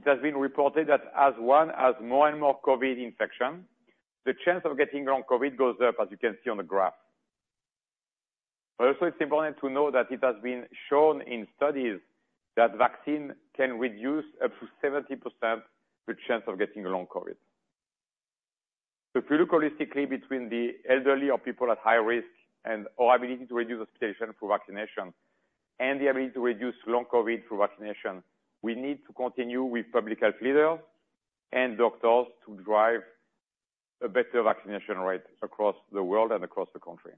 COVID. It has been reported that as one has more and more COVID infection, the chance of getting long COVID goes up, as you can see on the graph. But also, it's important to know that it has been shown in studies that vaccine can reduce up to 70% the chance of getting long COVID. If you look holistically between the elderly or people at high risk and our ability to reduce hospitalization through vaccination, and the ability to reduce long COVID through vaccination, we need to continue with public health leaders and doctors to drive a better vaccination rate across the world and across the country.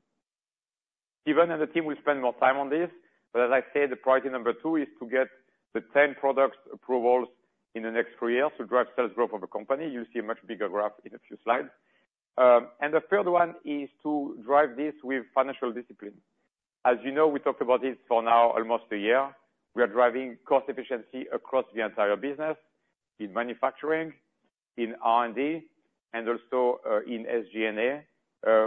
Stephen and the team will spend more time on this, but as I said, the priority number two is to get the 10 products approvals in the next three years to drive sales growth of the company. You'll see a much bigger graph in a few slides. And the third one is to drive this with financial discipline. As you know, we talked about this for now almost a year. We are driving cost efficiency across the entire business, in manufacturing, in R&D, and also, in SG&A.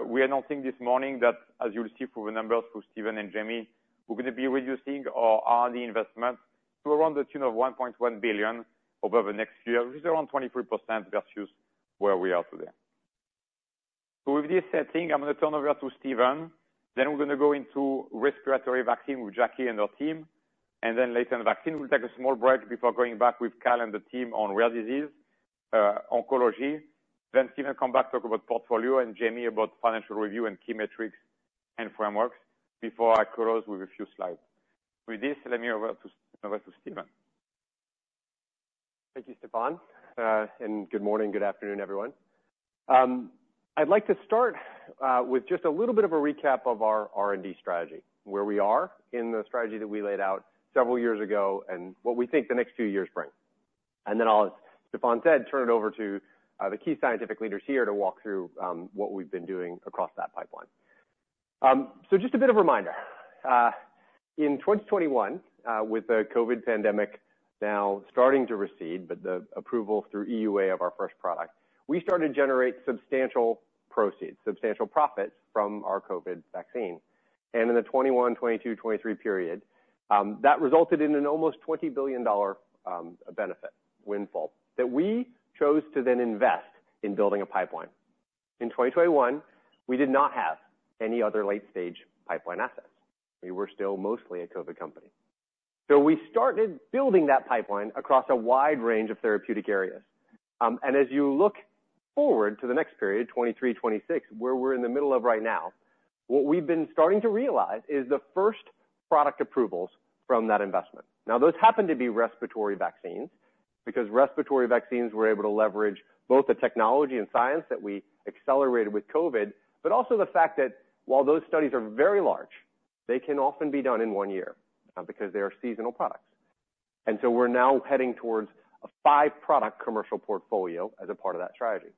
We are announcing this morning that, as you'll see from the numbers from Stephen and Jamey, we're gonna be reducing our R&D investment to around the tune of $1.1 billion over the next year, which is around 23% versus where we are today. So with this setting, I'm gonna turn over to Stephen, then we're gonna go into respiratory vaccine with Jackie and her team, and then later in vaccine, we'll take a small break before going back with Kyle and the team on rare disease, oncology. Then Stephen will come back to talk about portfolio and Jamey about financial review and key metrics and frameworks before I close with a few slides. With this, let me over to Stephen. Thank you, Stéphane, and good morning, good afternoon, everyone. I'd like to start with just a little bit of a recap of our R&D strategy, where we are in the strategy that we laid out several years ago and what we think the next few years bring. And then I'll, as Stéphane said, turn it over to the key scientific leaders here to walk through what we've been doing across that pipeline. So just a bit of a reminder, in 2021, with the COVID pandemic now starting to recede, but the approval through EUA of our first product, we started to generate substantial proceeds, substantial profits from our COVID vaccine. And in the 2021, 2022, 2023 period, that resulted in an almost $20 billion benefit windfall that we chose to then invest in building a pipeline. In 2021, we did not have any other late-stage pipeline assets. We were still mostly a COVID company. So we started building that pipeline across a wide range of therapeutic areas. And as you look forward to the next period, 2023-2026, where we're in the middle of right now, what we've been starting to realize is the first product approvals from that investment. Now, those happen to be respiratory vaccines, because respiratory vaccines were able to leverage both the technology and science that we accelerated with COVID, but also the fact that while those studies are very large, they can often be done in one year, because they are seasonal products. And so we're now heading towards a five-product commercial portfolio as a part of that strategy.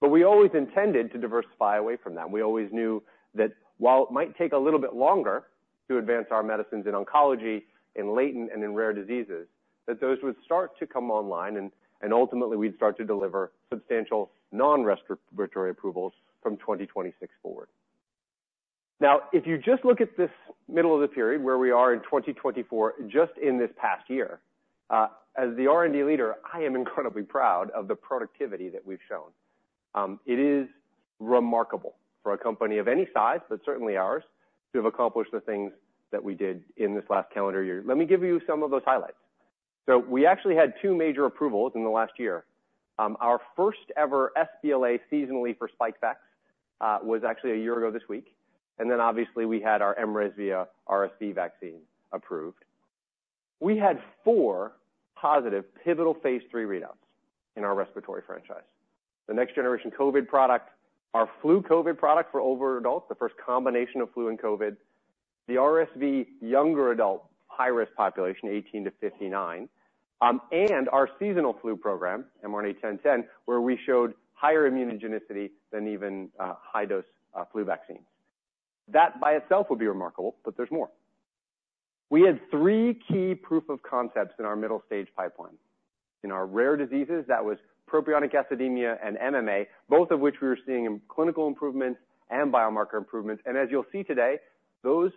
But we always intended to diversify away from that. We always knew that while it might take a little bit longer to advance our medicines in oncology, in latent and in rare diseases, that those would start to come online and ultimately we'd start to deliver substantial non-respiratory approvals from 2026 forward. Now, if you just look at this middle of the period where we are in 2024, just in this past year, as the R&D leader, I am incredibly proud of the productivity that we've shown. It is remarkable for a company of any size, but certainly ours, to have accomplished the things that we did in this last calendar year. Let me give you some of those highlights. So we actually had two major approvals in the last year. Our first ever sBLA seasonally for Spikevax was actually a year ago this week, and then obviously we had our mRESVIA RSV vaccine approved. We had four positive pivotal phase III readouts in our respiratory franchise. The next generation COVID product, our flu COVID product for older adults, the first combination of flu and COVID, the RSV younger adult high-risk population, 18-59, and our seasonal flu program, mRNA-1010, where we showed higher immunogenicity than even high dose flu vaccines. That by itself would be remarkable, but there's more. We had three key proof of concepts in our middle stage pipeline. In our rare diseases, that was propionic acidemia and MMA, both of which we were seeing in clinical improvements and biomarker improvements. As you'll see today, those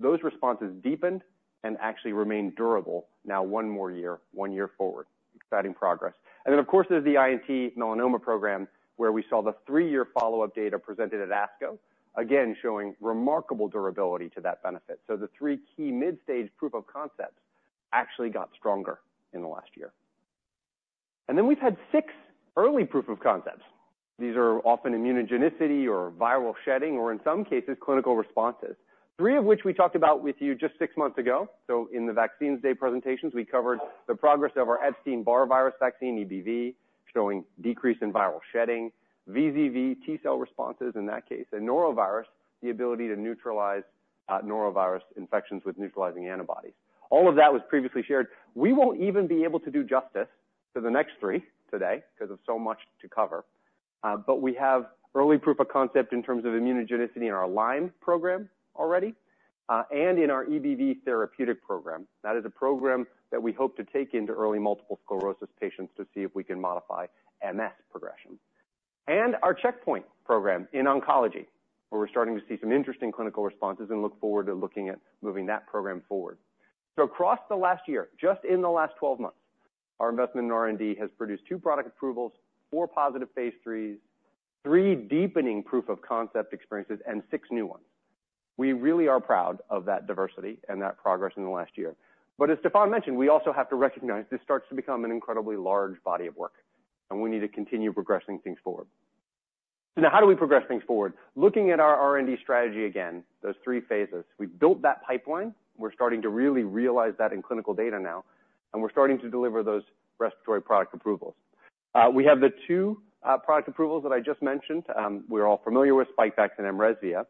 responses deepened and actually remained durable now one more year, one year forward. Exciting progress. Of course, there's the INT melanoma program, where we saw the three-year follow-up data presented at ASCO, again, showing remarkable durability to that benefit. The three key mid-stage proof of concepts actually got stronger in the last year. We've had six early proof of concepts. These are often immunogenicity or viral shedding, or in some cases, clinical responses, three of which we talked about with you just six months ago. In the Vaccines Day presentations, we covered the progress of our Epstein-Barr virus vaccine, EBV, showing decrease in viral shedding, VZV T cell responses in that case, and norovirus, the ability to neutralize norovirus infections with neutralizing antibodies. All of that was previously shared. We won't even be able to do justice to the next three today because of so much to cover, but we have early proof of concept in terms of immunogenicity in our Lyme program already, and in our EBV therapeutic program. That is a program that we hope to take into early multiple sclerosis patients to see if we can modify MS progression, and our checkpoint program in oncology, where we're starting to see some interesting clinical responses and look forward to looking at moving that program forward. Across the last year, just in the last twelve months, our investment in R&D has produced two product approvals, four positive phase threes, three deepening proof of concept experiences and six new ones. We really are proud of that diversity and that progress in the last year. But as Stéphane mentioned, we also have to recognize this starts to become an incredibly large body of work, and we need to continue progressing things forward. So now how do we progress things forward? Looking at our R&D strategy again, those three phases, we've built that pipeline. We're starting to really realize that in clinical data now, and we're starting to deliver those respiratory product approvals. We have the two product approvals that I just mentioned. We're all familiar with Spikevax and mRESVIA,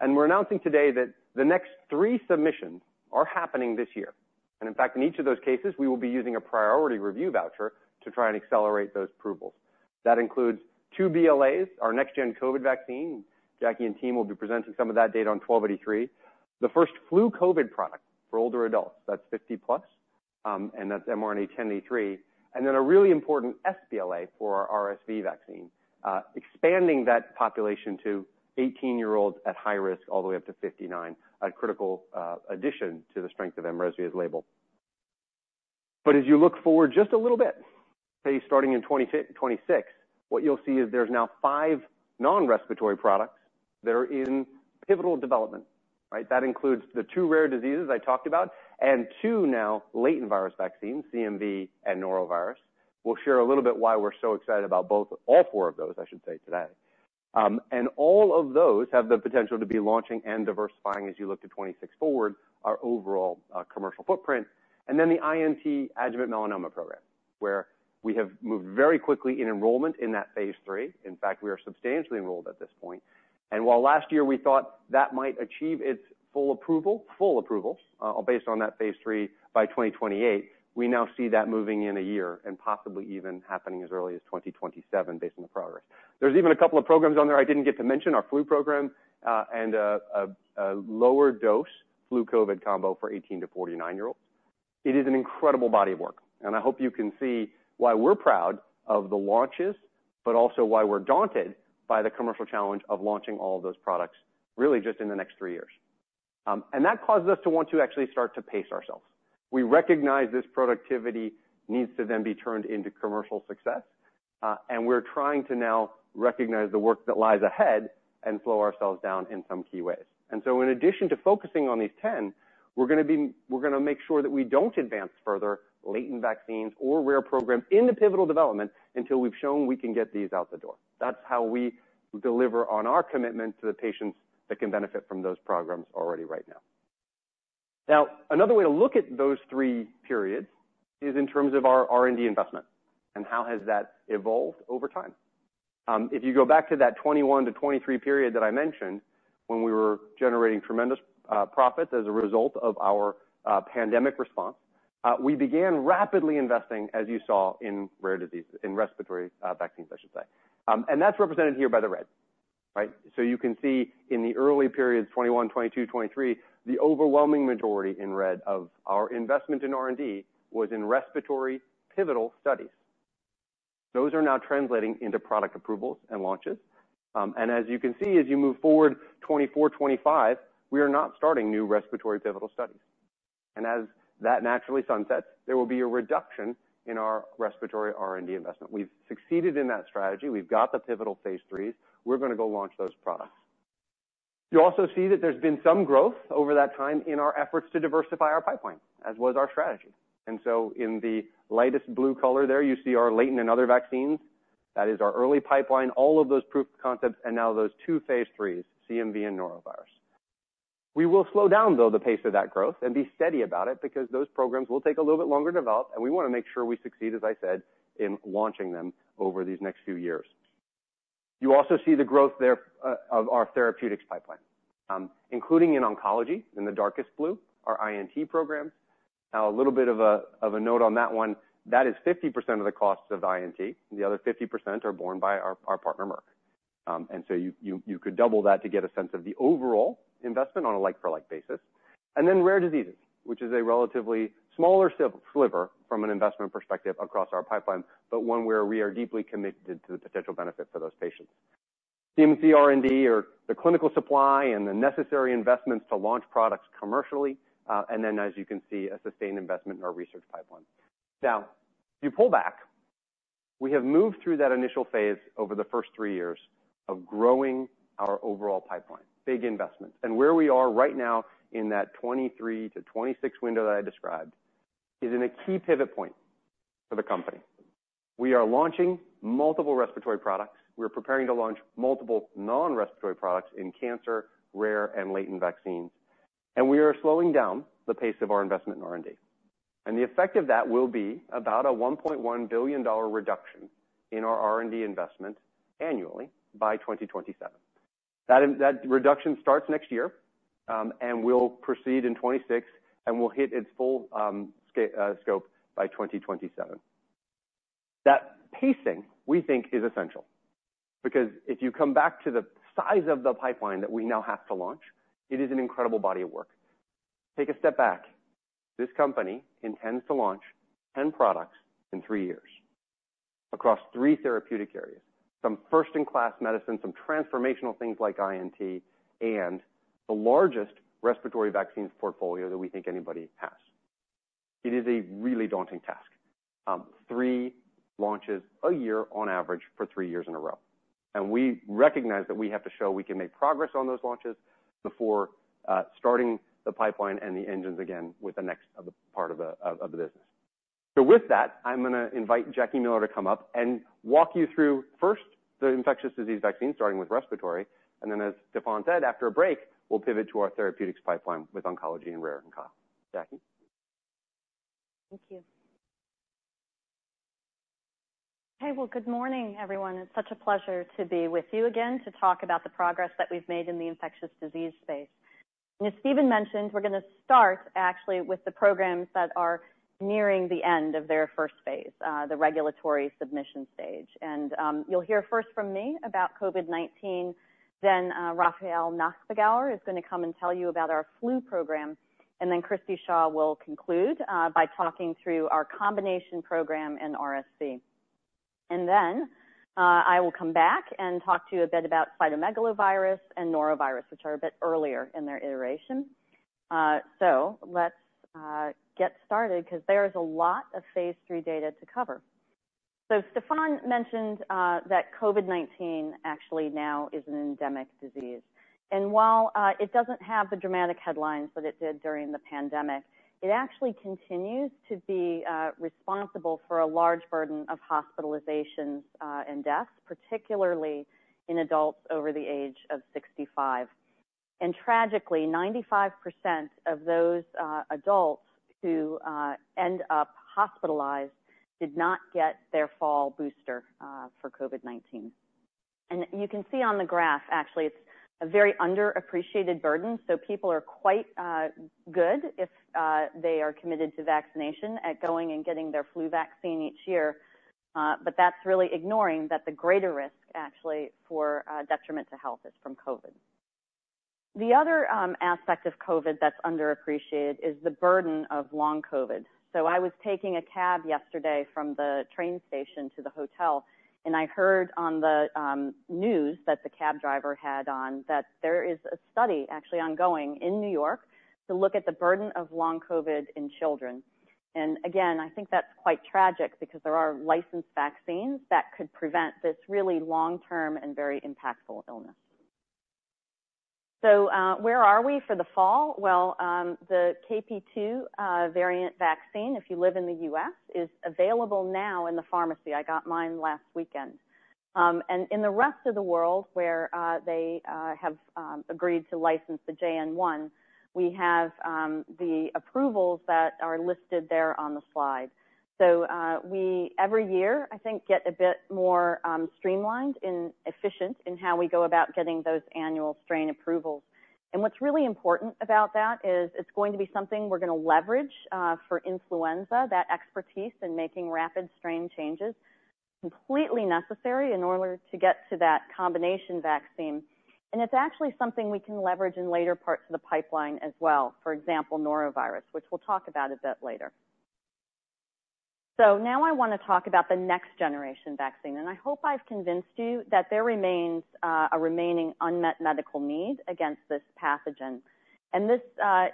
and we're announcing today that the next three submissions are happening this year. And in fact, in each of those cases, we will be using a priority review voucher to try and accelerate those approvals. That includes two BLAs, our next gen COVID vaccine. Jackie and team will be presenting some of that data on 1283. The first flu COVID product for older adults, that's 50 plus, and that's mRNA-1083. And then a really important sBLA for our RSV vaccine, expanding that population to 18-year-olds at high risk all the way up to 59, a critical addition to the strength of mRESVIA's label. But as you look forward just a little bit, say, starting in 2026, what you'll see is there's now 5 non-respiratory products that are in pivotal development, right? That includes the two rare diseases I talked about and two now latent virus vaccines, CMV and norovirus. We'll share a little bit why we're so excited about both, all four of those, I should say, today. And all of those have the potential to be launching and diversifying as you look to 2026 forward, our overall commercial footprint, and then the INT adjuvant melanoma program, where we have moved very quickly in enrollment in that Phase 3. In fact, we are substantially enrolled at this point, and while last year we thought that might achieve its full approval based on that Phase 3 by 2028, we now see that moving in a year and possibly even happening as early as 2027 based on the progress. There's even a couple of programs on there I didn't get to mention, our flu program, and a lower dose flu COVID combo for 18-49 year olds. It is an incredible body of work, and I hope you can see why we're proud of the launches, but also why we're daunted by the commercial challenge of launching all those products really just in the next three years, and that causes us to want to actually start to pace ourselves. We recognize this productivity needs to then be turned into commercial success, and we're trying to now recognize the work that lies ahead and slow ourselves down in some key ways, and so in addition to focusing on these 10, we're gonna make sure that we don't advance further latent vaccines or rare programs into pivotal development until we've shown we can get these out the door. That's how we deliver on our commitment to the patients that can benefit from those programs already right now. Now, another way to look at those three periods is in terms of our R&D investment and how has that evolved over time. If you go back to that 2021-2023 period that I mentioned, when we were generating tremendous profits as a result of our pandemic response, we began rapidly investing, as you saw, in rare diseases, in respiratory vaccines, I should say. And that's represented here by the red, right? So you can see in the early periods, 2021, 2022, 2023, the overwhelming majority in red of our investment in R&D was in respiratory pivotal studies. Those are now translating into product approvals and launches. And as you can see, as you move forward, 2024, 2025, we are not starting new respiratory pivotal studies, and as that naturally sunsets, there will be a reduction in our respiratory R&D investment. We've succeeded in that strategy. We've got the pivotal Phase 3. We're gonna go launch those products. You also see that there's been some growth over that time in our efforts to diversify our pipeline, as was our strategy. And so in the lightest blue color there, you see our latent and other vaccines. That is our early pipeline, all of those proof of concepts, and now those two Phase 3, CMV and norovirus. We will slow down, though, the pace of that growth and be steady about it because those programs will take a little bit longer to develop, and we want to make sure we succeed, as I said, in launching them over these next few years. You also see the growth there of our therapeutics pipeline, including in oncology, in the darkest blue, our INT program. Now, a little bit of a note on that one. That is 50% of the costs of INT, and the other 50% are borne by our partner, Merck. And so you could double that to get a sense of the overall investment on a like-for-like basis. And then rare diseases, which is a relatively smaller sliver from an investment perspective across our pipeline, but one where we are deeply committed to the potential benefit for those patients. CMC R&D or the clinical supply and the necessary investments to launch products commercially, and then, as you can see, a sustained investment in our research pipeline. Now, if you pull back, we have moved through that initial phase over the first three years of growing our overall pipeline, big investments. Where we are right now in that 2023-2026 window that I described is in a key pivot point for the company. We are launching multiple respiratory products. We're preparing to launch multiple non-respiratory products in cancer, rare, and latent vaccines, and we are slowing down the pace of our investment in R&D. The effect of that will be about a $1.1 billion reduction in our R&D investment annually by 2027. That reduction starts next year, and will proceed in 2026 and will hit its full scope by 2027. That pacing, we think, is essential, because if you come back to the size of the pipeline that we now have to launch, it is an incredible body of work. Take a step back. This company intends to launch ten products in three years across three therapeutic areas, some first-in-class medicine, some transformational things like INT, and the largest respiratory vaccines portfolio that we think anybody has. It is a really daunting task. Three launches a year on average for three years in a row. And we recognize that we have to show we can make progress on those launches before starting the pipeline and the engines again with the next part of the business. So with that, I'm gonna invite Jackie Miller to come up and walk you through, first, the infectious disease vaccine, starting with respiratory, and then, as Stéphane said, after a break, we'll pivot to our therapeutics pipeline with oncology and rare and common. Jackie? Thank you. Hey, well, good morning, everyone. It's such a pleasure to be with you again to talk about the progress that we've made in the infectious disease space. And as Stephen mentioned, we're gonna start actually with the programs that are nearing the end of their first phase, the regulatory submission stage. And, you'll hear first from me about COVID-19, then, Raffael Nachbagauer is gonna come and tell you about our flu program, and then Christine Shaw will conclude, by talking through our combination program and RSV. And then, I will come back and talk to you a bit about cytomegalovirus and norovirus, which are a bit earlier in their iteration. So let's get started because there is a lot of phase three data to cover. So Stéphane mentioned, that COVID-19 actually now is an endemic disease. While it doesn't have the dramatic headlines that it did during the pandemic, it actually continues to be responsible for a large burden of hospitalizations and deaths, particularly in adults over the age of 65. Tragically, 95% of those adults who end up hospitalized did not get their fall booster for COVID-19. You can see on the graph, actually, it's a very underappreciated burden, so people are quite good if they are committed to vaccination at going and getting their flu vaccine each year. That's really ignoring that the greater risk, actually, for detriment to health is from COVID. The other aspect of COVID that's underappreciated is the burden of long COVID. So I was taking a cab yesterday from the train station to the hotel, and I heard on the news that the cab driver had on, that there is a study actually ongoing in New York to look at the burden of long COVID in children. And again, I think that's quite tragic because there are licensed vaccines that could prevent this really long-term and very impactful illness. So, where are we for the fall? The KP.2 variant vaccine, if you live in the U.S., is available now in the pharmacy. I got mine last weekend. And in the rest of the world, where they have agreed to license the JN.1, we have the approvals that are listed there on the slide. So, we every year, I think, get a bit more streamlined and efficient in how we go about getting those annual strain approvals. And what's really important about that is it's going to be something we're gonna leverage for influenza, that expertise in making rapid strain changes, completely necessary in order to get to that combination vaccine. And it's actually something we can leverage in later parts of the pipeline as well, for example, norovirus, which we'll talk about a bit later. So now I wanna talk about the next-generation vaccine, and I hope I've convinced you that there remains a remaining unmet medical need against this pathogen. And this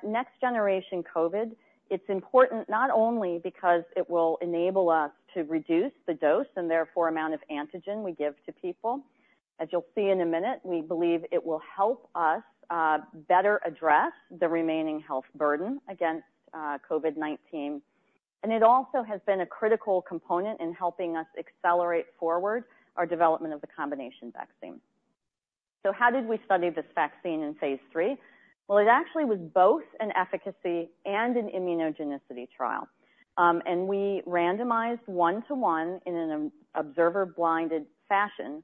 next-generation COVID, it's important not only because it will enable us to reduce the dose and therefore amount of antigen we give to people. As you'll see in a minute, we believe it will help us better address the remaining health burden against COVID-19, and it also has been a critical component in helping us accelerate forward our development of the combination vaccine, so how did we study this vaccine in Phase 3? It actually was both an efficacy and an immunogenicity trial, and we randomized one-to-one in an observer-blinded fashion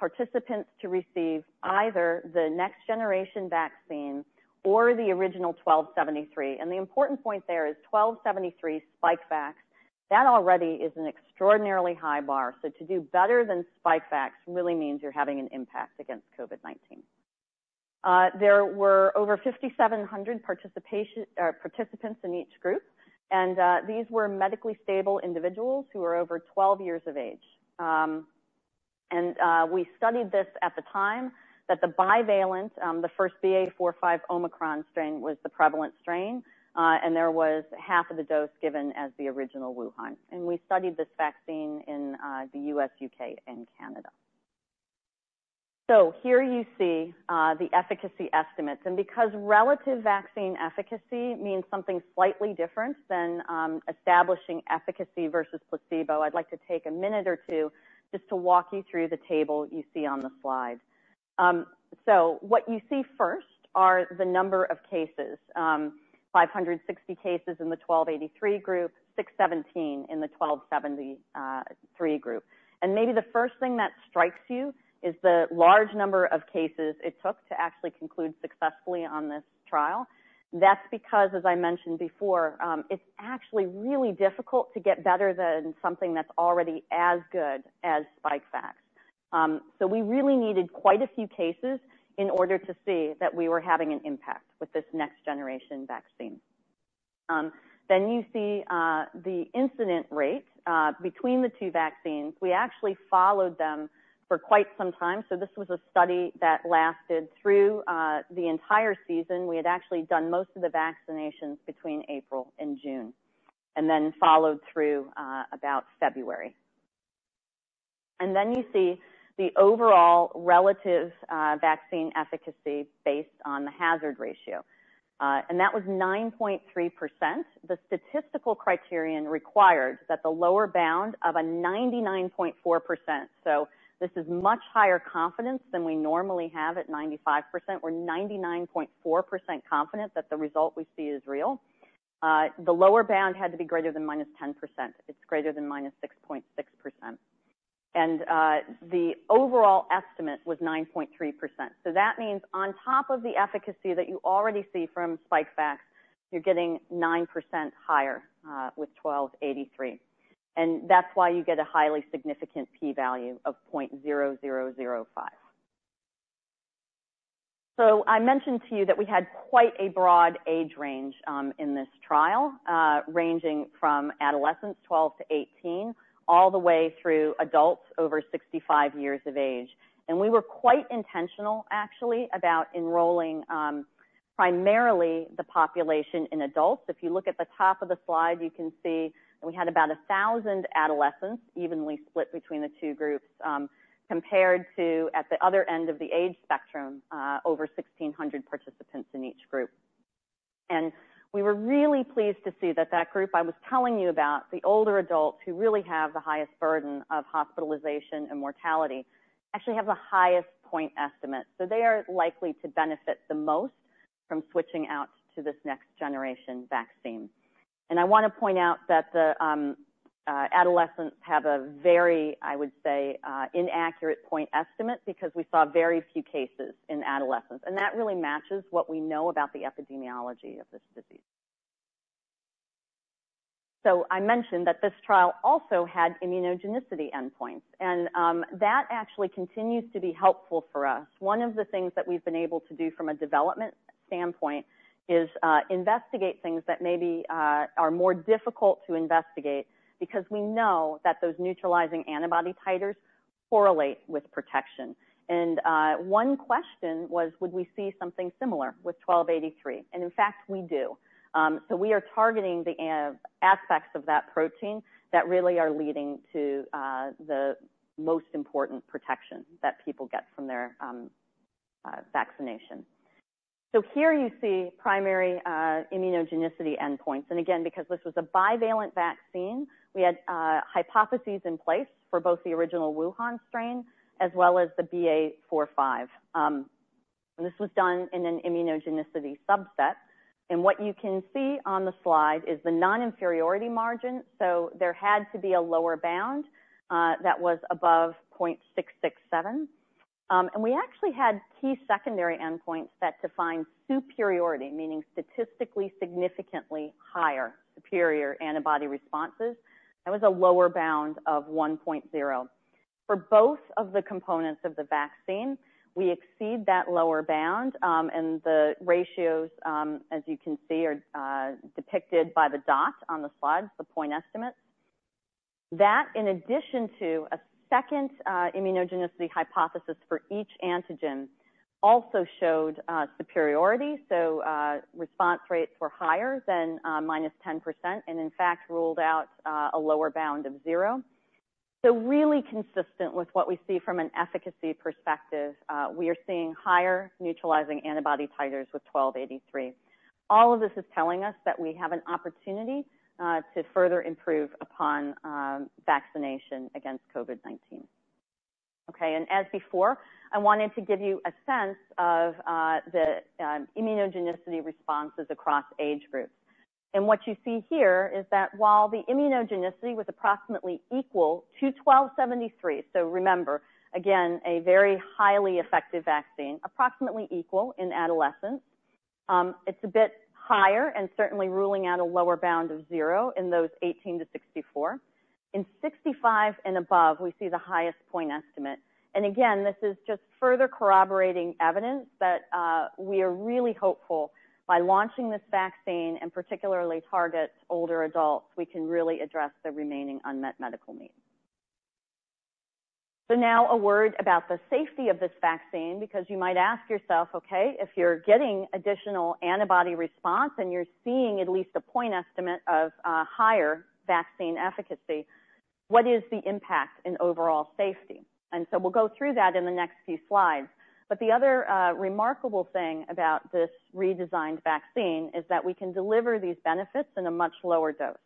participants to receive either the next-generation vaccine or the original 1273, and the important point there is 1273 Spikevax. That already is an extraordinarily high bar, so to do better than Spikevax really means you're having an impact against COVID-19. There were over 5,700 participants in each group, and these were medically stable individuals who were over 12 years of age. We studied this at the time that the bivalent, the first BA.4/5 Omicron strain, was the prevalent strain, and there was half of the dose given as the original Wuhan, and we studied this vaccine in the U.S., U.K., and Canada. So here you see the efficacy estimates, and because relative vaccine efficacy means something slightly different than establishing efficacy versus placebo, I'd like to take a minute or two just to walk you through the table you see on the slide. So what you see first are the number of cases, 560 cases in the mRNA-1283 group, 617 in the mRNA-1273 group. And maybe the first thing that strikes you is the large number of cases it took to actually conclude successfully on this trial. That's because, as I mentioned before, it's actually really difficult to get better than something that's already as good as Spikevax. So we really needed quite a few cases in order to see that we were having an impact with this next-generation vaccine. Then you see the incidence rate between the two vaccines. We actually followed them for quite some time, so this was a study that lasted through the entire season. We had actually done most of the vaccinations between April and June, and then followed through about February. Then you see the overall relative vaccine efficacy based on the hazard ratio, and that was 9.3%. The statistical criterion required that the lower bound of a 99.4%, so this is much higher confidence than we normally have at 95%. We're 99.4% confident that the result we see is real. The lower bound had to be greater than -10%. It's greater than -6.6%. And the overall estimate was 9.3%. So that means on top of the efficacy that you already see from Spikevax, you're getting 9% higher with 1283. And that's why you get a highly significant p-value of 0.0005. So I mentioned to you that we had quite a broad age range in this trial, ranging from adolescents 12 to 18, all the way through adults over 65 years of age. And we were quite intentional, actually, about enrolling primarily the population in adults. If you look at the top of the slide, you can see we had about 1,000 adolescents, evenly split between the two groups, compared to, at the other end of the age spectrum, over 1,600 participants in each group. And we were really pleased to see that that group I was telling you about, the older adults, who really have the highest burden of hospitalization and mortality, actually have the highest point estimate. So they are likely to benefit the most from switching out to this next-generation vaccine. And I wanna point out that the adolescents have a very, I would say, inaccurate point estimate because we saw very few cases in adolescents, and that really matches what we know about the epidemiology of this disease. So I mentioned that this trial also had immunogenicity endpoints, and that actually continues to be helpful for us. One of the things that we've been able to do from a development standpoint is investigate things that maybe are more difficult to investigate because we know that those neutralizing antibody titers correlate with protection. And one question was: Would we see something similar with 1283? And in fact, we do. So we are targeting the antigenic aspects of that protein that really are leading to the most important protection that people get from their vaccination. So here you see primary immunogenicity endpoints. And again, because this was a bivalent vaccine, we had hypotheses in place for both the original Wuhan strain as well as the BA.4/5. And this was done in an immunogenicity subset. And what you can see on the slide is the non-inferiority margin, so there had to be a lower bound that was above 0.667. And we actually had key secondary endpoints that defined superiority, meaning statistically significantly higher, superior antibody responses. That was a lower bound of 1.0. For both of the components of the vaccine, we exceed that lower bound, and the ratios, as you can see, are depicted by the dot on the slide, the point estimate. That, in addition to a second immunogenicity hypothesis for each antigen, also showed superiority, so response rates were higher than -10%, and in fact, ruled out a lower bound of zero. So really consistent with what we see from an efficacy perspective, we are seeing higher neutralizing antibody titers with mRNA-1283. All of this is telling us that we have an opportunity to further improve upon vaccination against COVID-19. Okay, and as before, I wanted to give you a sense of the immunogenicity responses across age groups, and what you see here is that while the immunogenicity was approximately equal to mRNA-1273, so remember, again, a very highly effective vaccine, approximately equal in adolescents. It's a bit higher and certainly ruling out a lower bound of zero in those 18-64. In 65 and above, we see the highest point estimate, and again, this is just further corroborating evidence that we are really hopeful by launching this vaccine, and particularly target older adults, we can really address the remaining unmet medical needs. So now a word about the safety of this vaccine, because you might ask yourself: Okay, if you're getting additional antibody response and you're seeing at least a point estimate of higher vaccine efficacy, what is the impact in overall safety? And so we'll go through that in the next few slides. But the other remarkable thing about this redesigned vaccine is that we can deliver these benefits in a much lower dose.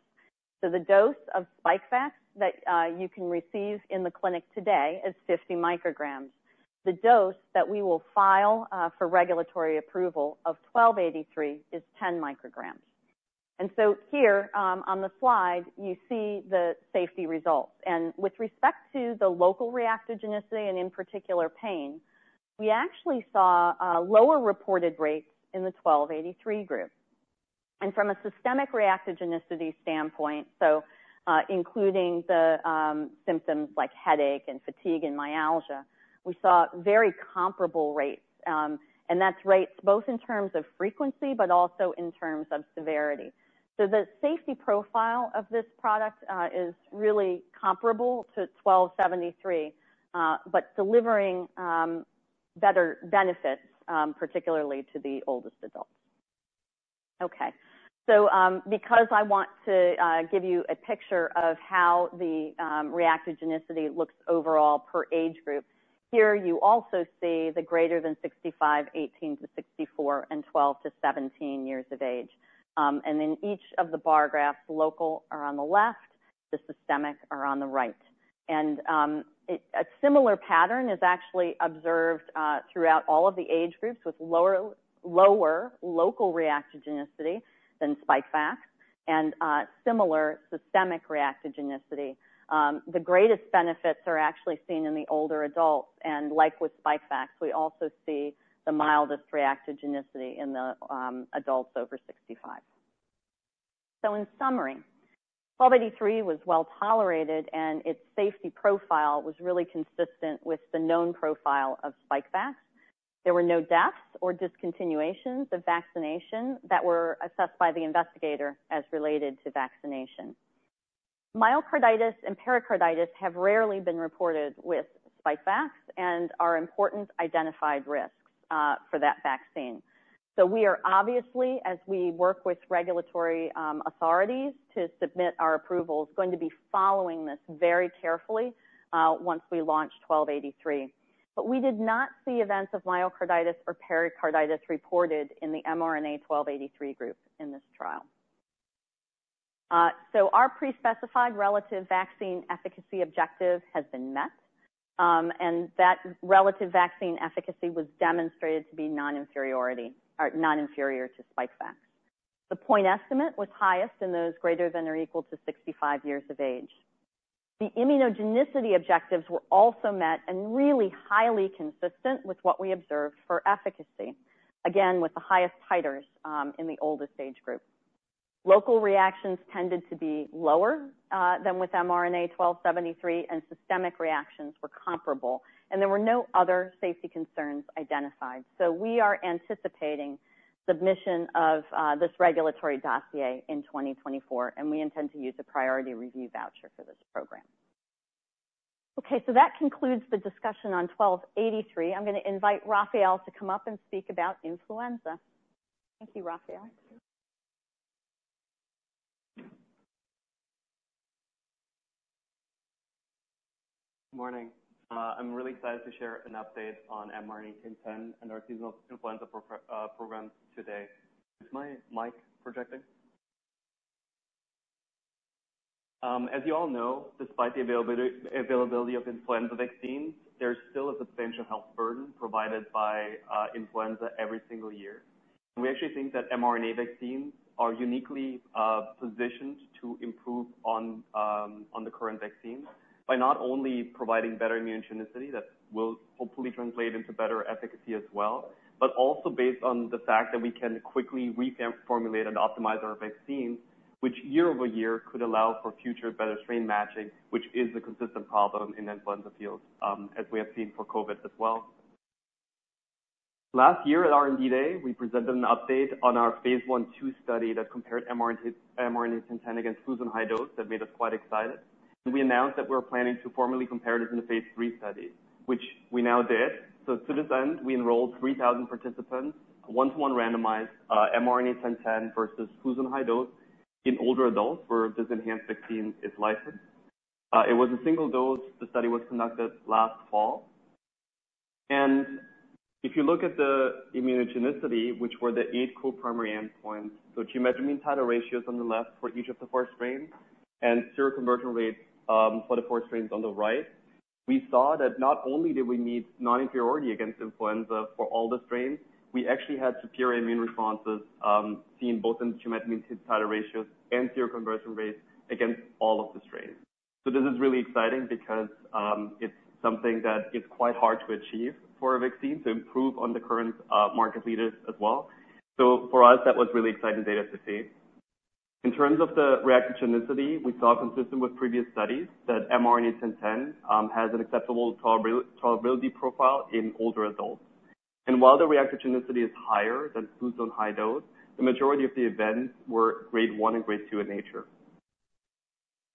So the dose of Spikevax that you can receive in the clinic today is 50 mcg. The dose that we will file for regulatory approval of mRNA-1283 is 10 mcg. And so here on the slide, you see the safety results. And with respect to the local reactogenicity and in particular pain, we actually saw lower reported rates in the mRNA-1283 group. From a systemic reactogenicity standpoint, including the symptoms like headache and fatigue and myalgia, we saw very comparable rates, and that's rates both in terms of frequency, but also in terms of severity. The safety profile of this product is really comparable to 1273, but delivering better benefits, particularly to the oldest adults. Because I want to give you a picture of how the reactogenicity looks overall per age group, here you also see the greater than 65, 18-64, and 12-17 years of age. And in each of the bar graphs, local are on the left, the systemic are on the right. And a similar pattern is actually observed throughout all of the age groups, with lower local reactogenicity than Spikevax and similar systemic reactogenicity. The greatest benefits are actually seen in the older adults, and like with Spikevax, we also see the mildest reactogenicity in the adults over 65. So in summary, 1283 was well tolerated, and its safety profile was really consistent with the known profile of Spikevax. There were no deaths or discontinuations of vaccination that were assessed by the investigator as related to vaccination. Myocarditis and pericarditis have rarely been reported with Spikevax and are important identified risks for that vaccine. So we are obviously, as we work with regulatory authorities to submit our approvals, going to be following this very carefully once we launch 1283. But we did not see events of myocarditis or pericarditis reported in the mRNA-1283 group in this trial. So our pre-specified relative vaccine efficacy objective has been met, and that relative vaccine efficacy was demonstrated to be non-inferiority, or non-inferior to Spikevax. The point estimate was highest in those greater than or equal to 65 years of age. The immunogenicity objectives were also met and really highly consistent with what we observed for efficacy, again, with the highest titers in the oldest age group. Local reactions tended to be lower than with mRNA-1273, and systemic reactions were comparable, and there were no other safety concerns identified. So we are anticipating submission of this regulatory dossier in 2024, and we intend to use a priority review voucher for this program. Okay, so that concludes the discussion on mRNA-1283. I'm going to invite Raffael to come up and speak about influenza. Thank you, Raffael. Good morning. I'm really excited to share an update on mRNA-1010 and our seasonal influenza program today. Is my mic projecting? As you all know, despite the availability of influenza vaccines, there's still a substantial health burden provided by influenza every single year, and we actually think that mRNA vaccines are uniquely positioned to improve on the current vaccines by not only providing better immunogenicity, that will hopefully translate into better efficacy as well, but also based on the fact that we can quickly revamp, formulate, and optimize our vaccines, which year-over-year, could allow for future better strain matching, which is a consistent problem in influenza field, as we have seen for COVID as well. Last year at R&D Day, we presented an update on our phase one/two study that compared mRNA-1010 against Fluzone High-Dose that made us quite excited. And we announced that we're planning to formally compare this in a phase three study, which we now did. So to this end, we enrolled three thousand participants, a one-to-one randomized mRNA-1010 versus Fluzone High-Dose in older adults, where this enhanced vaccine is licensed. It was a single dose. The study was conducted last fall. If you look at the immunogenicity, which were the eight core primary endpoints, so geometric mean titer ratios on the left for each of the four strains, and seroconversion rates for the four strains on the right, we saw that not only did we meet non-inferiority against influenza for all the strains, we actually had superior immune responses seen both in the geometric mean titer ratios and seroconversion rates against all of the strains. This is really exciting because it's something that is quite hard to achieve for a vaccine to improve on the current market leaders as well. For us, that was really exciting data to see. In terms of the reactogenicity, we saw, consistent with previous studies, that mRNA-1010 has an acceptable tolerability profile in older adults. While the reactogenicity is higher than Fluzone High-Dose, the majority of the events were grade one and grade two in nature.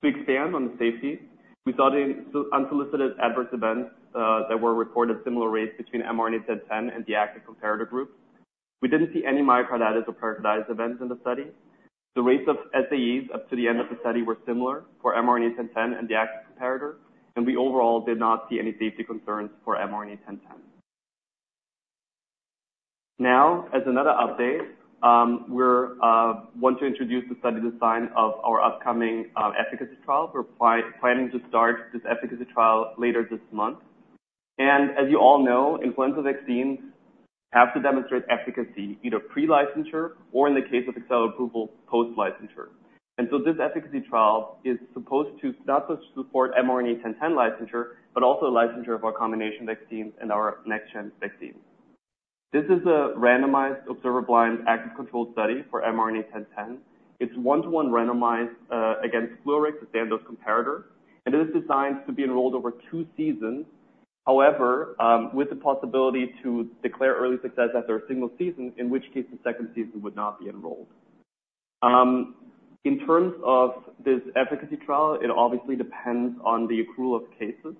To expand on the safety, we saw the unsolicited adverse events that were reported similar rates between mRNA-1010 and the active comparator group. We didn't see any myocarditis or pericarditis events in the study. The rates of SAEs up to the end of the study were similar for mRNA-1010 and the active comparator, and we overall did not see any safety concerns for mRNA-1010. Now, as another update, we want to introduce the study design of our upcoming efficacy trial. We're planning to start this efficacy trial later this month, and as you all know, influenza vaccines have to demonstrate efficacy, either pre-licensure or in the case of accelerated approval, post-licensure... And so this efficacy trial is supposed to not just support mRNA-1010 licensure, but also the licensure of our combination vaccines and our next-gen vaccines. This is a randomized observer blind active controlled study for mRNA-1010. It's one-to-one randomized against Fluarix, the standard comparator, and it is designed to be enrolled over two seasons. However, with the possibility to declare early success after a single season, in which case the second season would not be enrolled. In terms of this efficacy trial, it obviously depends on the accrual of cases.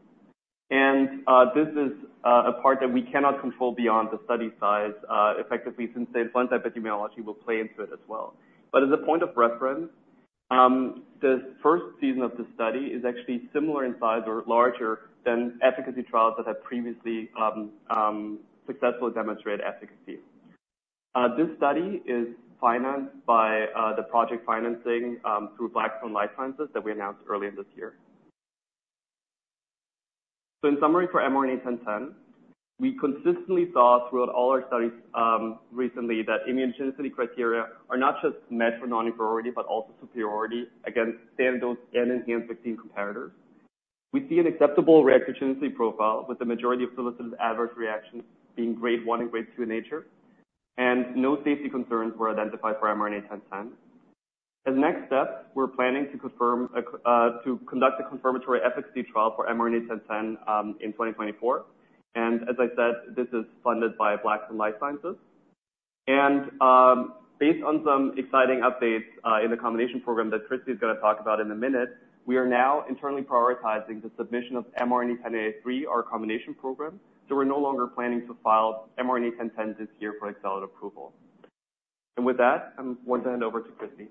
And this is a part that we cannot control beyond the study size, effectively, since the flu epidemiology will play into it as well. But as a point of reference, the first season of the study is actually similar in size or larger than efficacy trials that have previously successfully demonstrated efficacy. This study is financed by the project financing through Blackstone Life Sciences that we announced earlier this year. So in summary, for mRNA-1010, we consistently saw throughout all our studies recently that immunogenicity criteria are not just met for non-inferiority, but also superiority against standard dose and enhanced vaccine competitors. We see an acceptable reactogenicity profile, with the majority of solicited adverse reactions being grade one and grade two in nature, and no safety concerns were identified for mRNA-1010. As next steps, we're planning to conduct a confirmatory efficacy trial for mRNA-1010 in 2024. And as I said, this is funded by Blackstone Life Sciences. Based on some exciting updates in the combination program that Christine is gonna talk about in a minute, we are now internally prioritizing the submission of mRNA-1083, our combination program. We're no longer planning to file mRNA-1010 this year for accelerated approval. With that, I want to hand over to Christine.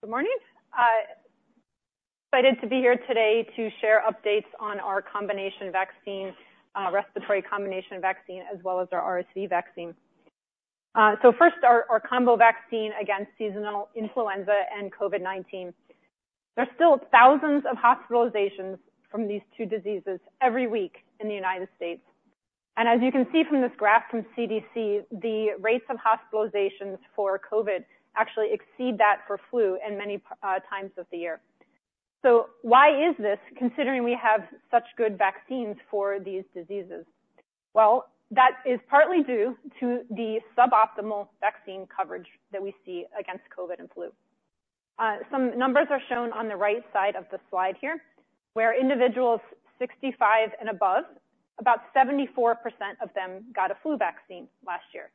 Good morning. Excited to be here today to share updates on our combination vaccine, respiratory combination vaccine, as well as our RSV vaccine, so first, our combo vaccine against seasonal influenza and COVID-19. There's still thousands of hospitalizations from these two diseases every week in the United States. And as you can see from this graph from CDC, the rates of hospitalizations for COVID actually exceed that for flu in many times of the year, so why is this, considering we have such good vaccines for these diseases? Well, that is partly due to the suboptimal vaccine coverage that we see against COVID and flu. Some numbers are shown on the right side of the slide here, where individuals 65 and above, about 74% of them got a flu vaccine last year.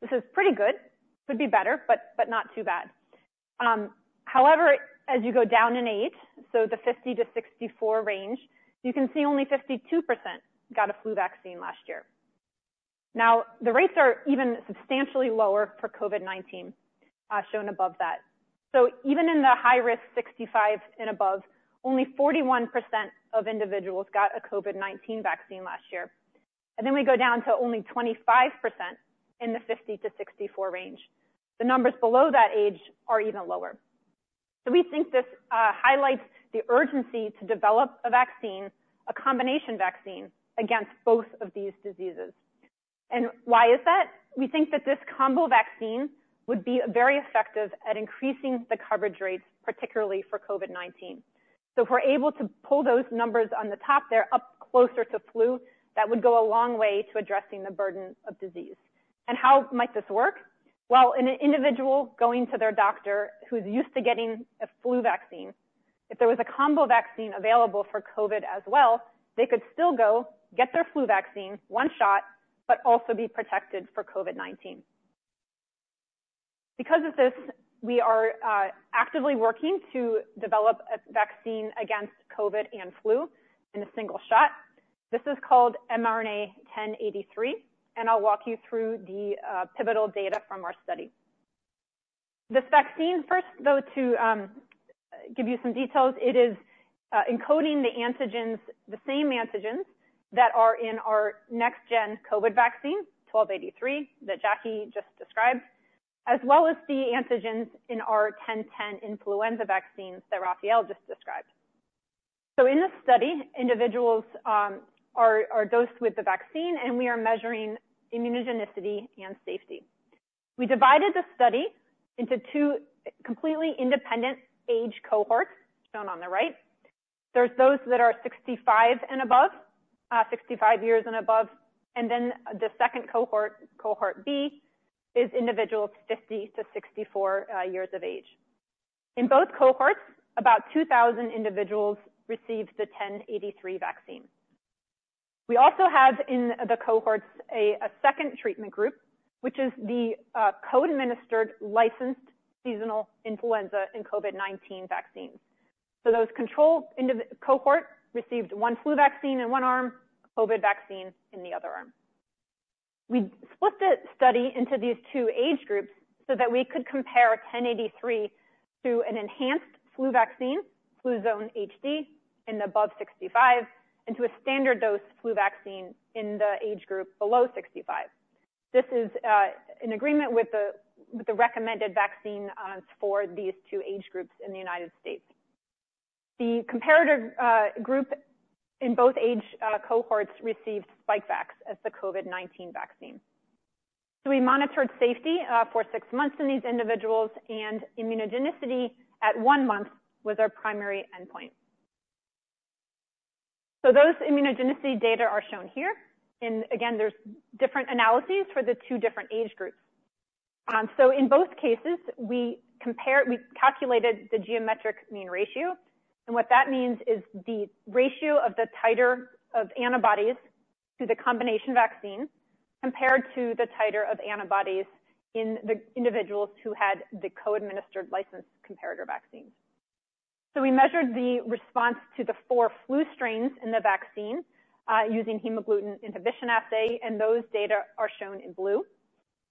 This is pretty good. Could be better, but not too bad. However, as you go down in age, so the 50-64 range, you can see only 52% got a flu vaccine last year. Now, the rates are even substantially lower for COVID-19, shown above that, so even in the high risk, 65 and above, only 41% of individuals got a COVID-19 vaccine last year. And then we go down to only 25% in the 50-64 range. The numbers below that age are even lower, so we think this highlights the urgency to develop a vaccine, a combination vaccine, against both of these diseases. And why is that? We think that this combo vaccine would be very effective at increasing the coverage rates, particularly for COVID-19. So if we're able to pull those numbers on the top there up closer to flu, that would go a long way to addressing the burden of disease. And how might this work? Well, in an individual going to their doctor who's used to getting a flu vaccine, if there was a combo vaccine available for COVID as well, they could still go get their flu vaccine, one shot, but also be protected for COVID-19. Because of this, we are actively working to develop a vaccine against COVID and flu in a single shot. This is called mRNA-1083, and I'll walk you through the pivotal data from our study. This vaccine. First, though, to give you some details, it is encoding the antigens, the same antigens, that are in our next gen COVID vaccine, 1283, that Jackie just described, as well as the antigens in our 1010 influenza vaccines that Raffael just described. So in this study, individuals are dosed with the vaccine, and we are measuring immunogenicity and safety. We divided the study into two completely independent age cohorts, shown on the right. There's those that are 65 and above, 65 years and above. And then the second cohort, cohort B, is individuals 50-64 years of age. In both cohorts, about 2,000 individuals received the 1083 vaccine. We also have in the cohorts a second treatment group, which is the co-administered licensed seasonal influenza and COVID-19 vaccines. So those control individual cohort received one flu vaccine in one arm, COVID vaccine in the other arm. We split the study into these two age groups so that we could compare 1083 to an enhanced flu vaccine, Fluzone HD, in the above 65, and to a standard dose flu vaccine in the age group below 65. This is an agreement with the recommended vaccine for these two age groups in the United States. The comparator group in both age cohorts received Spikevax as the COVID-19 vaccine. So we monitored safety for six months in these individuals, and immunogenicity at one month was our primary endpoint. So those immunogenicity data are shown here, and again, there's different analyses for the two different age groups. So in both cases, we calculated the geometric mean ratio, and what that means is the ratio of the titer of antibodies to the combination vaccine, compared to the titer of antibodies in the individuals who had the co-administered licensed comparator vaccines. So we measured the response to the four flu strains in the vaccine, using hemagglutinin inhibition assay, and those data are shown in blue.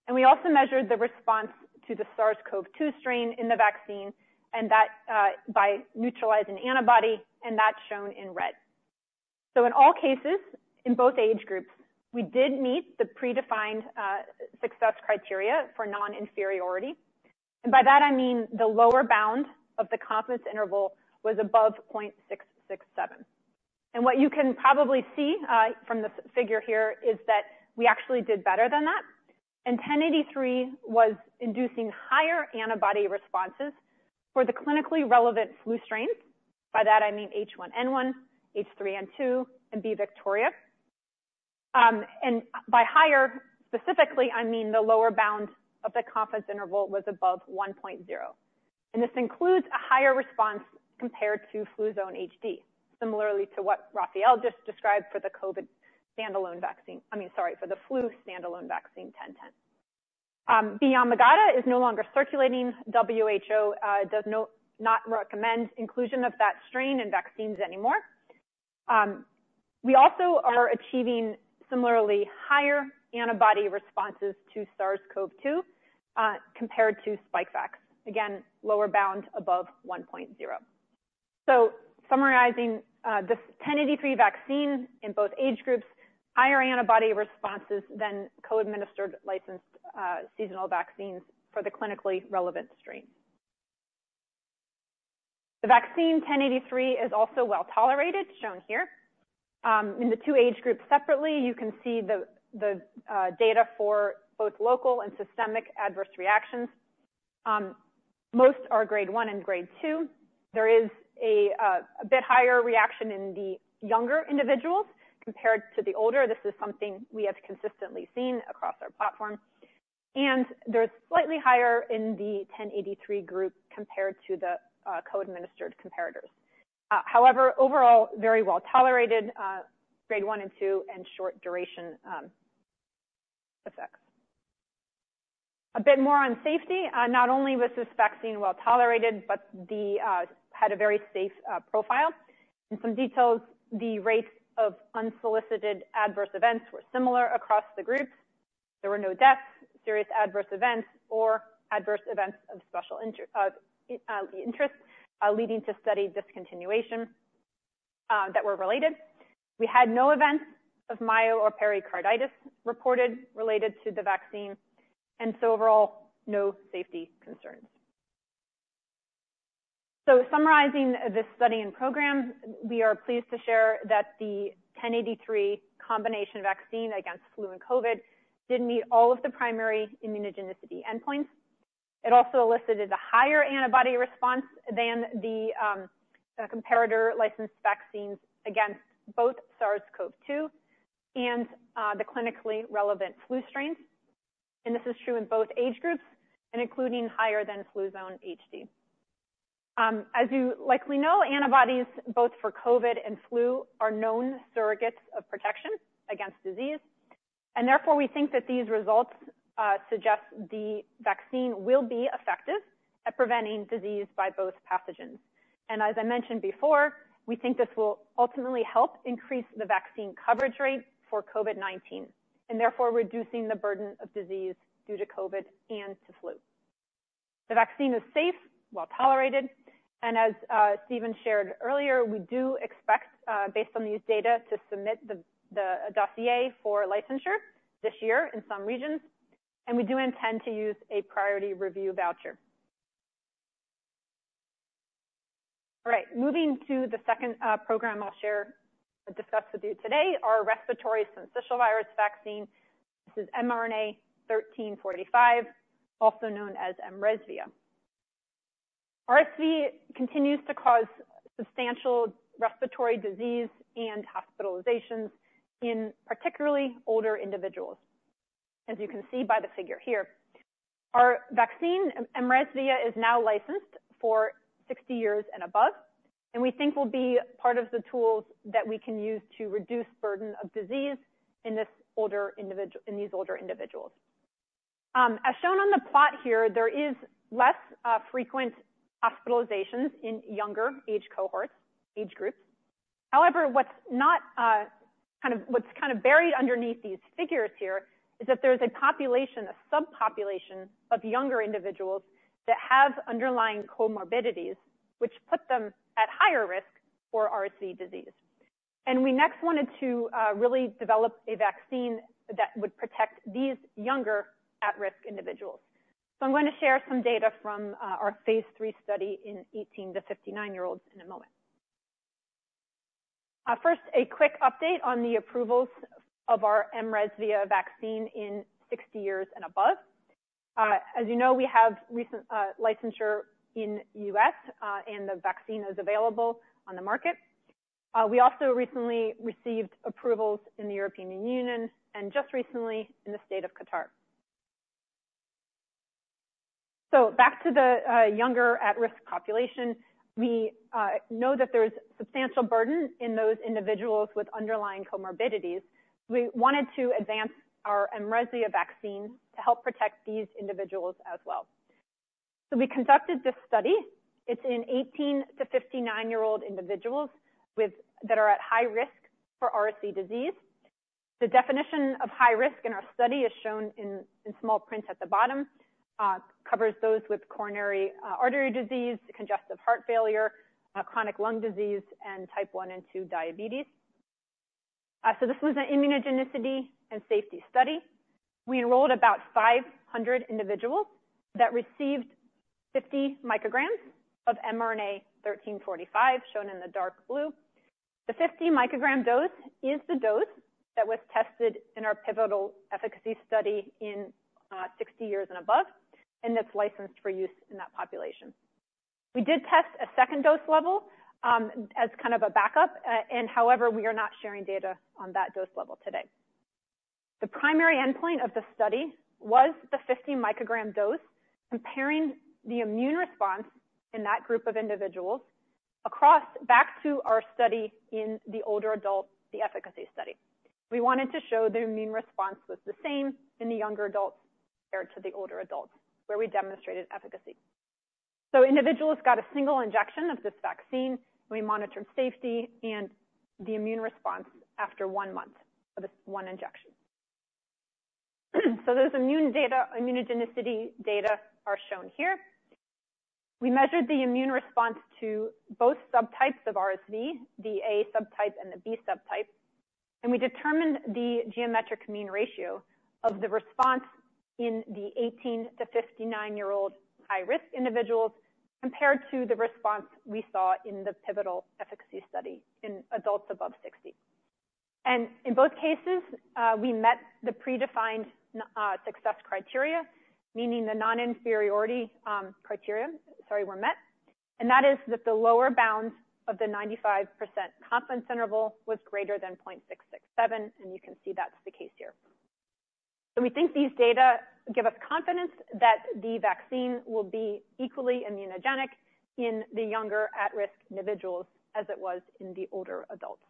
And we also measured the response to the SARS-CoV-2 strain in the vaccine, and that by neutralizing antibody, and that's shown in red. So in all cases, in both age groups, we did meet the predefined success criteria for non-inferiority. And by that I mean the lower bound of the confidence interval was above point 667. What you can probably see from this figure here is that we actually did better than that, and 1083 was inducing higher antibody responses for the clinically relevant flu strains. By that I mean H1N1, H3N2, and B/Victoria. And by higher, specifically, I mean the lower bound of the confidence interval was above 1.0, and this includes a higher response compared to Fluzone HD, similarly to what Raffael just described for the COVID standalone vaccine. I mean, sorry, for the flu standalone vaccine, 1010. B/Yamagata is no longer circulating. WHO does not recommend inclusion of that strain in vaccines anymore. We also are achieving similarly higher antibody responses to SARS-CoV-2 compared to Spikevax. Again, lower bound above 1.0. Summarizing, this 1083 vaccine in both age groups, higher antibody responses than co-administered licensed seasonal vaccines for the clinically relevant strain. The vaccine 1083 is also well tolerated, shown here. In the two age groups separately, you can see the data for both local and systemic adverse reactions. Most are grade one and grade two. There is a bit higher reaction in the younger individuals compared to the older. This is something we have consistently seen across our platform, and they're slightly higher in the 1083 group compared to the co-administered comparators. However, overall, very well tolerated, grade one and two, and short duration effects. A bit more on safety. Not only was this vaccine well tolerated, but the had a very safe profile. In some details, the rates of unsolicited adverse events were similar across the groups. There were no deaths, serious adverse events, or adverse events of special interest leading to study discontinuation that were related. We had no events of myo or pericarditis reported related to the vaccine, and so overall, no safety concerns. So summarizing this study and program, we are pleased to share that the 1083 combination vaccine against flu and COVID did meet all of the primary immunogenicity endpoints. It also elicited a higher antibody response than the comparator licensed vaccines against both SARS-CoV-2 and the clinically relevant flu strains, and this is true in both age groups and including higher than Fluzone HD. As you likely know, antibodies, both for COVID and flu, are known surrogates of protection against disease, and therefore, we think that these results suggest the vaccine will be effective at preventing disease by both pathogens. And as I mentioned before, we think this will ultimately help increase the vaccine coverage rate for COVID-19, and therefore reducing the burden of disease due to COVID and to flu. The vaccine is safe, well tolerated, and as Stephen shared earlier, we do expect, based on these data, to submit the dossier for licensure this year in some regions, and we do intend to use a priority review voucher. All right, moving to the second program I'll share or discuss with you today, our respiratory syncytial virus vaccine. This is mRNA-1345, also known as mRESVIA. RSV continues to cause substantial respiratory disease and hospitalizations in particularly older individuals, as you can see by the figure here. Our vaccine, mRESVIA, is now licensed for 60 years and above, and we think will be part of the tools that we can use to reduce burden of disease in this older individual, in these older individuals. As shown on the plot here, there is less frequent hospitalizations in younger age cohorts, age groups. However, what's kind of buried underneath these figures here is that there's a population, a subpopulation, of younger individuals that have underlying comorbidities, which put them at higher risk for RSV disease and we next wanted to really develop a vaccine that would protect these younger, at-risk individuals. So I'm going to share some data from our Phase 3 study in 18-59 year olds in a moment. First, a quick update on the approvals of our mRESVIA vaccine in sixty years and above. As you know, we have recent licensure in U.S., and the vaccine is available on the market. We also recently received approvals in the European Union and just recently in the state of Qatar. So back to the younger, at-risk population. We know that there is substantial burden in those individuals with underlying comorbidities. We wanted to advance our mRESVIA vaccine to help protect these individuals as well. So we conducted this study. It's in 18-59-year-old individuals with that are at high risk for RSV disease. The definition of high risk in our study, as shown in small print at the bottom, covers those with coronary artery disease, congestive heart failure, chronic lung disease, and type one and two diabetes, so this was an immunogenicity and safety study. We enrolled about five hundred individuals that received fifty mcg of mRNA-1345, shown in the dark blue. The fifty mcg dose is the dose that was tested in our pivotal efficacy study in sixty years and above, and it's licensed for use in that population. We did test a second dose level, as kind of a backup, and however, we are not sharing data on that dose level today. The primary endpoint of the study was the 50 mcg dose, comparing the immune response in that group of individuals as compared to our study in the older adults, the efficacy study. We wanted to show the immune response was the same in the younger adults compared to the older adults, where we demonstrated efficacy. So individuals got a single injection of this vaccine. We monitored safety and the immune response after one month of this one injection. So those immune data, immunogenicity data are shown here. We measured the immune response to both subtypes of RSV, the A subtype and the B subtype, and we determined the geometric mean ratio of the response in the 18-59 year old high-risk individuals, compared to the response we saw in the pivotal efficacy study in adults above 60. In both cases, we met the predefined success criteria, meaning the non-inferiority criteria, sorry, were met, and that is that the lower bound of the 95% confidence interval was greater than 0.667, and you can see that's the case here. So we think these data give us confidence that the vaccine will be equally immunogenic in the younger, at-risk individuals as it was in the older adults.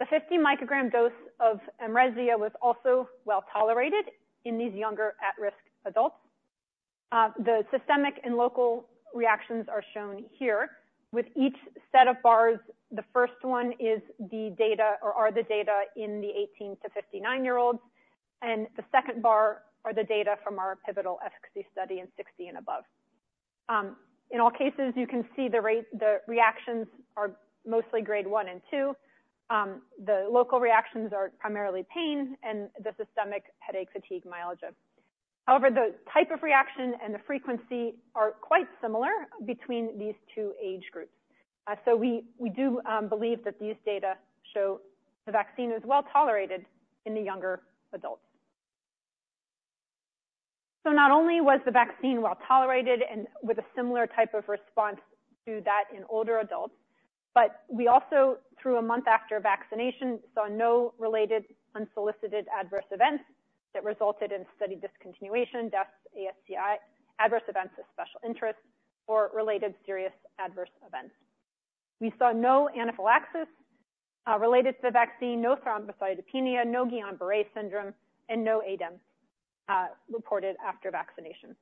The 50 mcg dose of mRESVIA was also well tolerated in these younger, at-risk adults. The systemic and local reactions are shown here. With each set of bars, the first one is the data or are the data in the 18-59 year olds, and the second bar are the data from our pivotal efficacy study in 60 and above. In all cases, you can see the rate, the reactions are mostly grade one and two. The local reactions are primarily pain and the systemic headache, fatigue, myalgia. However, the type of reaction and the frequency are quite similar between these two age groups. So we do believe that these data show the vaccine is well tolerated in the younger adults. So not only was the vaccine well tolerated and with a similar type of response to that in older adults, but we also, through a month after vaccination, saw no related unsolicited adverse events that resulted in study discontinuation, deaths, AESI, Adverse Events of Special Interest, or related serious adverse events. We saw no anaphylaxis related to the vaccine, no thrombocytopenia, no Guillain-Barré syndrome, and no ADEM reported after vaccination.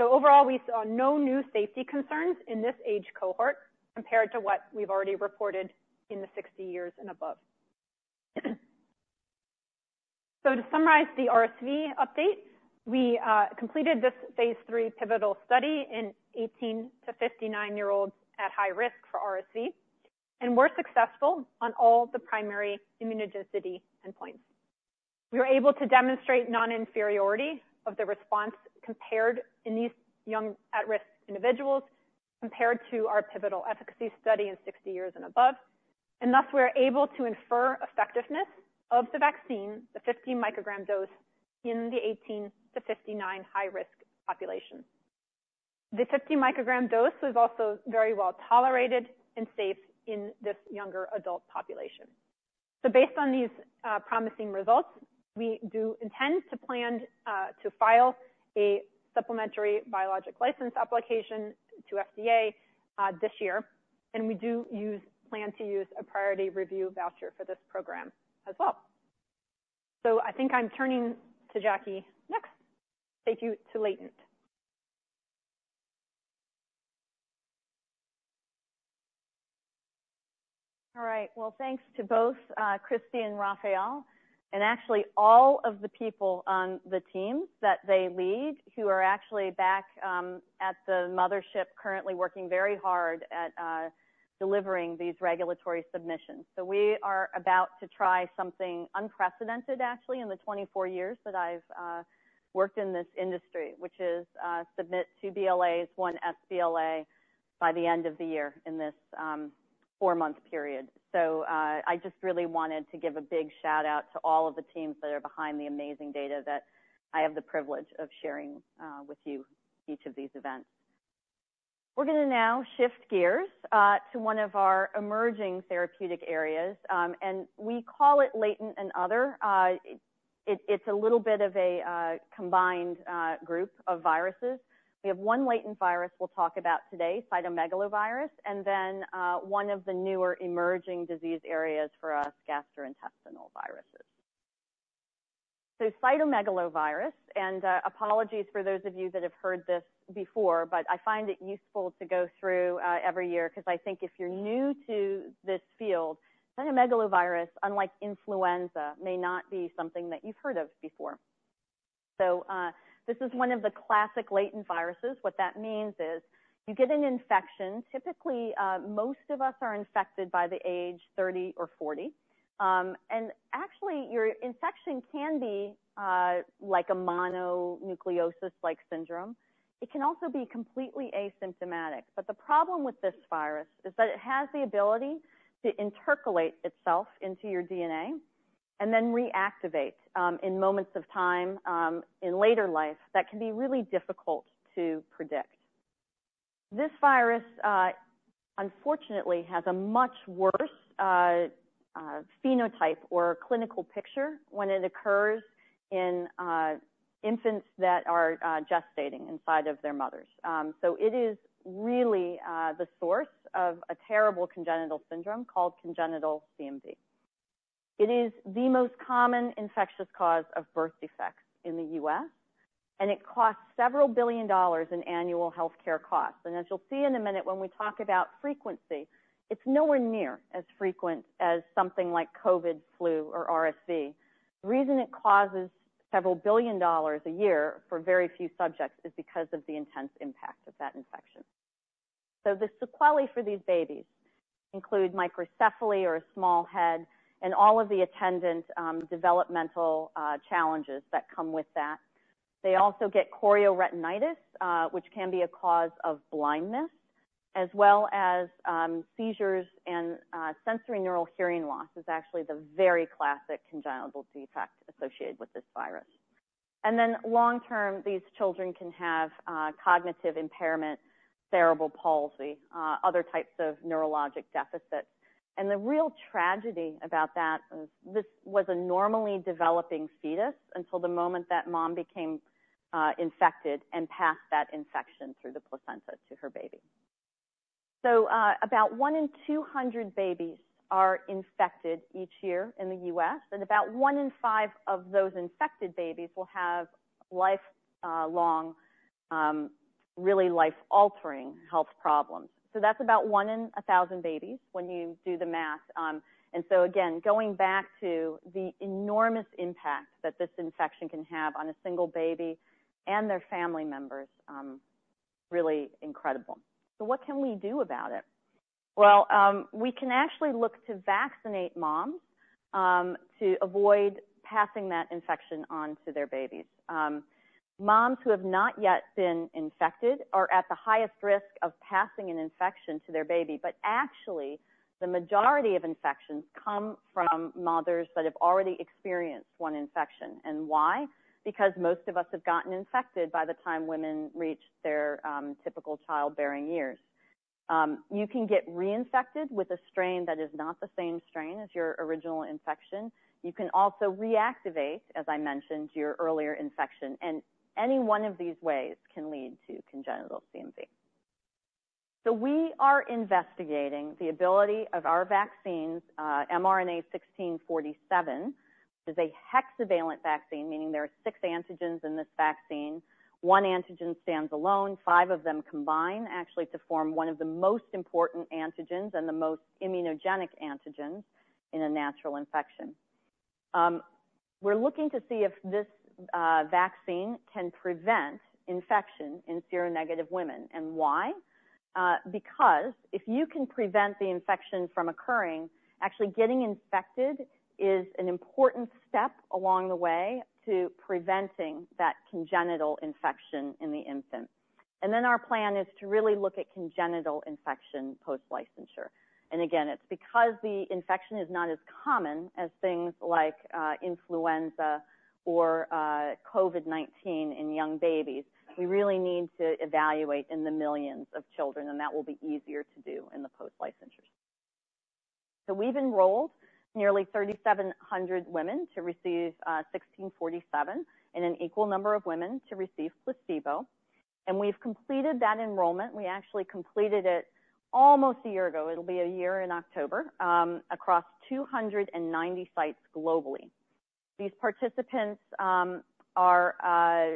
Overall, we saw no new safety concerns in this age cohort compared to what we've already reported in the 60 years and above. To summarize the RSV update, we completed this phase III pivotal study in 18-59 year olds at high risk for RSV, and were successful on all the primary immunogenicity endpoints. We were able to demonstrate non-inferiority of the response compared in these young, at-risk individuals compared to our pivotal efficacy study in 60 years and above, and thus, we're able to infer effectiveness of the vaccine, the 50 mcg dose, in the 18-59 high-risk population. The 50 mcg dose was also very well tolerated and safe in this younger adult population. Based on these promising results, we do intend to plan to file a supplemental biologics license application to FDA this year, and we do plan to use a priority review voucher for this program as well. I think I'm turning to Jackie next. Thank you to Lavina. All right. Well, thanks to both, Christine and Raffael, and actually all of the people on the teams that they lead, who are actually back, at the mothership, currently working very hard at, delivering these regulatory submissions. So we are about to try something unprecedented, actually, in the 24 years that I've worked in this industry, which is, submit two BLAs, one sBLA by the end of the year in this, four-month period. So, I just really wanted to give a big shout-out to all of the teams that are behind the amazing data that I have the privilege of sharing, with you, each of these events. We're going to now shift gears, to one of our emerging therapeutic areas, and we call it Latent and Other. It's a little bit of a combined group of viruses. We have one latent virus we'll talk about today, cytomegalovirus, and then one of the newer emerging disease areas for us, gastrointestinal viruses. So cytomegalovirus, and apologies for those of you that have heard this before, but I find it useful to go through every year, 'cause I think if you're new to this field, cytomegalovirus, unlike influenza, may not be something that you've heard of before. So this is one of the classic latent viruses. What that means is you get an infection. Typically most of us are infected by the age 30 or 40. And actually, your infection can be like a mononucleosis-like syndrome. It can also be completely asymptomatic. But the problem with this virus is that it has the ability to intercalate itself into your DNA and then reactivate, in moments of time, in later life, that can be really difficult to predict. This virus, unfortunately, has a much worse, phenotype or clinical picture when it occurs in, infants that are, gestating inside of their mothers. So it is really, the source of a terrible congenital syndrome called congenital CMV. It is the most common infectious cause of birth defects in the U.S., and it costs several billion dollars in annual healthcare costs. And as you'll see in a minute, when we talk about frequency, it's nowhere near as frequent as something like COVID, flu, or RSV. The reason it causes several billion dollars a year for very few subjects is because of the intense impact of that infection. So the sequelae for these babies include microcephaly or a small head and all of the attendant developmental challenges that come with that. They also get chorioretinitis, which can be a cause of blindness, as well as seizures and sensorineural hearing loss is actually the very classic congenital defect associated with this virus. And then long-term, these children can have cognitive impairment, cerebral palsy other types of neurologic deficits. And the real tragedy about that is this was a normally developing fetus until the moment that mom became infected and passed that infection through the placenta to her baby. So about one in 200 babies are infected each year in the U.S., and about one in five of those infected babies will have lifelong really life-altering health problems. So that's about one in a thousand babies when you do the math. And so again, going back to the enormous impact that this infection can have on a single baby and their family members, really incredible. So what can we do about it? Well, we can actually look to vaccinate moms, to avoid passing that infection on to their babies. Moms who have not yet been infected are at the highest risk of passing an infection to their baby, but actually, the majority of infections come from mothers that have already experienced one infection. And why? Because most of us have gotten infected by the time women reach their, typical childbearing years. You can get reinfected with a strain that is not the same strain as your original infection. You can also reactivate, as I mentioned, your earlier infection, and any one of these ways can lead to congenital CMV. So we are investigating the ability of our vaccines, mRNA-1647, which is a hexavalent vaccine, meaning there are six antigens in this vaccine. One antigen stands alone, five of them combine, actually, to form one of the most important antigens and the most immunogenic antigens in a natural infection. We're looking to see if this vaccine can prevent infection in seronegative women. And why? Because if you can prevent the infection from occurring, actually getting infected is an important step along the way to preventing that congenital infection in the infant. And then our plan is to really look at congenital infection post-licensure. And again, it's because the infection is not as common as things like influenza or COVID-19 in young babies. We really need to evaluate in the millions of children, and that will be easier to do in the post-licensure. So we've enrolled nearly 3,700 women to receive mRNA-1647, and an equal number of women to receive placebo. And we've completed that enrollment. We actually completed it almost a year ago, it'll be a year in October across 290 sites globally. These participants are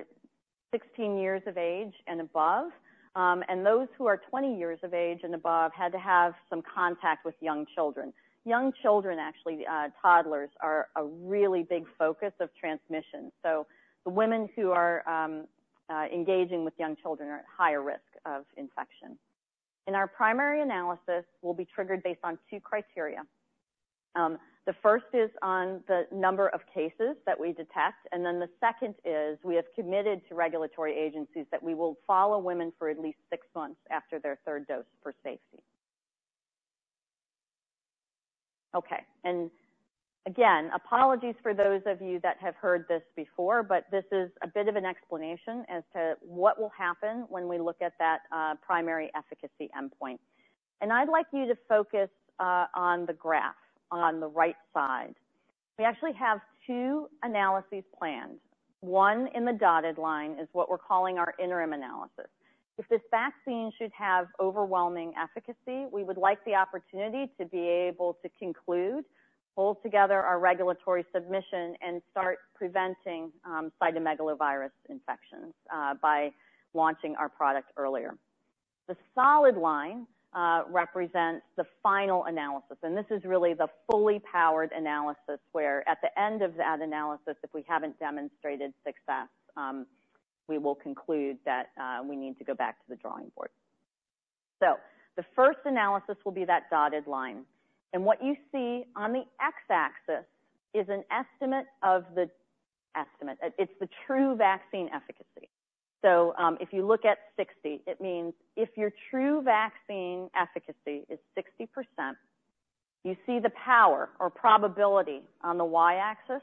16 years of age and above. And those who are 20 years of age and above had to have some contact with young children. Young children, actually, toddlers, are a really big focus of transmission. So the women who are engaging with young children are at higher risk of infection. And our primary analysis will be triggered based on two criteria. The first is on the number of cases that we detect, and then the second is we have committed to regulatory agencies that we will follow women for at least six months after their third dose for safety. Okay. And again, apologies for those of you that have heard this before, but this is a bit of an explanation as to what will happen when we look at that primary efficacy endpoint. And I'd like you to focus on the graph on the right side. We actually have two analyses planned. One, in the dotted line, is what we're calling our interim analysis. If this vaccine should have overwhelming efficacy, we would like the opportunity to be able to conclude, pull together our regulatory submission, and start preventing cytomegalovirus infections by launching our product earlier. The solid line represents the final analysis, and this is really the fully powered analysis, where at the end of that analysis, if we haven't demonstrated success, we will conclude that we need to go back to the drawing board. The first analysis will be that dotted line, and what you see on the x-axis is an estimate. It, it's the true vaccine efficacy. If you look at 60, it means if your true vaccine efficacy is 60%, you see the power or probability on the y-axis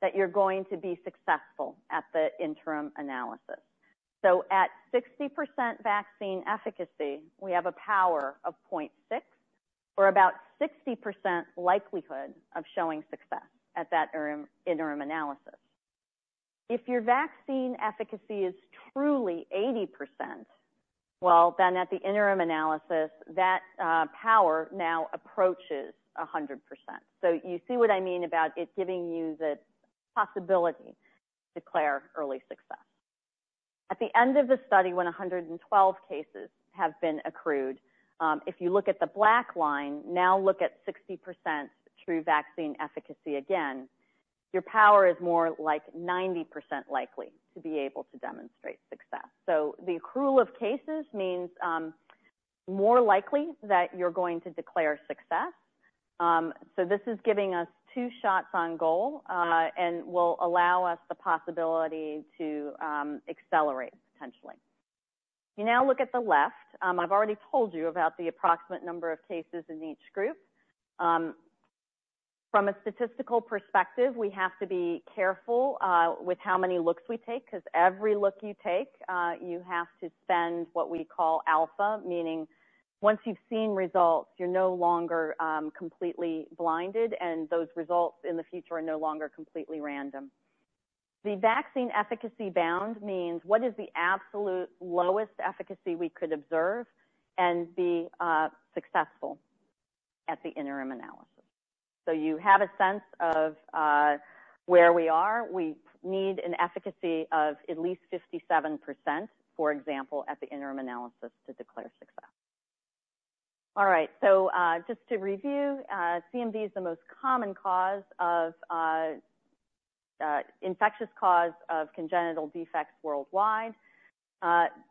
that you're going to be successful at the interim analysis. At 60% vaccine efficacy, we have a power of 0.6, or about 60% likelihood of showing success at that interim analysis. If your vaccine efficacy is truly 80%, well, then at the interim analysis, that power now approaches 100%. So you see what I mean about it giving you the possibility to declare early success. At the end of the study, when 112 cases have been accrued, if you look at the black line, now look at 60% true vaccine efficacy again, your power is more like 90% likely to be able to demonstrate success. So the accrual of cases means more likely that you're going to declare success. So this is giving us two shots on goal, and will allow us the possibility to accelerate potentially. You now look at the left. I've already told you about the approximate number of cases in each group. From a statistical perspective, we have to be careful with how many looks we take, 'cause every look you take, you have to spend what we call alpha, meaning once you've seen results, you're no longer completely blinded, and those results in the future are no longer completely random. The vaccine efficacy bound means what is the absolute lowest efficacy we could observe and be successful at the interim analysis? So you have a sense of where we are. We need an efficacy of at least 57%, for example, at the interim analysis to declare success. All right, so just to review, CMV is the most common infectious cause of congenital defects worldwide.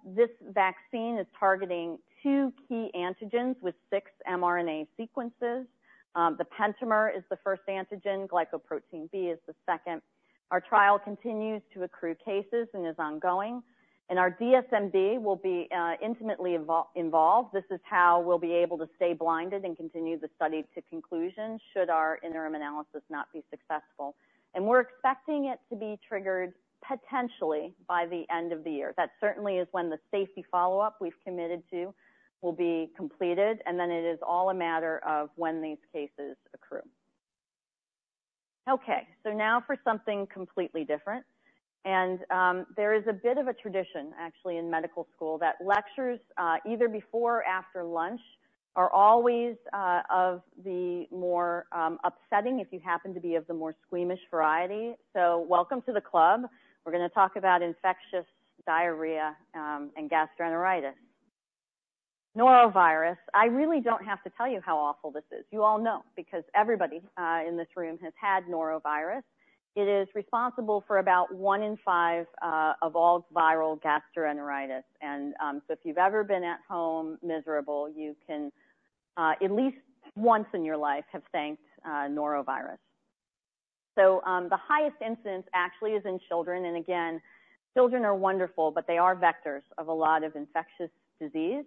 This vaccine is targeting two key antigens with six mRNA sequences. The pentamer is the first antigen, glycoprotein B is the second. Our trial continues to accrue cases and is ongoing, and our DSMB will be intimately involved. This is how we'll be able to stay blinded and continue the study to conclusion, should our interim analysis not be successful and we're expecting it to be triggered potentially by the end of the year. That certainly is when the safety follow-up we've committed to will be completed, and then it is all a matter of when these cases accrue. Okay, so now for something completely different, and there is a bit of a tradition, actually, in medical school that lectures either before or after lunch are always of the more upsetting if you happen to be of the more squeamish variety. So welcome to the club. We're gonna talk about infectious diarrhea and gastroenteritis. Norovirus. I really don't have to tell you how awful this is. You all know, because everybody in this room has had norovirus. It is responsible for about one in five of all viral gastroenteritis. And, so if you've ever been at home miserable, you can, at least once in your life, have thanked norovirus. So, the highest incidence actually is in children, and again, children are wonderful, but they are vectors of a lot of infectious disease.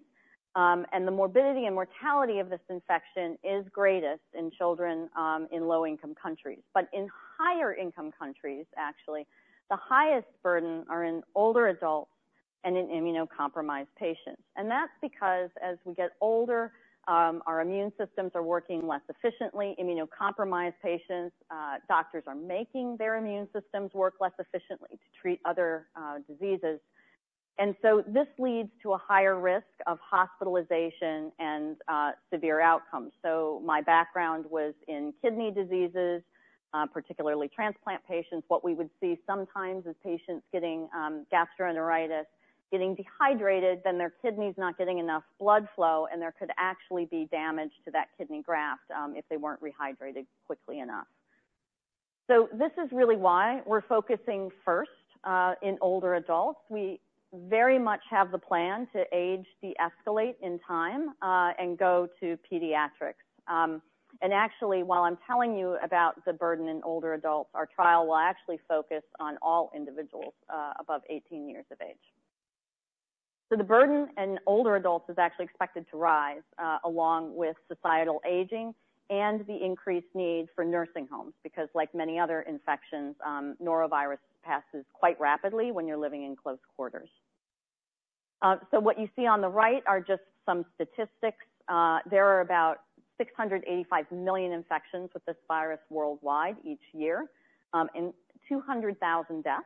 And the morbidity and mortality of this infection is greatest in children in low-income countries. But in higher-income countries, actually, the highest burden are in older adults and in immunocompromised patients. And that's because as we get older, our immune systems are working less efficiently. Immunocompromised patients, doctors are making their immune systems work less efficiently to treat other diseases... This leads to a higher risk of hospitalization and severe outcomes. My background was in kidney diseases, particularly transplant patients. What we would see sometimes is patients getting gastroenteritis, getting dehydrated, then their kidney's not getting enough blood flow, and there could actually be damage to that kidney graft, if they weren't rehydrated quickly enough. This is really why we're focusing first in older adults. We very much have the plan to age deescalate in time, and go to pediatrics. Actually, while I'm telling you about the burden in older adults, our trial will actually focus on all individuals above 18 years of age. So the burden in older adults is actually expected to rise, along with societal aging and the increased need for nursing homes, because like many other infections, norovirus passes quite rapidly when you're living in close quarters, so what you see on the right are just some statistics. There are about 685 million infections with this virus worldwide each year, and 200,000 deaths.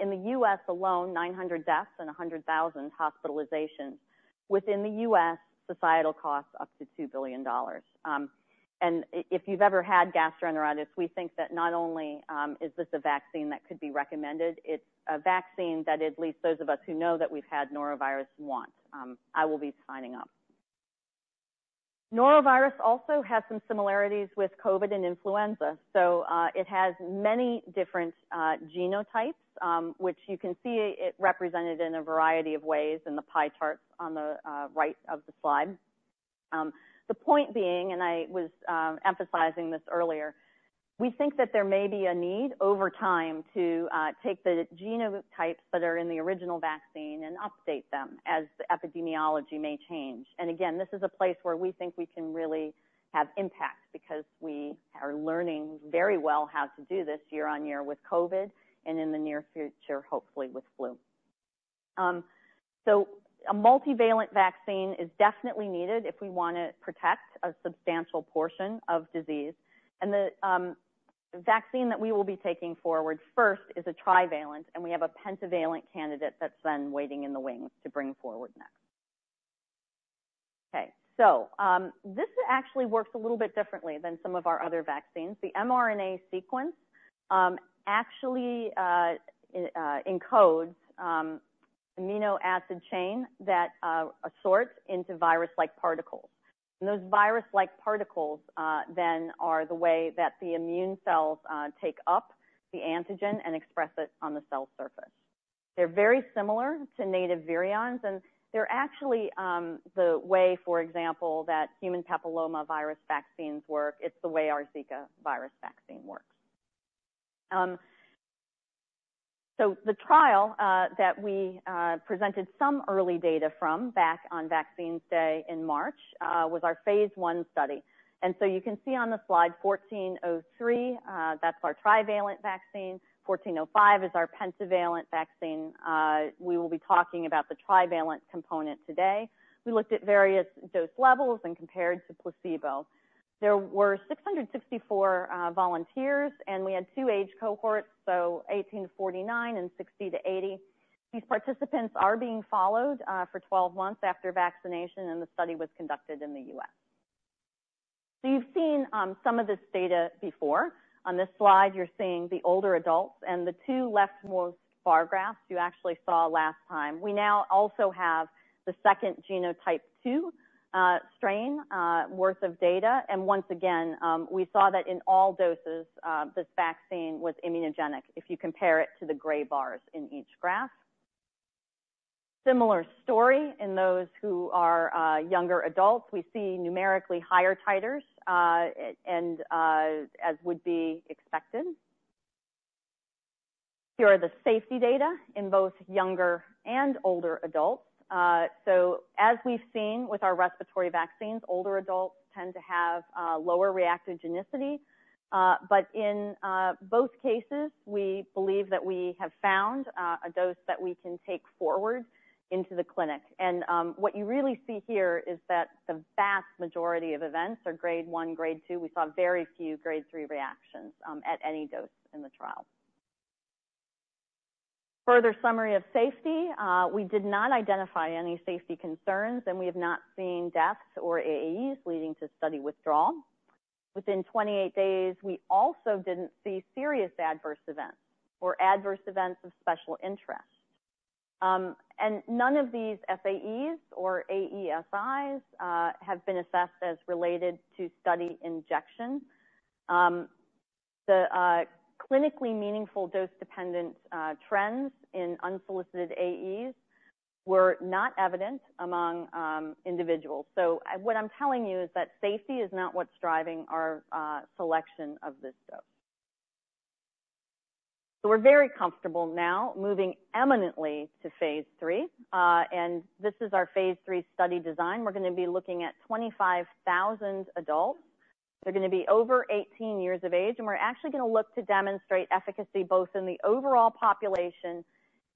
In the U.S. alone, 900 deaths and 100,000 hospitalizations. Within the U.S., societal costs up to $2 billion, and if you've ever had gastroenteritis, we think that not only is this a vaccine that could be recommended, it's a vaccine that at least those of us who know that we've had norovirus want. I will be signing up. Norovirus also has some similarities with COVID and influenza. So, it has many different genotypes, which you can see it represented in a variety of ways in the pie charts on the right of the slide. The point being, and I was emphasizing this earlier, we think that there may be a need over time to take the genotypes that are in the original vaccine and update them as the epidemiology may change. And again, this is a place where we think we can really have impact because we are learning very well how to do this year-on-year with COVID and in the near future, hopefully with flu. So a multivalent vaccine is definitely needed if we want to protect a substantial portion of disease. And the vaccine that we will be taking forward first is a trivalent, and we have a pentavalent candidate that's then waiting in the wings to bring forward next. Okay, so this actually works a little bit differently than some of our other vaccines. The mRNA sequence actually encodes amino acid chain that assorts into virus-like particles. And those virus-like particles then are the way that the immune cells take up the antigen and express it on the cell surface. They're very similar to native virions, and they're actually the way, for example, that human papillomavirus vaccines work. It's the way our Zika virus vaccine works. So the trial that we presented some early data from back on Vaccines Day in March was our phase I study. You can see on the Slide 1403, that's our trivalent vaccine. 1405 is our pentavalent vaccine. We will be talking about the trivalent component today. We looked at various dose levels and compared to placebo. There were 664 volunteers, and we had two age cohorts, so 18-49 and 60-80. These participants are being followed for 12 months after vaccination, and the study was conducted in the U.S. You've seen some of this data before. On this slide, you're seeing the older adults and the two leftmost bar graphs you actually saw last time. We now also have the second Genotype 2, strain, worth of data, and once again, we saw that in all doses, this vaccine was immunogenic, if you compare it to the gray bars in each graph. Similar story in those who are, younger adults. We see numerically higher titers, and, as would be expected. Here are the safety data in both younger and older adults. So as we've seen with our respiratory vaccines, older adults tend to have, lower reactogenicity. But in, both cases, we believe that we have found, a dose that we can take forward into the clinic. And, what you really see here is that the vast majority of events are grade one, grade two. We saw very few grade three reactions, at any dose in the trial. Further summary of safety, we did not identify any safety concerns, and we have not seen deaths or AEs leading to study withdrawal. Within 28 days, we also didn't see serious adverse events or adverse events of special interest. And none of these SAEs or AESIs have been assessed as related to study injection. The clinically meaningful dose-dependent trends in unsolicited AEs were not evident among individuals. So what I'm telling you is that safety is not what's driving our selection of this dose. So we're very comfortable now moving imminently to phase III, and this is our Phase 3 study design. We're going to be looking at 25,000 adults. They're going to be over 18 years of age, and we're actually going to look to demonstrate efficacy, both in the overall population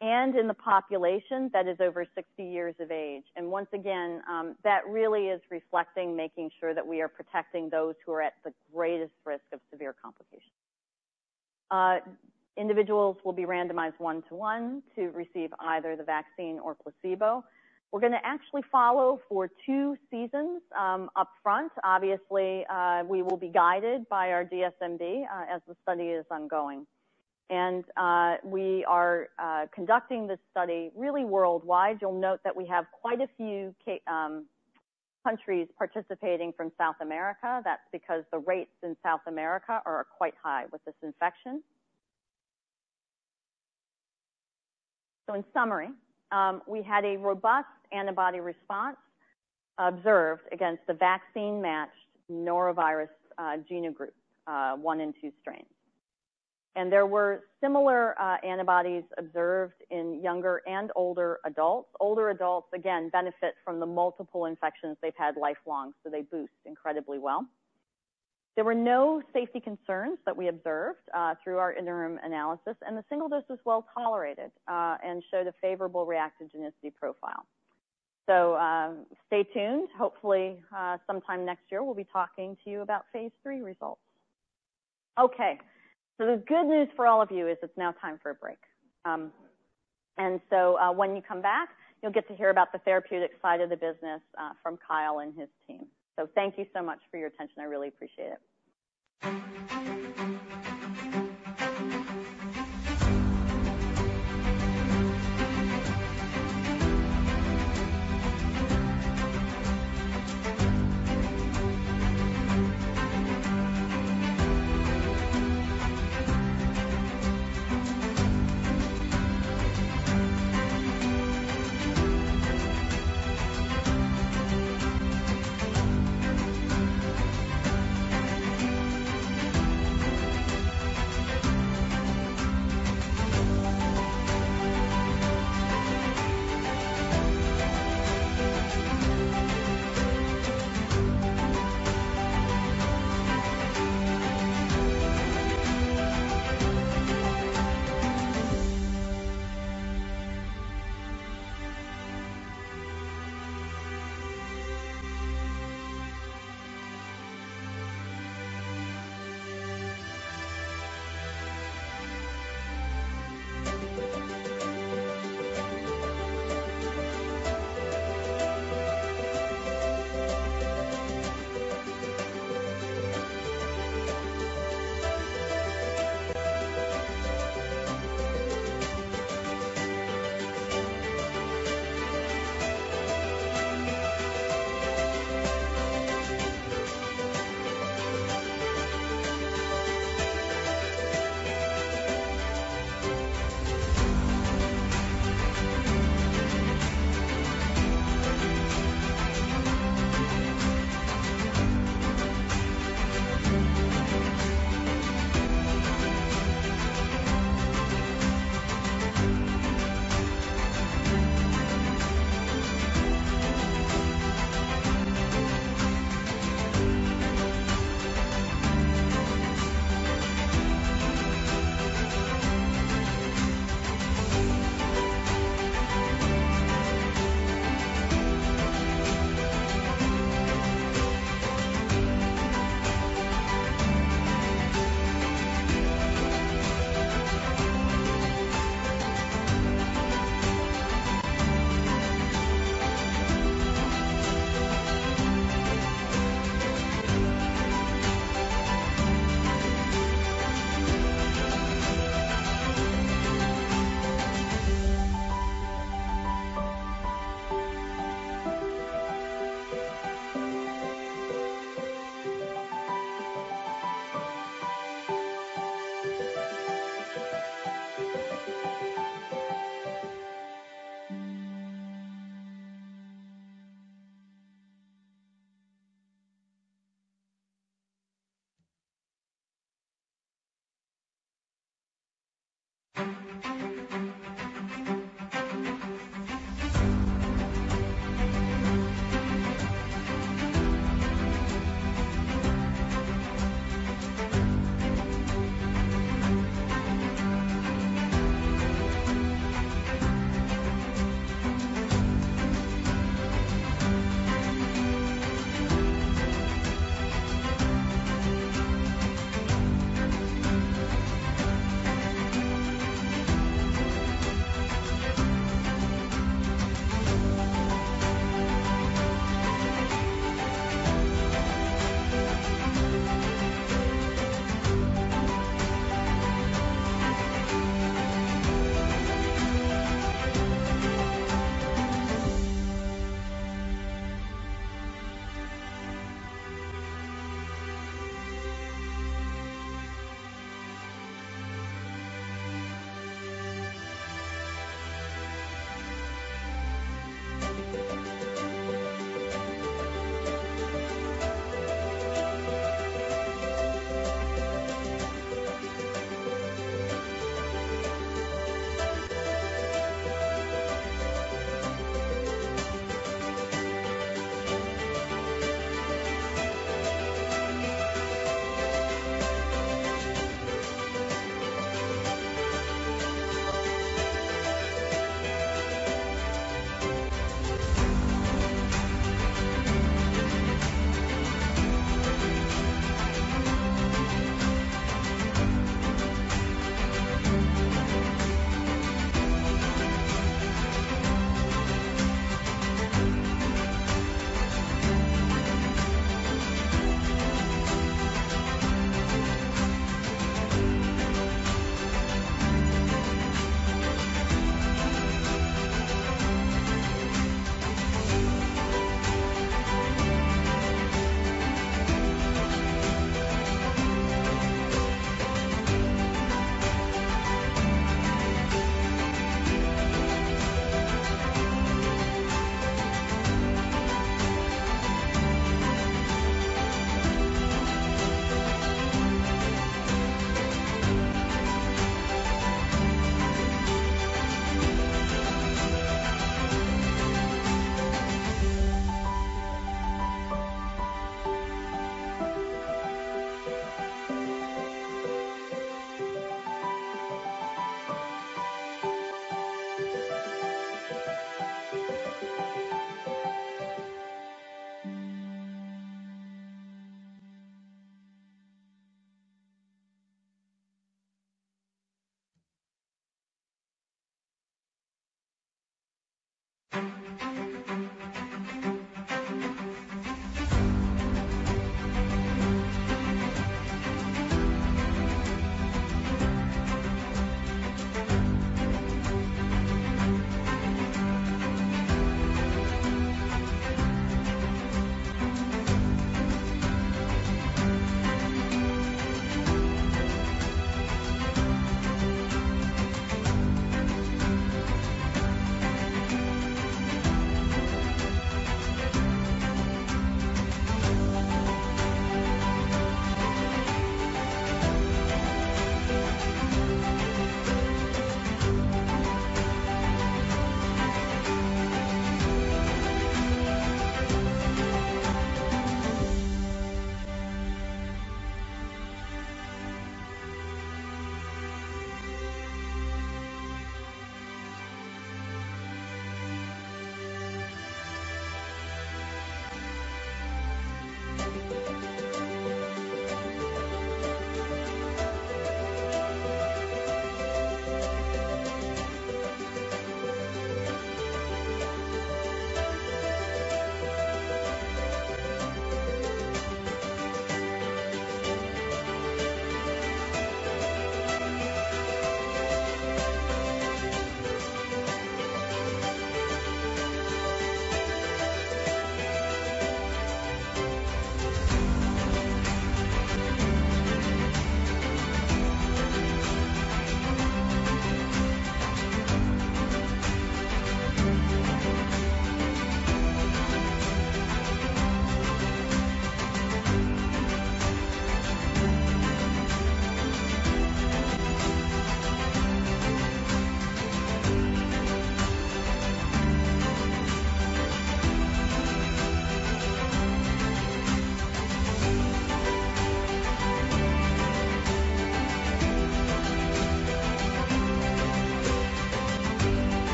and in the population that is over 60 years of age. And once again, that really is reflecting, making sure that we are protecting those who are at the greatest risk of severe complications. Individuals will be randomized one-to-one to receive either the vaccine or placebo. We're going to actually follow for two seasons, upfront. Obviously, we will be guided by our DSMB, as the study is ongoing. And, we are conducting this study really worldwide. You'll note that we have quite a few countries participating from South America. That's because the rates in South America are quite high with this infection. So in summary, we had a robust antibody response observed against the vaccine-matched norovirus Genogroup I and II strains. And there were similar antibodies observed in younger and older adults. Older adults, again, benefit from the multiple infections they've had lifelong, so they boost incredibly well. There were no safety concerns that we observed through our interim analysis, and the single dose was well-tolerated and showed a favorable reactogenicity profile. So, stay tuned. Hopefully, sometime next year, we'll be talking to you about phase III results. Okay, so the good news for all of you is it's now time for a break. And so, when you come back, you'll get to hear about the therapeutic side of the business from Kyle and his team. So thank you so much for your attention. I really appreciate it. Just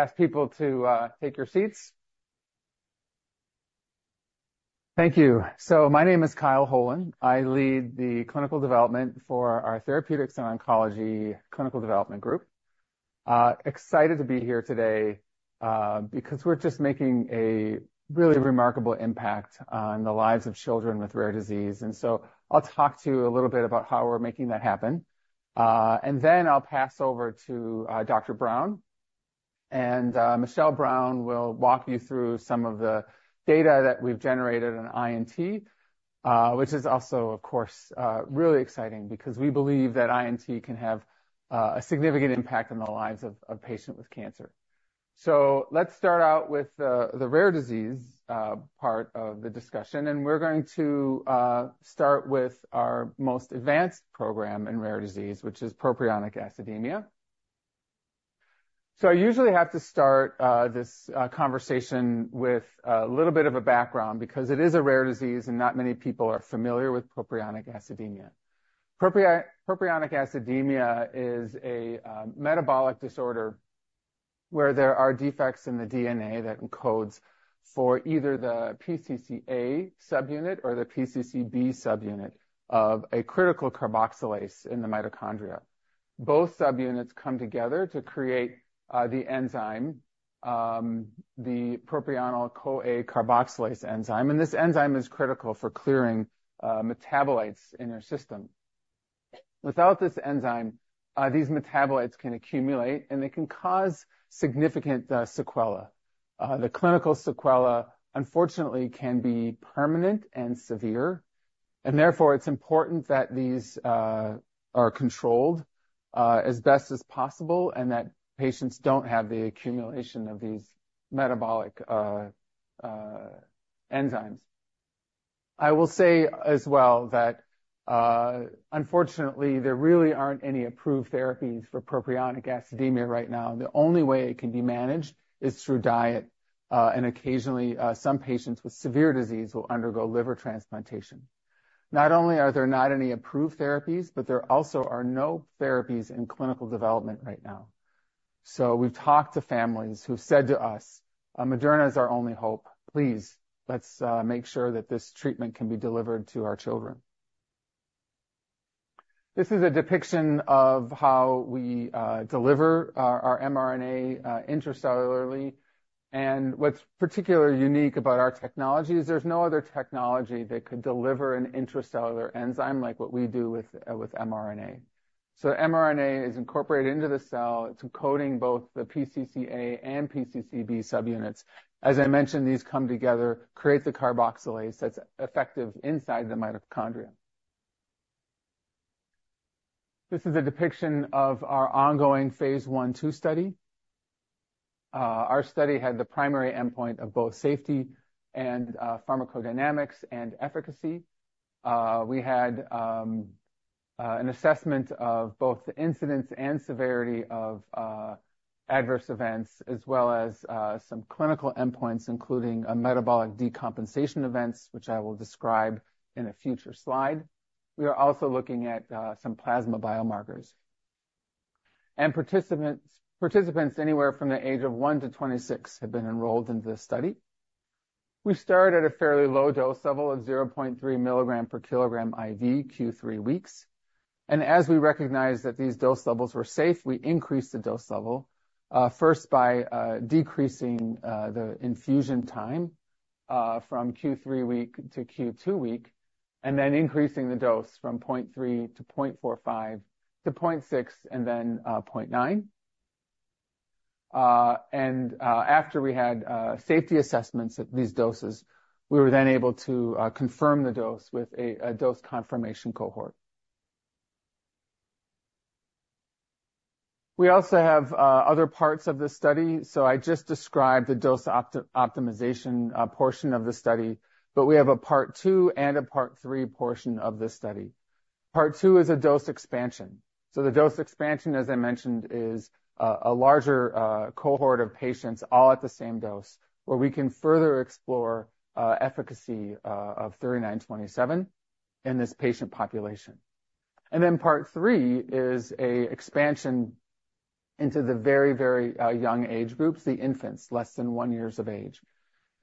ask people to take your seats. Thank you. So my name is Kyle Holen. I lead the clinical development for our Therapeutics and Oncology Clinical Development Group. Excited to be here today, because we're just making a really remarkable impact on the lives of children with rare disease. And so I'll talk to you a little bit about how we're making that happen. And then I'll pass over to Dr. Brown, and Michelle Brown will walk you through some of the data that we've generated on INT, which is also, of course, really exciting because we believe that INT can have a significant impact on the lives of patients with cancer. So let's start out with the rare disease part of the discussion, and we're going to start with our most advanced program in rare disease, which is propionic acidemia. So I usually have to start this conversation with a little bit of a background because it is a rare disease and not many people are familiar with propionic acidemia. Propionic acidemia is a metabolic disorder where there are defects in the DNA that encodes for either the PCCA subunit or the PCCB subunit of a critical carboxylase in the mitochondria. Both subunits come together to create the enzyme, the propionyl-CoA carboxylase enzyme, and this enzyme is critical for clearing metabolites in our system. Without this enzyme, these metabolites can accumulate, and they can cause significant sequela. The clinical sequelae unfortunately can be permanent and severe, and therefore it's important that these are controlled as best as possible, and that patients don't have the accumulation of these metabolic enzymes. I will say as well that unfortunately there really aren't any approved therapies for propionic acidemia right now. The only way it can be managed is through diet, and occasionally some patients with severe disease will undergo liver transplantation. Not only are there not any approved therapies, but there also are no therapies in clinical development right now. So we've talked to families who've said to us, "Moderna is our only hope. Please, let's make sure that this treatment can be delivered to our children." This is a depiction of how we deliver our mRNA intracellularly. And what's particularly unique about our technology is there's no other technology that could deliver an intracellular enzyme like what we do with mRNA. So mRNA is incorporated into the cell. It's encoding both the PCCA and PCCB subunits. As I mentioned, these come together, create the carboxylase that's effective inside the mitochondria. This is a depiction of our ongoing phase one, two study. Our study had the primary endpoint of both safety and pharmacodynamics and efficacy. We had an assessment of both the incidence and severity of adverse events, as well as some clinical endpoints, including a metabolic decompensation events, which I will describe in a future slide. We are also looking at some plasma biomarkers. And participants anywhere from the age of one to 26 have been enrolled in this study. We started at a fairly low dose level of 0.3 mg per kg IV Q3 weeks, and as we recognized that these dose levels were safe, we increased the dose level, first, by decreasing the infusion time from Q3 week to Q2 week, and then increasing the dose from point three to point four five to point six, and then point nine, and after we had safety assessments at these doses, we were then able to confirm the dose with a dose confirmation cohort. We also have other parts of this study, so I just described the dose optimization portion of the study, but we have a part two and a part three portion of this study. Part two is a dose expansion. So the dose expansion, as I mentioned, is a larger cohort of patients all at the same dose, where we can further explore efficacy of 3927 in this patient population. And then part three is an expansion into the very, very young age groups, the infants, less than one year of age.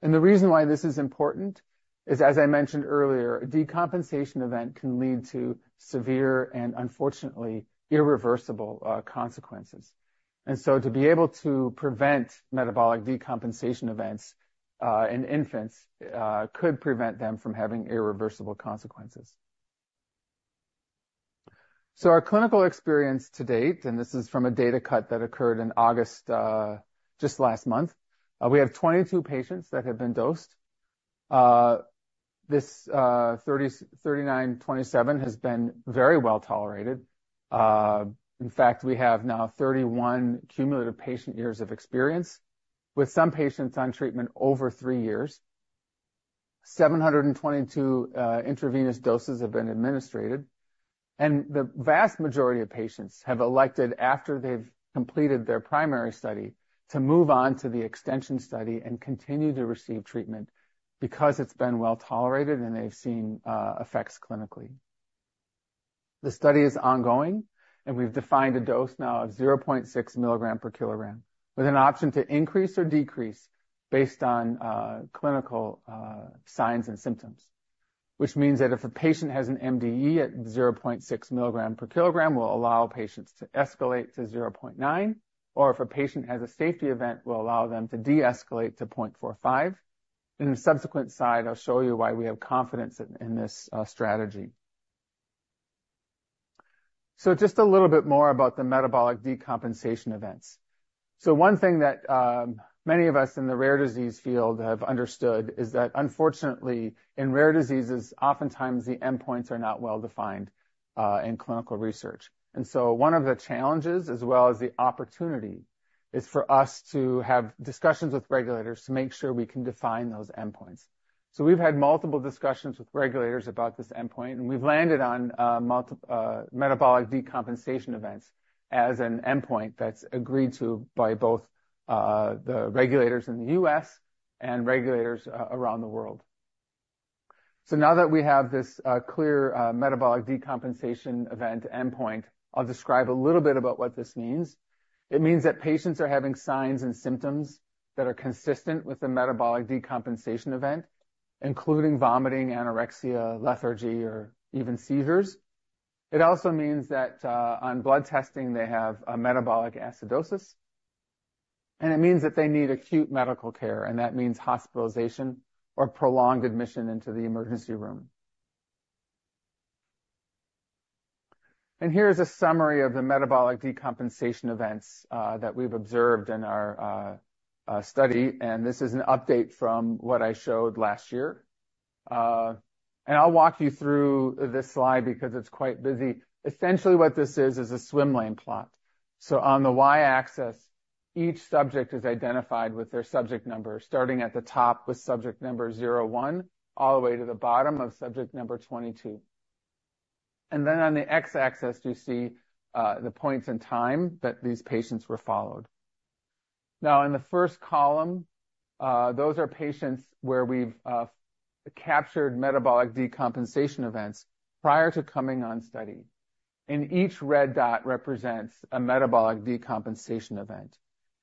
And the reason why this is important is, as I mentioned earlier, a decompensation event can lead to severe and unfortunately irreversible consequences. And so to be able to prevent metabolic decompensation events in infants could prevent them from having irreversible consequences. So our clinical experience to date, and this is from a data cut that occurred in August just last month. We have 22 patients that have been dosed. This 3927 has been very well tolerated. In fact, we have now 31 cumulative patient years of experience, with some patients on treatment over 3 years. 722 intravenous doses have been administered, and the vast majority of patients have elected, after they've completed their primary study, to move on to the extension study and continue to receive treatment because it's been well tolerated and they've seen effects clinically. The study is ongoing, and we've defined a dose now of 0.6 mg per kg, with an option to increase or decrease based on clinical signs and symptoms. Which means that if a patient has an MDE at 0.6 mg per kg, we'll allow patients to escalate to 0.9, or if a patient has a safety event, we'll allow them to deescalate to 0.45. In a subsequent slide, I'll show you why we have confidence in this strategy. So just a little bit more about the metabolic decompensation events. So one thing that many of us in the rare disease field have understood is that unfortunately, in rare diseases, oftentimes the endpoints are not well-defined in clinical research. And so one of the challenges, as well as the opportunity, is for us to have discussions with regulators to make sure we can define those endpoints. So we've had multiple discussions with regulators about this endpoint, and we've landed on multi-metabolic decompensation events as an endpoint that's agreed to by both the regulators in the U.S. and regulators around the world. So now that we have this clear metabolic decompensation event endpoint, I'll describe a little bit about what this means. It means that patients are having signs and symptoms that are consistent with a metabolic decompensation event, including vomiting, anorexia, lethargy, or even seizures. It also means that, on blood testing, they have a metabolic acidosis, and it means that they need acute medical care, and that means hospitalization or prolonged admission into the emergency room. And here's a summary of the metabolic decompensation events, that we've observed in our study, and this is an update from what I showed last year. And I'll walk you through this slide because it's quite busy. Essentially, what this is, is a swim lane plot. So on the Y-axis, each subject is identified with their subject number, starting at the top with subject number zero one all the way to the bottom of subject number twenty-two. And then on the X-axis, you see the points in time that these patients were followed. Now, in the first column, those are patients where we've captured metabolic decompensation events prior to coming on study, and each red dot represents a metabolic decompensation event.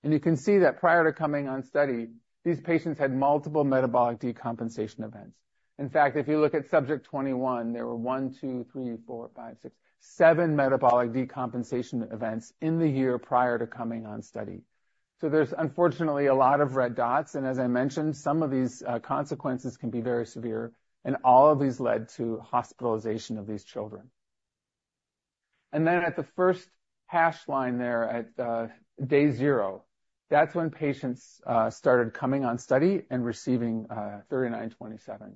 And you can see that prior to coming on study, these patients had multiple metabolic decompensation events. In fact, if you look at subject 21, there were one, two, three, four, five, six, seven metabolic decompensation events in the year prior to coming on study. So there's unfortunately a lot of red dots, and as I mentioned, some of these consequences can be very severe, and all of these led to hospitalization of these children. And then at the first hash line there at day zero, that's when patients started coming on study and receiving mRNA-3927.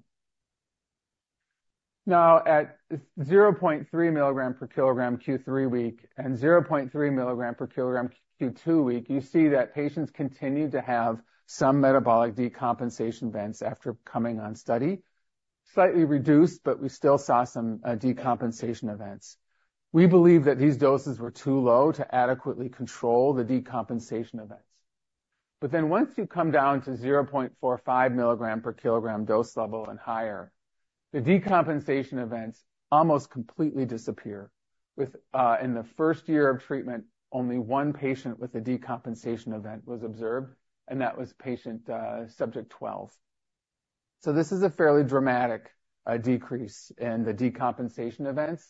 Now, at 0.3 mg per kg Q3 week and 0.3 mg per kg Q2 week, you see that patients continued to have some metabolic decompensation events after coming on study. Slightly reduced, but we still saw some, decompensation events. We believe that these doses were too low to adequately control the decompensation events. But then once you come down to 0.4-0.5 mg per kg dose level and higher, the decompensation events almost completely disappear. With in the first year of treatment, only one patient with a decompensation event was observed, and that was patient, subject 12. So this is a fairly dramatic, decrease in the decompensation events.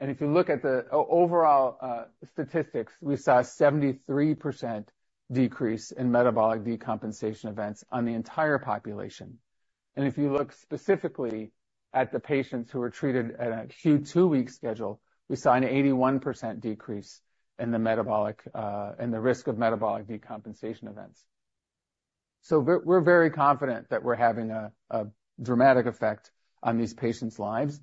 And if you look at the overall, statistics, we saw a 73% decrease in metabolic decompensation events on the entire population. If you look specifically at the patients who were treated at a Q2 week schedule, we saw an 81% decrease in the metabolic in the risk of metabolic decompensation events. So we're very confident that we're having a dramatic effect on these patients' lives.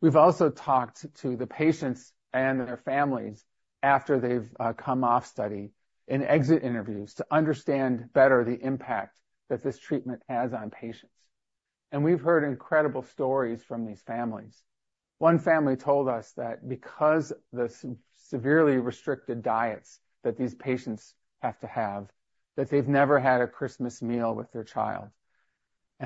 We've also talked to the patients and their families after they've come off study in exit interviews to understand better the impact that this treatment has on patients. We've heard incredible stories from these families. One family told us that because the severely restricted diets that these patients have to have, that they've never had a Christmas meal with their child.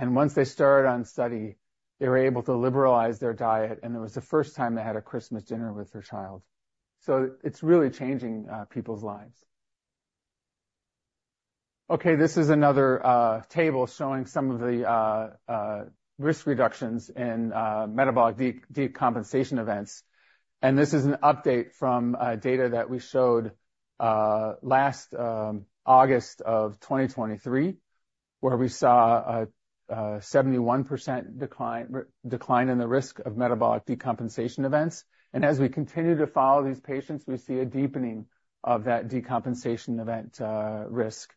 Once they started on study, they were able to liberalize their diet, and it was the first time they had a Christmas dinner with their child. It's really changing people's lives. Okay, this is another table showing some of the risk reductions in metabolic decompensation events, and this is an update from data that we showed last August of twenty twenty-three, where we saw a 71% decline in the risk of metabolic decompensation events. And as we continue to follow these patients, we see a deepening of that decompensation event risk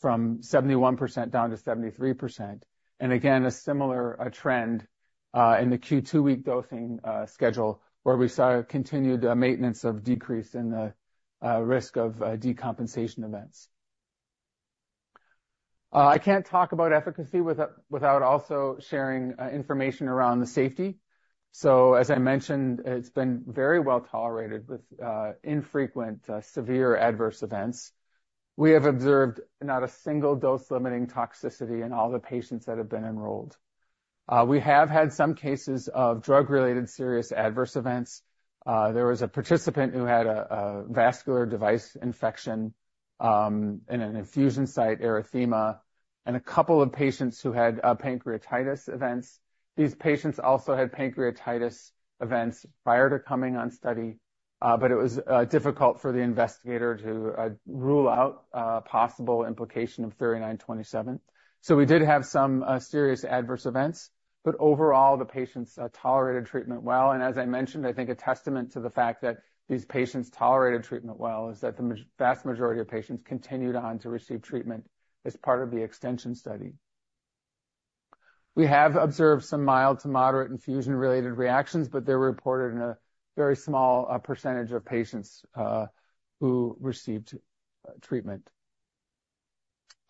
from 71% down to 73%. And again, a similar trend in the Q2 week dosing schedule, where we saw a continued maintenance of decrease in the risk of decompensation events. I can't talk about efficacy without also sharing information around the safety. So as I mentioned, it's been very well tolerated, with infrequent severe adverse events. We have observed not a single dose-limiting toxicity in all the patients that have been enrolled. We have had some cases of drug-related serious adverse events. There was a participant who had a vascular device infection, and an infusion site erythema, and a couple of patients who had pancreatitis events. These patients also had pancreatitis events prior to coming on study, but it was difficult for the investigator to rule out possible implication of mRNA-3927. So we did have some serious adverse events, but overall, the patients tolerated treatment well. And as I mentioned, I think a testament to the fact that these patients tolerated treatment well is that the vast majority of patients continued on to receive treatment as part of the extension study. We have observed some mild to moderate infusion-related reactions, but they were reported in a very small percentage of patients who received treatment.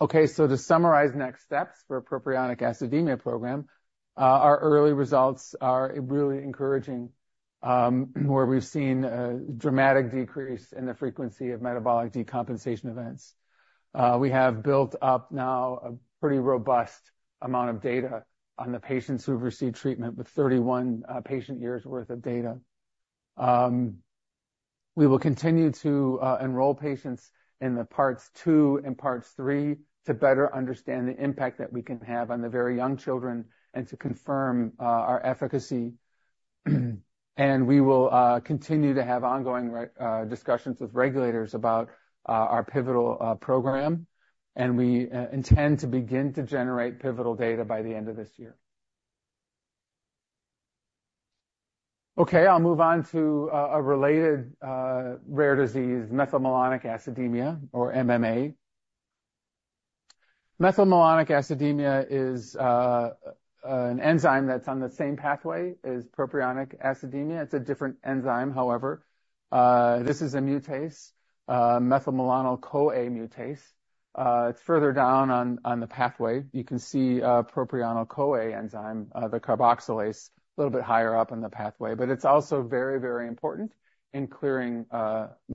Okay, so to summarize next steps for Propionic Acidemia program, our early results are really encouraging, where we've seen a dramatic decrease in the frequency of metabolic decompensation events. We have built up now a pretty robust amount of data on the patients who've received treatment with 31 patient years worth of data. We will continue to enroll patients in the parts two and parts three to better understand the impact that we can have on the very young children and to confirm our efficacy. We will continue to have ongoing discussions with regulators about our pivotal program, and we intend to begin to generate pivotal data by the end of this year. Okay, I'll move on to a related rare disease, methylmalonic acidemia, or MMA. Methylmalonic acidemia is an enzyme that's on the same pathway as propionic acidemia. It's a different enzyme, however. This is a mutase, methylmalonyl-CoA mutase. It's further down on the pathway. You can see propionyl-CoA enzyme, the carboxylase, a little bit higher up in the pathway, but it's also very, very important in clearing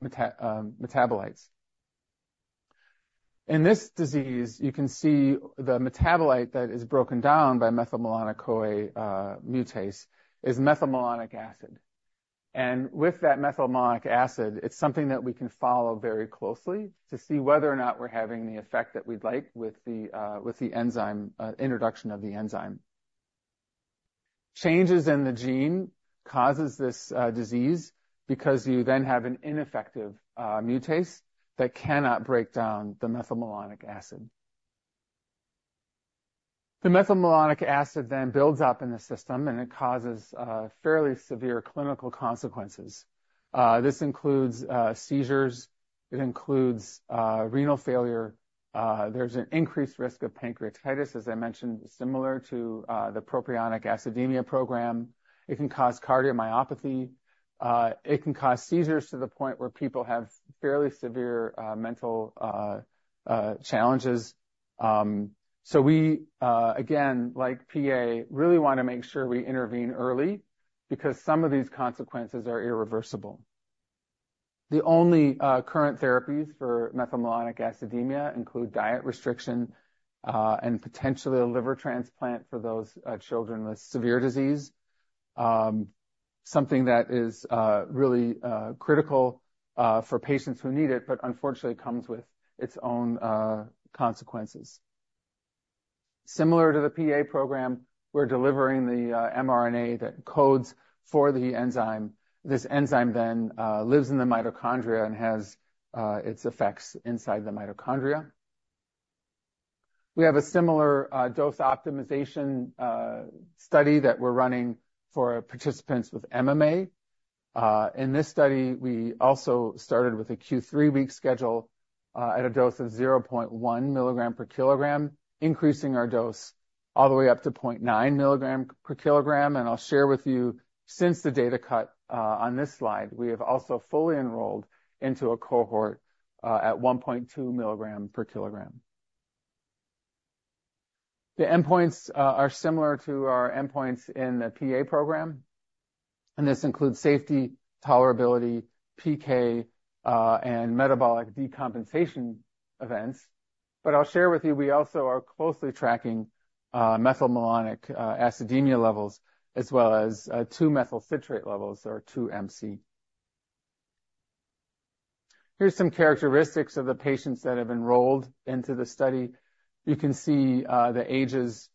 metabolites. In this disease, you can see the metabolite that is broken down by methylmalonyl-CoA mutase is methylmalonic acid. And with that methylmalonic acid, it's something that we can follow very closely to see whether or not we're having the effect that we'd like with the enzyme introduction of the enzyme. Changes in the gene causes this disease because you then have an ineffective mutase that cannot break down the methylmalonic acid. The methylmalonic acid then builds up in the system, and it causes fairly severe clinical consequences. This includes seizures, it includes renal failure. There's an increased risk of pancreatitis, as I mentioned, similar to the propionic acidemia program. It can cause cardiomyopathy. It can cause seizures to the point where people have fairly severe mental challenges. So we again, like PA, really wanna make sure we intervene early, because some of these consequences are irreversible. The only current therapies for methylmalonic acidemia include diet restriction and potentially a liver transplant for those children with severe disease. Something that is really critical for patients who need it, but unfortunately, comes with its own consequences. Similar to the PA program, we're delivering the mRNA that encodes for the enzyme. This enzyme then lives in the mitochondria and has its effects inside the mitochondria. We have a similar dose optimization study that we're running for participants with MMA. In this study, we also started with a Q3 week schedule, at a dose of 0.1 mg per kg, increasing our dose all the way up to 0.9 mg per kg, and I'll share with you, since the data cut on this slide, we have also fully enrolled into a cohort at 1.2 mg per kg. The endpoints are similar to our endpoints in the PA program, and this includes safety, tolerability, PK, and metabolic decompensation events. But I'll share with you, we also are closely tracking methylmalonic acidemia levels, as well as two methylcitrate levels or 2-MC. Here's some characteristics of the patients that have enrolled into the study. You can see the ages-...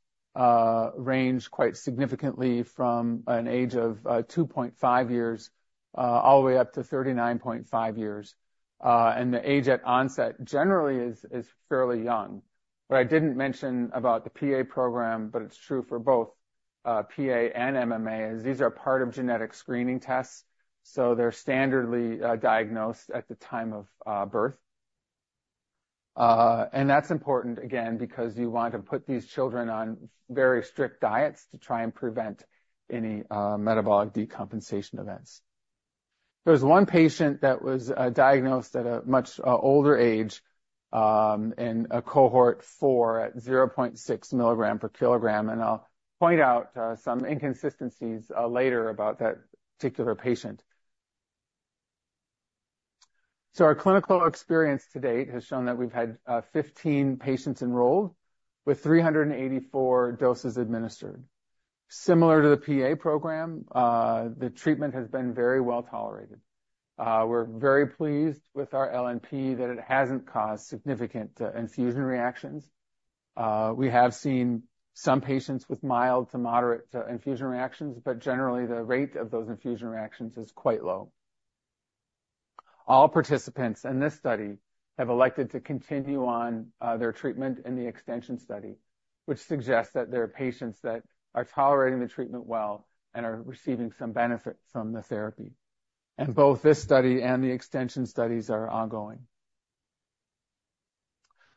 range quite significantly from an age of 2.5 years all the way up to 39.5 years. And the age at onset generally is fairly young. What I didn't mention about the PA program, but it's true for both PA and MMA, is these are part of genetic screening tests, so they're standardly diagnosed at the time of birth. And that's important, again, because you want to put these children on very strict diets to try and prevent any metabolic decompensation events. There was one patient that was diagnosed at a much older age in cohort 4 at 0.6 mg per kg, and I'll point out some inconsistencies later about that particular patient. Our clinical experience to date has shown that we've had 15 patients enrolled with 384 doses administered. Similar to the PA program, the treatment has been very well tolerated. We're very pleased with our LNP, that it hasn't caused significant infusion reactions. We have seen some patients with mild to moderate infusion reactions, but generally, the rate of those infusion reactions is quite low. All participants in this study have elected to continue on their treatment in the extension study, which suggests that there are patients that are tolerating the treatment well and are receiving some benefit from the therapy. Both this study and the extension studies are ongoing.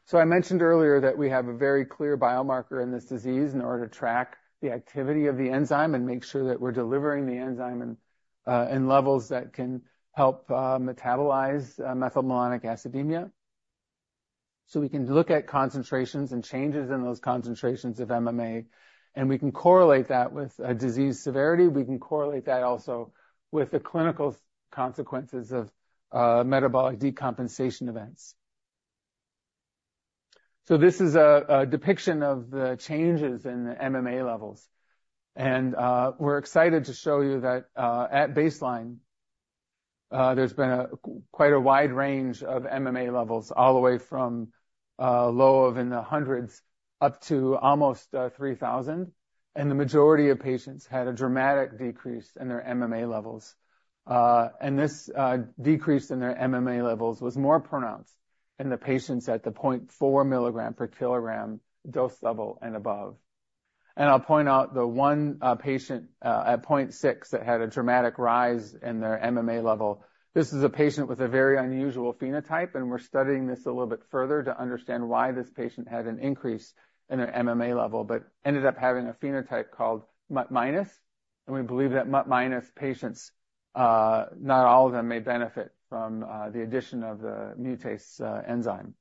So I mentioned earlier that we have a very clear biomarker in this disease in order to track the activity of the enzyme and make sure that we're delivering the enzyme and in levels that can help metabolize methylmalonic acidemia. So we can look at concentrations and changes in those concentrations of MMA, and we can correlate that with disease severity. We can correlate that also with the clinical consequences of metabolic decompensation events. So this is a depiction of the changes in the MMA levels, and we're excited to show you that at baseline, there's been quite a wide range of MMA levels, all the way from low of in the hundreds up to almost three thousand, and the majority of patients had a dramatic decrease in their MMA levels. And this decrease in their MMA levels was more pronounced in the patients at the 0.4 mg per kg dose level and above. And I'll point out the one patient at 0.6 that had a dramatic rise in their MMA level. This is a patient with a very unusual phenotype, and we're studying this a little bit further to understand why this patient had an increase in their MMA level, but ended up having a phenotype called MUT minus. And we believe that MUT minus patients, not all of them may benefit from the addition of the mutase enzyme.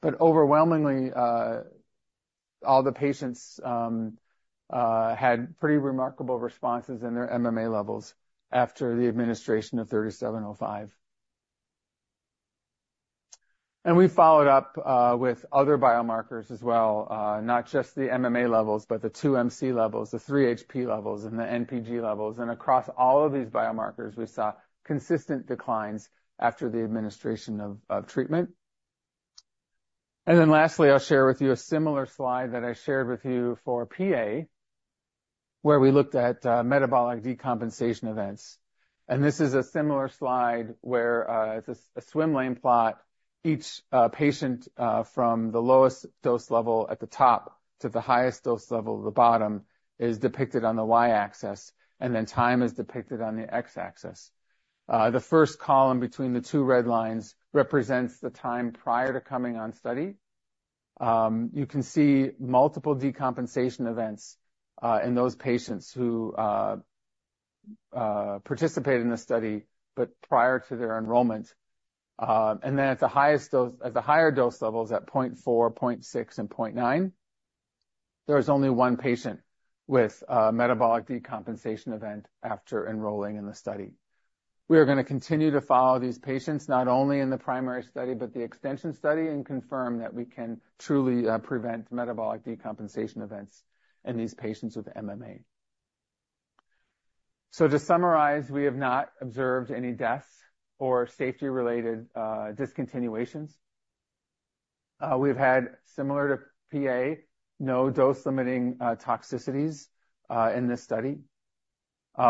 But overwhelmingly, all the patients had pretty remarkable responses in their MMA levels after the administration of 3705. We followed up with other biomarkers as well, not just the MMA levels, but the 2MC levels, the 3-HP levels, and the NPG levels. Across all of these biomarkers, we saw consistent declines after the administration of treatment. Lastly, I'll share with you a similar slide that I shared with you for PA, where we looked at metabolic decompensation events. This is a similar slide where it's a swim lane plot. Each patient from the lowest dose level at the top to the highest dose level at the bottom is depicted on the Y-axis, and then time is depicted on the X-axis. The first column between the two red lines represents the time prior to coming on study. You can see multiple decompensation events in those patients who participated in the study, but prior to their enrollment. At the higher dose levels, at point four, point six, and point nine, there was only one patient with a metabolic decompensation event after enrolling in the study. We are gonna continue to follow these patients, not only in the primary study, but the extension study, and confirm that we can truly prevent metabolic decompensation events in these patients with MMA, so to summarize, we have not observed any deaths or safety-related discontinuations. We've had, similar to PA, no dose-limiting toxicities in this study.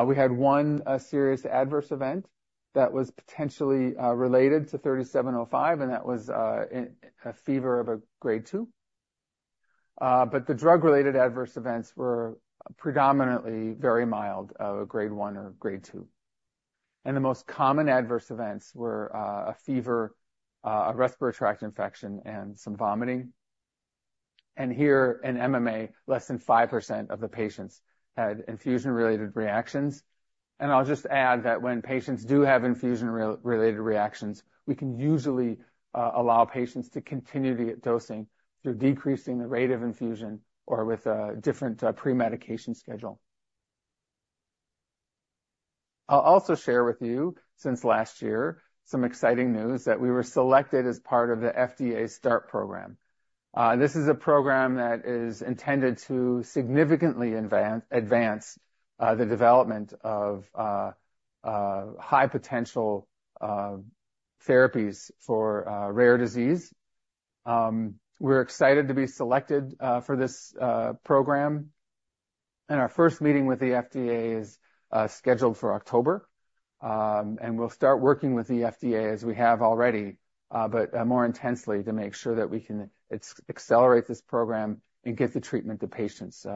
We had one serious adverse event that was potentially related to 3705, and that was a fever of a grade two. But the drug-related adverse events were predominantly very mild, a grade one or grade two. And the most common adverse events were a fever, a respiratory tract infection, and some vomiting. And here in MMA, less than 5% of the patients had infusion-related reactions. And I'll just add that when patients do have infusion-related reactions, we can usually allow patients to continue the dosing through decreasing the rate of infusion or with a different premedication schedule. I'll also share with you, since last year, some exciting news, that we were selected as part of the FDA START program. This is a program that is intended to significantly advance the development of high potential therapies for rare disease. We're excited to be selected for this program, and our first meeting with the FDA is scheduled for October. And we'll start working with the FDA, as we have already, but more intensely, to make sure that we can accelerate this program and get the treatment to patients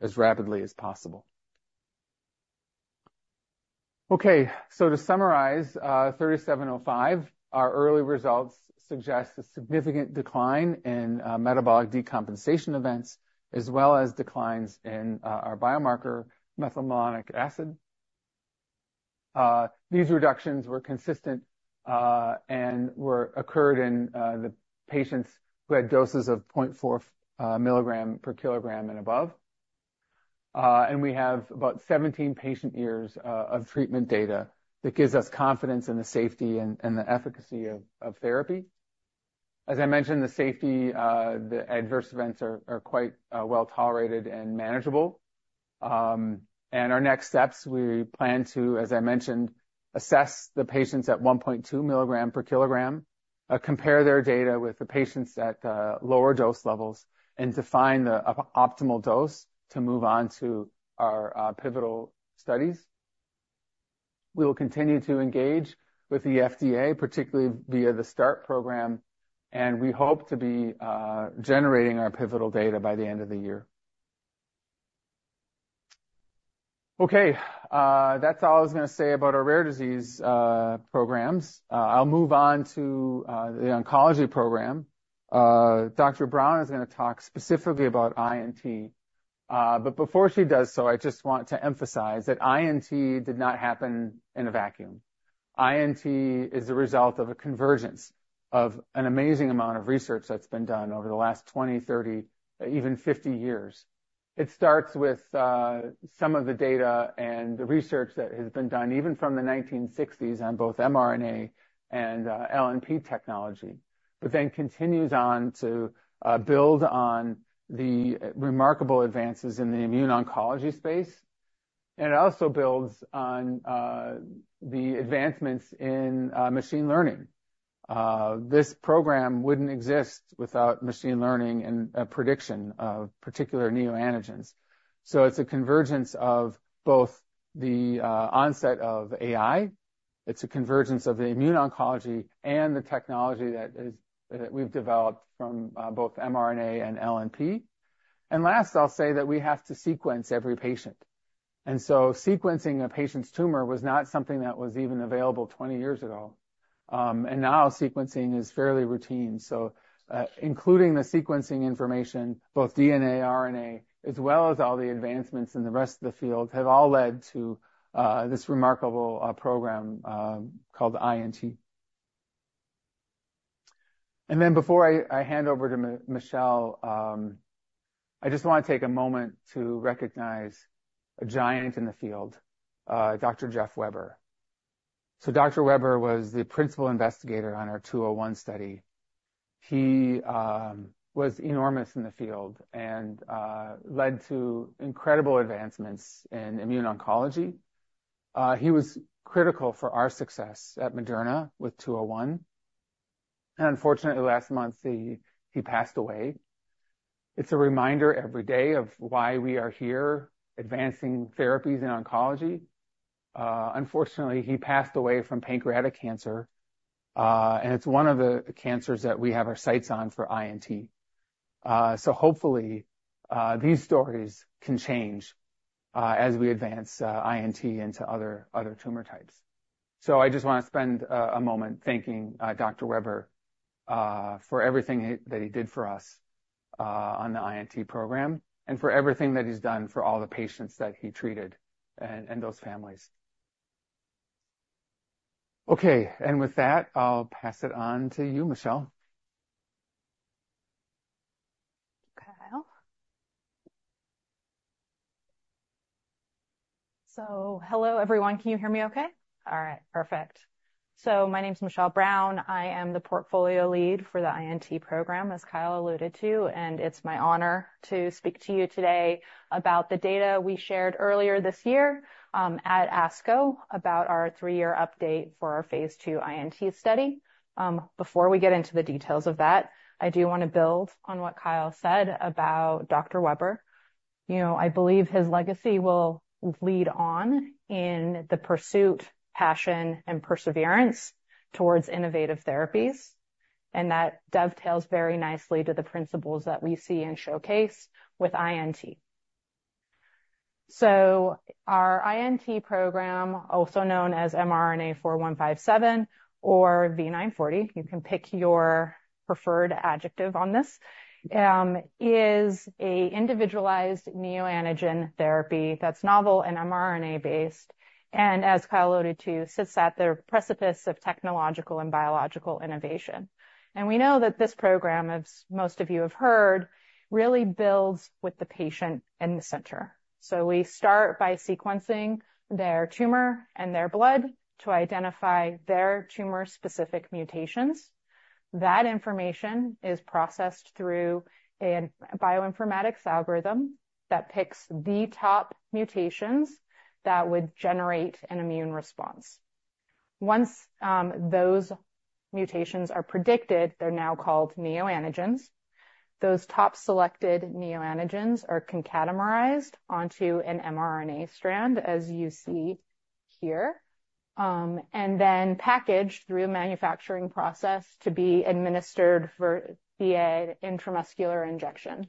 as rapidly as possible. Okay, so to summarize, mRNA-3705, our early results suggest a significant decline in metabolic decompensation events, as well as declines in our biomarker, methylmalonic acid. These reductions were consistent and were occurred in the patients who had doses of 0.4 mg per kg and above. And we have about 17 patient-years of treatment data that gives us confidence in the safety and the efficacy of therapy. As I mentioned, the safety, the adverse events are quite well-tolerated and manageable. And our next steps, we plan to, as I mentioned, assess the patients at 1.2 mgs per kg, compare their data with the patients at lower dose levels, and define the optimal dose to move on to our pivotal studies. We will continue to engage with the FDA, particularly via the START program, and we hope to be generating our pivotal data by the end of the year. Okay, that's all I was going to say about our rare disease programs. I'll move on to the oncology program. Dr. Brown is going to talk specifically about INT. But before she does so, I just want to emphasize that INT did not happen in a vacuum. INT is a result of a convergence of an amazing amount of research that's been done over the last 20, 30, even 50 years. It starts with some of the data and the research that has been done, even from the 1960s, on both mRNA and LNP technology, but then continues on to build on the remarkable advances in the immuno-oncology space. It also builds on the advancements in machine learning. This program wouldn't exist without machine learning and prediction of particular neoantigens. So it's a convergence of both the onset of AI. It's a convergence of the immuno-oncology and the technology that we've developed from both mRNA and LNP. Last, I'll say that we have to sequence every patient. And so sequencing a patient's tumor was not something that was even available twenty years ago, and now sequencing is fairly routine. So, including the sequencing information, both DNA, RNA, as well as all the advancements in the rest of the field, have all led to this remarkable program called INT. And then before I hand over to Michelle, I just want to take a moment to recognize a giant in the field, Dr. Jeff Weber. So Dr. Weber was the principal investigator on our 201 study. He was enormous in the field and led to incredible advancements in immune oncology. He was critical for our success at Moderna with 201, and unfortunately, last month, he passed away. It's a reminder every day of why we are here advancing therapies in oncology. Unfortunately, he passed away from pancreatic cancer, and it's one of the cancers that we have our sights on for INT. So hopefully, these stories can change as we advance INT into other tumor types. So I just want to spend a moment thanking Dr. Weber for everything that he did for us on the INT program, and for everything that he's done for all the patients that he treated and those families. Okay, and with that, I'll pass it on to you, Michelle. Hello, everyone. Can you hear me okay? All right, perfect. So my name is Michelle Brown. I am the portfolio lead for the INT program, as Kyle alluded to, and it's my honor to speak to you today about the data we shared earlier this year at ASCO, about our three-year update for our phase II INT study. Before we get into the details of that, I do want to build on what Kyle said about Dr. Weber. You know, I believe his legacy will live on in the pursuit, passion, and perseverance towards innovative therapies, and that dovetails very nicely to the principles that we see and showcase with INT. So our INT program, also known as mRNA-4157 or V940, you can pick your preferred adjective on this, is an individualized neoantigen therapy that's novel and mRNA based, and as Kyle alluded to, sits at the precipice of technological and biological innovation. And we know that this program, as most of you have heard, really builds with the patient in the center. So we start by sequencing their tumor and their blood to identify their tumor-specific mutations. That information is processed through a bioinformatics algorithm that picks the top mutations that would generate an immune response. Once, those mutations are predicted, they're now called neoantigens. Those top selected neoantigens are concatenated onto an mRNA strand, as you see here, and then packaged through a manufacturing process to be administered via intramuscular injection.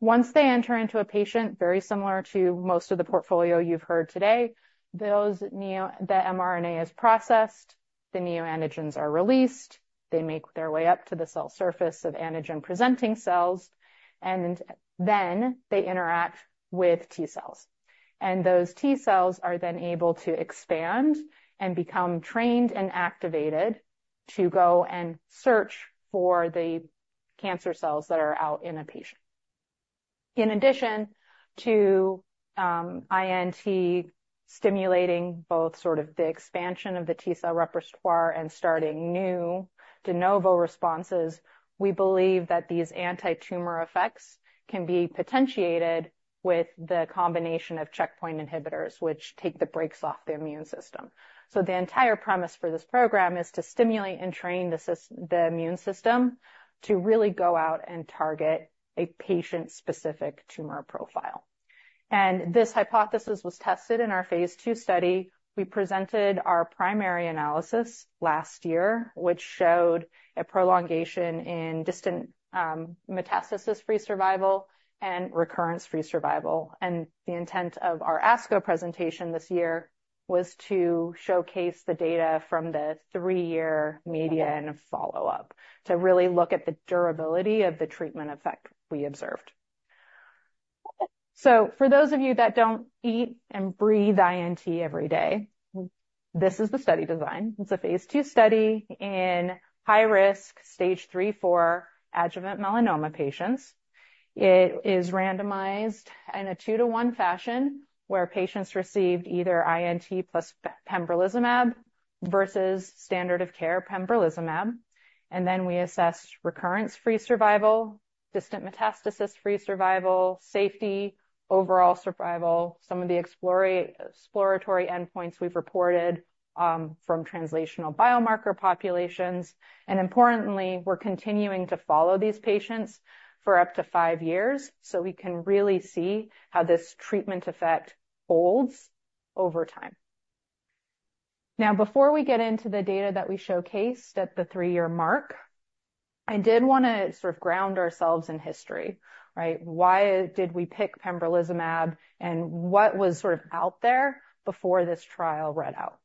Once they enter into a patient, very similar to most of the portfolio you've heard today, those, the mRNA is processed, the neoantigens are released, they make their way up to the cell surface of antigen-presenting cells, and then they interact with T-cells, and those T-cells are then able to expand and become trained and activated to go and search for the cancer cells that are out in a patient. In addition to INT stimulating both sort of the expansion of the T-cell repertoire and starting new de novo responses, we believe that these anti-tumor effects can be potentiated with the combination of checkpoint inhibitors, which take the brakes off the immune system, so the entire premise for this program is to stimulate and train the immune system, to really go out and target a patient-specific tumor profile. This hypothesis was tested in our phase II study. We presented our primary analysis last year, which showed a prolongation in distant metastasis-free survival and recurrence-free survival. The intent of our ASCO presentation this year was to showcase the data from the three-year median follow-up, to really look at the durability of the treatment effect we observed. For those of you that don't eat and breathe INT every day, this is the study design. It's a phase II study in high-risk Stage III, IV adjuvant melanoma patients. It is randomized in a two-to-one fashion, where patients received either INT plus pembrolizumab versus standard of care pembrolizumab. We assessed recurrence-free survival, distant metastasis-free survival, safety, overall survival, some of the exploratory endpoints we've reported from translational biomarker populations. Importantly, we're continuing to follow these patients for up to five years, so we can really see how this treatment effect holds over time. Now, before we get into the data that we showcased at the three-year mark, I did wanna sort of ground ourselves in history, right? Why did we pick pembrolizumab, and what was sort of out there before this trial read out?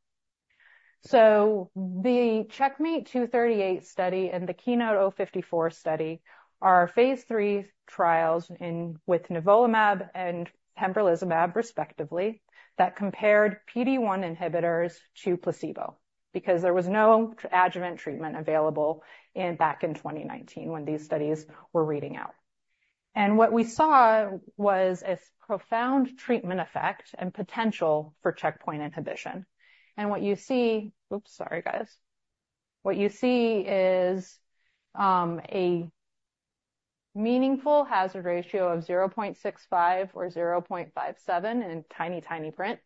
So the CheckMate 238 study and the Keynote-054 study are phase III trials in with nivolumab and pembrolizumab, respectively, that compared PD-1 inhibitors to placebo, because there was no adjuvant treatment available in, back in 2019 when these studies were reading out. And what we saw was a profound treatment effect and potential for checkpoint inhibition. And what you see. Oops, sorry, guys. What you see is a meaningful hazard ratio of 0.65 or 0.57 in tiny, tiny print,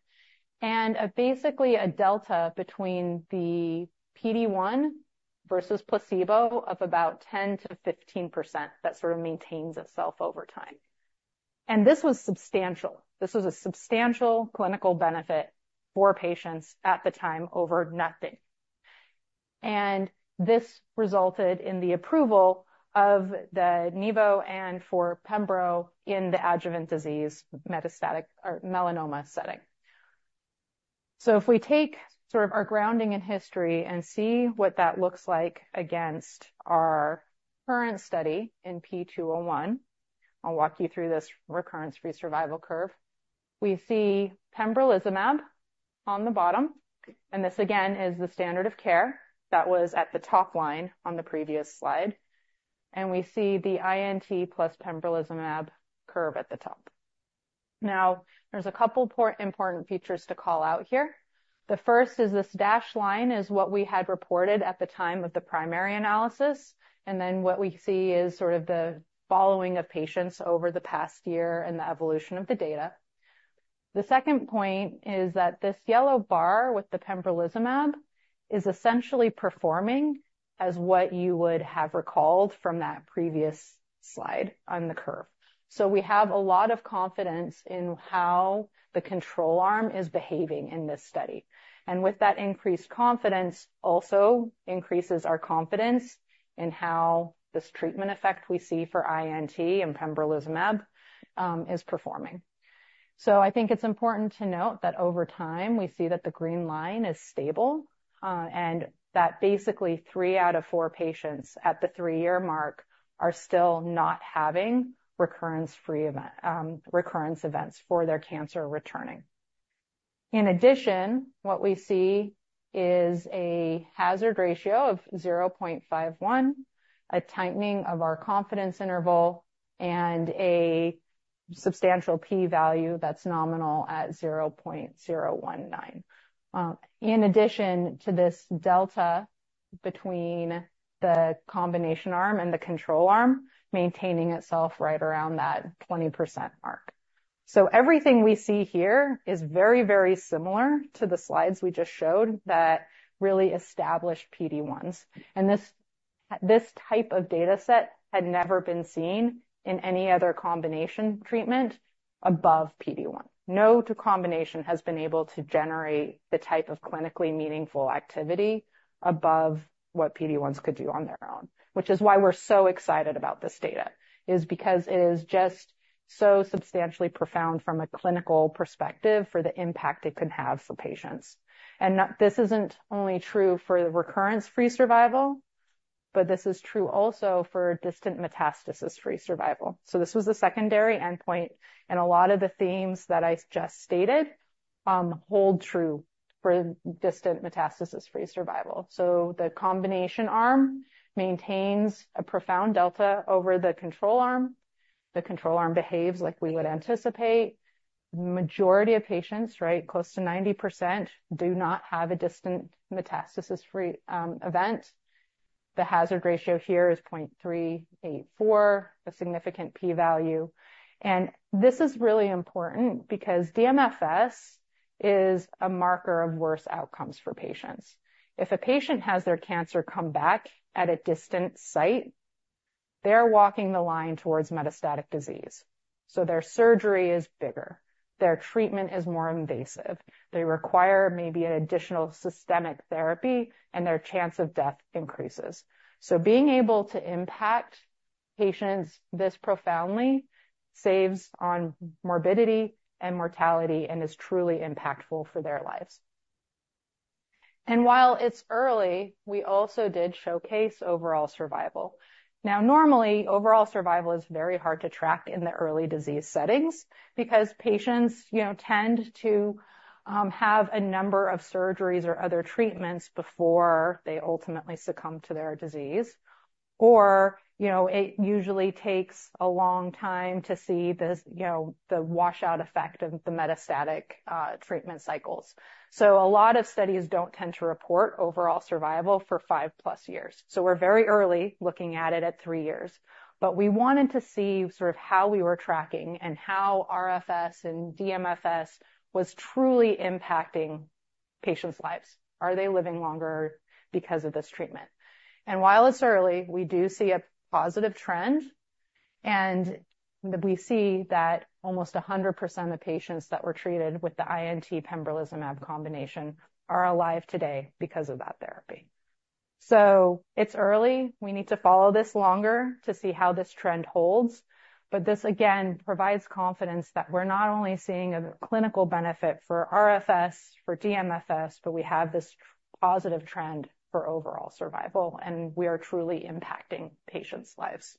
and basically, a delta between the PD-1 versus placebo of about 10%-15% that sort of maintains itself over time. This was substantial. This was a substantial clinical benefit for patients at the time over nothing. This resulted in the approval of the nivo and for pembro in the adjuvant disease, metastatic or melanoma setting. If we take sort of our grounding in history and see what that looks like against our current study in P201, I'll walk you through this recurrence-free survival curve. We see pembrolizumab on the bottom, and this again, is the standard of care that was at the top line on the previous slide, and we see the INT plus pembrolizumab curve at the top. Now, there's a couple of important features to call out here. The first is this dashed line is what we had reported at the time of the primary analysis, and then what we see is sort of the follow-up of patients over the past year and the evolution of the data. The second point is that this yellow bar with the pembrolizumab is essentially performing as what you would have recalled from that previous slide on the curve. So we have a lot of confidence in how the control arm is behaving in this study. With that increased confidence, also increases our confidence in how this treatment effect we see for INT and pembrolizumab is performing. So I think it's important to note that over time, we see that the green line is stable, and that basically three out of four patients at the three-year mark are still not having recurrence-free event, recurrence events for their cancer returning. In addition, what we see is a hazard ratio of 0.51, a tightening of our confidence interval, and a substantial P value that's nominal at 0.019. In addition to this delta between the combination arm and the control arm, maintaining itself right around that 20% mark. So everything we see here is very, very similar to the slides we just showed that really established PD-1s. And this, this type of data set had never been seen in any other combination treatment above PD-1. No two combination has been able to generate the type of clinically meaningful activity above what PD-1s could do on their own, which is why we're so excited about this data, is because it is just so substantially profound from a clinical perspective for the impact it can have for patients. This isn't only true for the recurrence-free survival, but this is true also for distant metastasis-free survival. This was a secondary endpoint, and a lot of the themes that I just stated hold true for distant metastasis-free survival. The combination arm maintains a profound delta over the control arm. The control arm behaves like we would anticipate. Majority of patients, right, close to 90%, do not have a distant metastasis-free event. The hazard ratio here is 0.384, a significant p-value. This is really important because DMFS is a marker of worse outcomes for patients. If a patient has their cancer come back at a distant site, they're walking the line towards metastatic disease, so their surgery is bigger, their treatment is more invasive, they require maybe an additional systemic therapy, and their chance of death increases. Being able to impact patients this profoundly saves on morbidity and mortality and is truly impactful for their lives. While it's early, we also did showcase overall survival. Now, normally, overall survival is very hard to track in the early disease settings because patients, you know, tend to have a number of surgeries or other treatments before they ultimately succumb to their disease. Or, you know, it usually takes a long time to see this, you know, the washout effect of the metastatic treatment cycles. So a lot of studies don't tend to report overall survival for five-plus years. So we're very early looking at it at three years. But we wanted to see sort of how we were tracking and how RFS and DMFS was truly impacting patients' lives. Are they living longer because of this treatment? And while it's early, we do see a positive trend, and we see that almost 100% of patients that were treated with the INT pembrolizumab combination are alive today because of that therapy. So it's early. We need to follow this longer to see how this trend holds, but this, again, provides confidence that we're not only seeing a clinical benefit for RFS, for DMFS, but we have this positive trend for overall survival, and we are truly impacting patients' lives.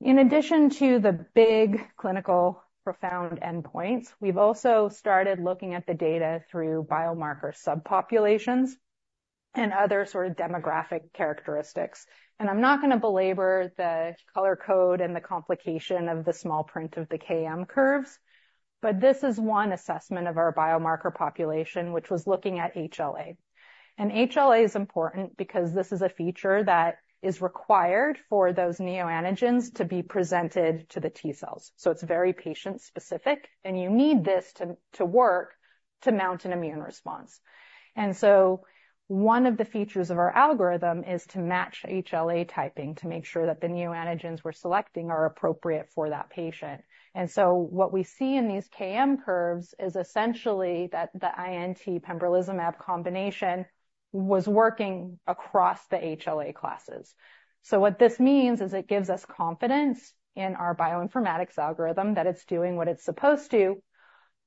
In addition to the big clinical profound endpoints, we've also started looking at the data through biomarker subpopulations and other sort of demographic characteristics. And I'm not gonna belabor the color code and the complication of the small print of the KM curves, but this is one assessment of our biomarker population, which was looking at HLA. And HLA is important because this is a feature that is required for those neoantigens to be presented to the T cells. So it's very patient-specific, and you need this to, to work to mount an immune response. And so one of the features of our algorithm is to match HLA typing to make sure that the neoantigens we're selecting are appropriate for that patient. And so what we see in these KM curves is essentially that the INT pembrolizumab combination was working across the HLA classes. What this means is it gives us confidence in our bioinformatics algorithm that it's doing what it's supposed to,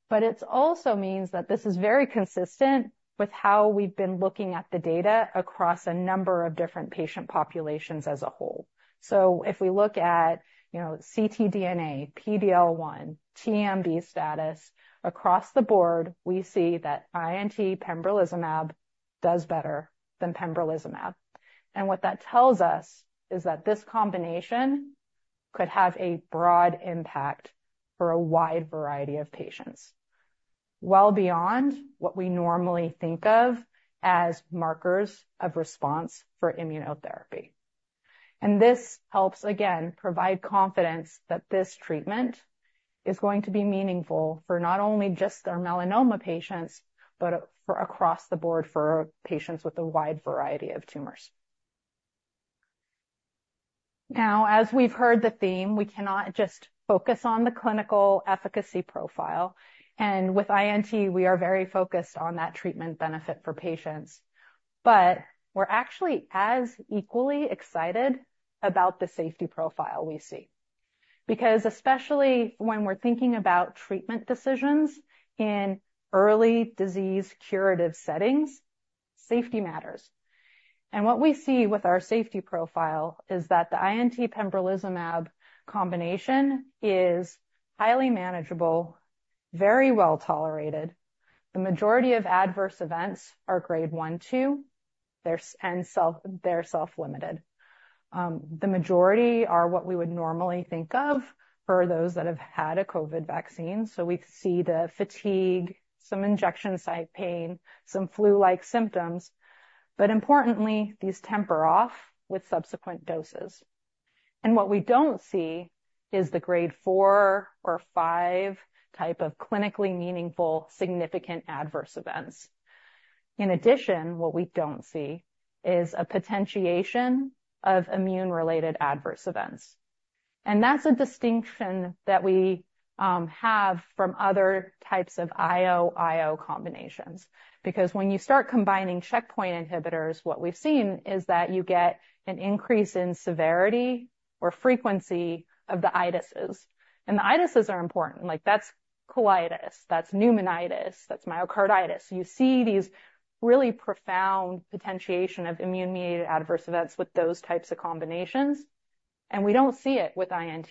but it also means that this is very consistent with how we've been looking at the data across a number of different patient populations as a whole. So if we look at, you know, ctDNA, PD-L1, TMB status across the board, we see that INT pembrolizumab does better than pembrolizumab. And what that tells us is that this combination could have a broad impact for a wide variety of patients, well beyond what we normally think of as markers of response for immunotherapy. And this helps, again, provide confidence that this treatment is going to be meaningful for not only just our melanoma patients, but for across the board for patients with a wide variety of tumors. Now, as we've heard the theme, we cannot just focus on the clinical efficacy profile, and with INT, we are very focused on that treatment benefit for patients, but we're actually as equally excited about the safety profile we see, because especially when we're thinking about treatment decisions in early disease curative settings, safety matters, and what we see with our safety profile is that the INT pembrolizumab combination is highly manageable, very well tolerated. The majority of adverse events are grade one, two, and they're self-limited. The majority are what we would normally think of for those that have had a COVID vaccine. So we see the fatigue, some injection site pain, some flu-like symptoms, but importantly, these temper off with subsequent doses, and what we don't see is the grade four or five type of clinically meaningful, significant adverse events. In addition, what we don't see is a potentiation of immune-related adverse events, and that's a distinction that we have from other types of IO combinations, because when you start combining checkpoint inhibitors, what we've seen is that you get an increase in severity or frequency of the itises, and the itises are important, like, that's colitis, that's pneumonitis, that's myocarditis. You see these really profound potentiation of immune-mediated adverse events with those types of combinations, and we don't see it with INT,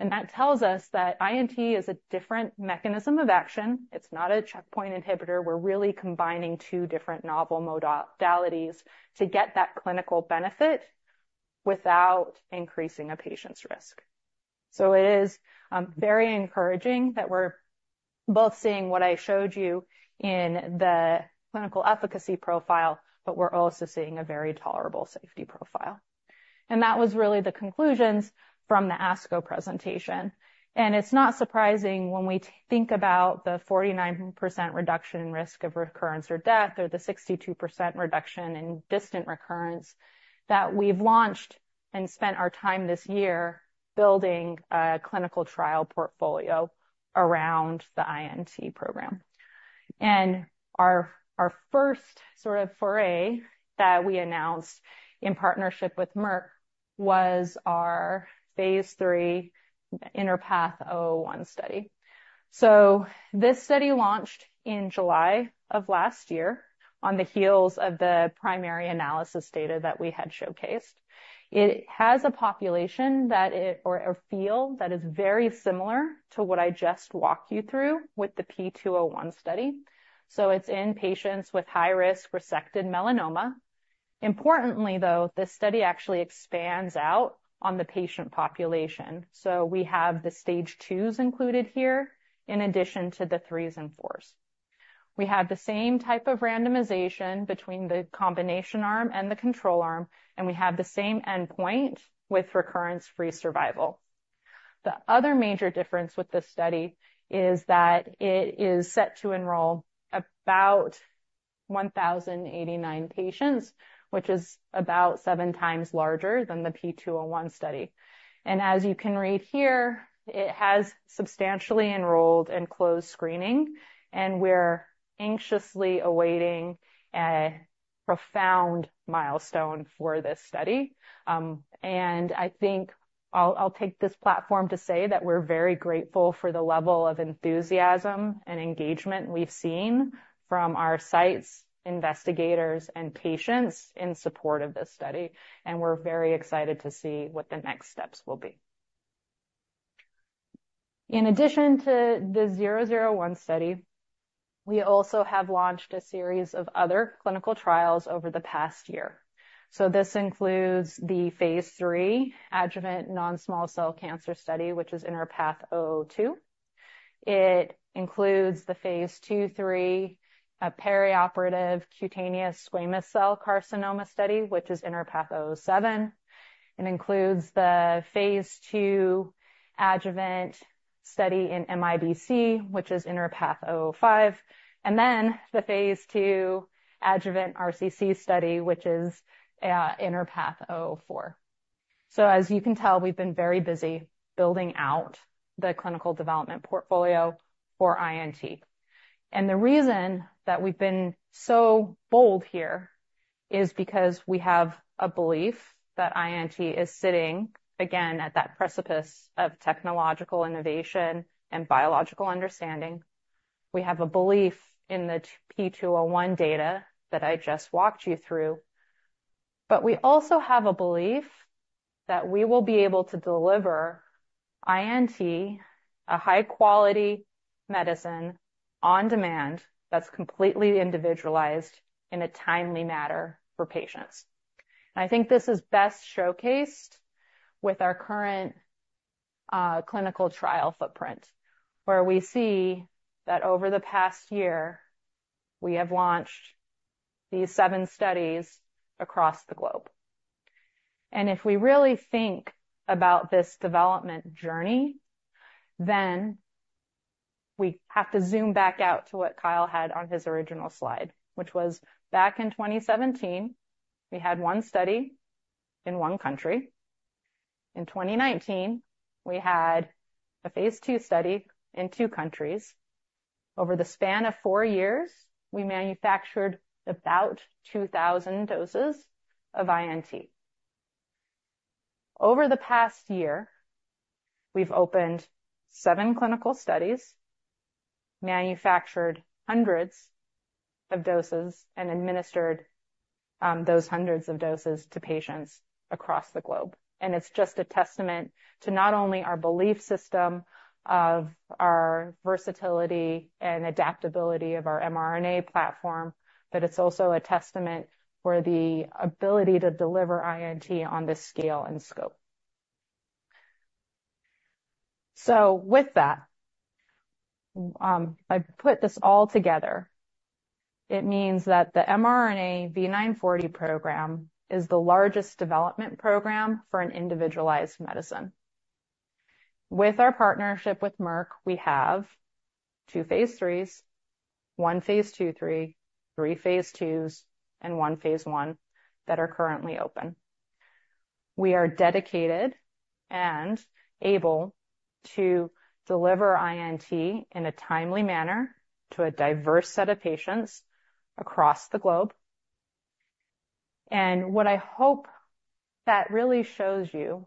and that tells us that INT is a different mechanism of action. It's not a checkpoint inhibitor. We're really combining two different novel modalities to get that clinical benefit without increasing a patient's risk, so it is very encouraging that we're both seeing what I showed you in the clinical efficacy profile, but we're also seeing a very tolerable safety profile. That was really the conclusions from the ASCO presentation. It's not surprising when we think about the 49% reduction in risk of recurrence or death, or the 62% reduction in distant recurrence, that we've launched and spent our time this year building a clinical trial portfolio around the INT program. Our first sort of foray that we announced in partnership with Merck was our phase III INTerpath-001 study. This study launched in July of last year on the heels of the primary analysis data that we had showcased. It has a population that it-- or a field that is very similar to what I just walked you through with the P201 study. It's in patients with high risk resected melanoma. Importantly, though, this study actually expands out on the patient population, so we have the Stage IIs included here, in addition to the IIIs and IVs. We have the same type of randomization between the combination arm and the control arm, and we have the same endpoint with recurrence-free survival. The other major difference with this study is that it is set to enroll about 1,089 patients, which is about seven times larger than the P201 study. And as you can read here, it has substantially enrolled. In closed screening, and we're anxiously awaiting a profound milestone for this study. And I think I'll take this platform to say that we're very grateful for the level of enthusiasm and engagement we've seen from our sites, investigators, and patients in support of this study, and we're very excited to see what the next steps will be. In addition to the 001 study, we also have launched a series of other clinical trials over the past year. This includes the phase III adjuvant non-small cell cancer study, which is INTerpath-002. It includes the phase II/III perioperative cutaneous squamous cell carcinoma study, which is INTerpath-007. It includes the phase II adjuvant study in MIBC, which is INTerpath-005, and then the phase II adjuvant RCC study, which is INTerpath-004. As you can tell, we've been very busy building out the clinical development portfolio for INT. The reason that we've been so bold here is because we have a belief that INT is sitting, again, at that precipice of technological innovation and biological understanding. We have a belief in the P201 data that I just walked you through, but we also have a belief that we will be able to deliver INT, a high-quality medicine, on demand, that's completely individualized in a timely matter for patients. I think this is best showcased with our current, clinical trial footprint, where we see that over the past year, we have launched these seven studies across the globe. If we really think about this development journey, then we have to zoom back out to what Kyle had on his original slide, which was back in 2017, we had one study in one country. In 2019, we had a phase II study in two countries. Over the span of four years, we manufactured about 2,000 doses of INT. Over the past year, we've opened seven clinical studies, manufactured hundreds of doses, and administered those hundreds of doses to patients across the globe. And it's just a testament to not only our belief system of our versatility and adaptability of our mRNA platform, but it's also a testament for the ability to deliver INT on this scale and scope. So with that, I put this all together. It means that the mRNA V940 program is the largest development program for an individualized medicine. With our partnership with Merck, we have two phase IIIs, one phase II/III, three phase IIs, and one phase I that are currently open. We are dedicated and able to deliver INT in a timely manner to a diverse set of patients across the globe. What I hope that really shows you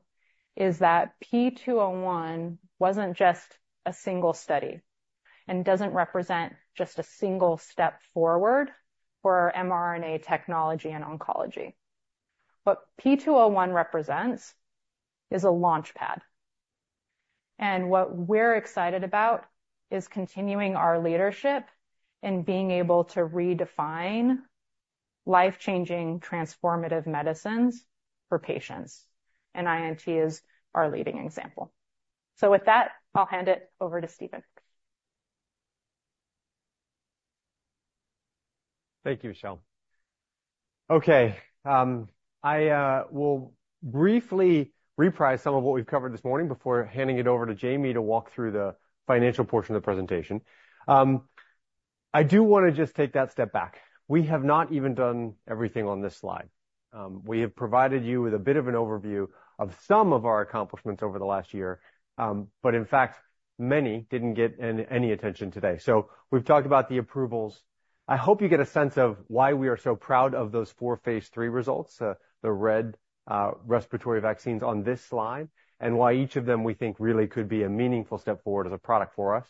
is that P201 wasn't just a single study and doesn't represent just a single step forward for our mRNA technology in oncology. What P201 represents is a launchpad, and what we're excited about is continuing our leadership in being able to redefine life-changing, transformative medicines for patients, and INT is our leading example. With that, I'll hand it over to Stephen. Thank you, Michelle. Okay, I will briefly recap some of what we've covered this morning before handing it over to Jamey to walk through the financial portion of the presentation. I do wanna just take that step back. We have not even done everything on this slide. We have provided you with a bit of an overview of some of our accomplishments over the last year, but in fact, many didn't get any attention today. So we've talked about the approvals. I hope you get a sense of why we are so proud of those four phase III results, the red respiratory vaccines on this slide, and why each of them, we think, really could be a meaningful step forward as a product for us.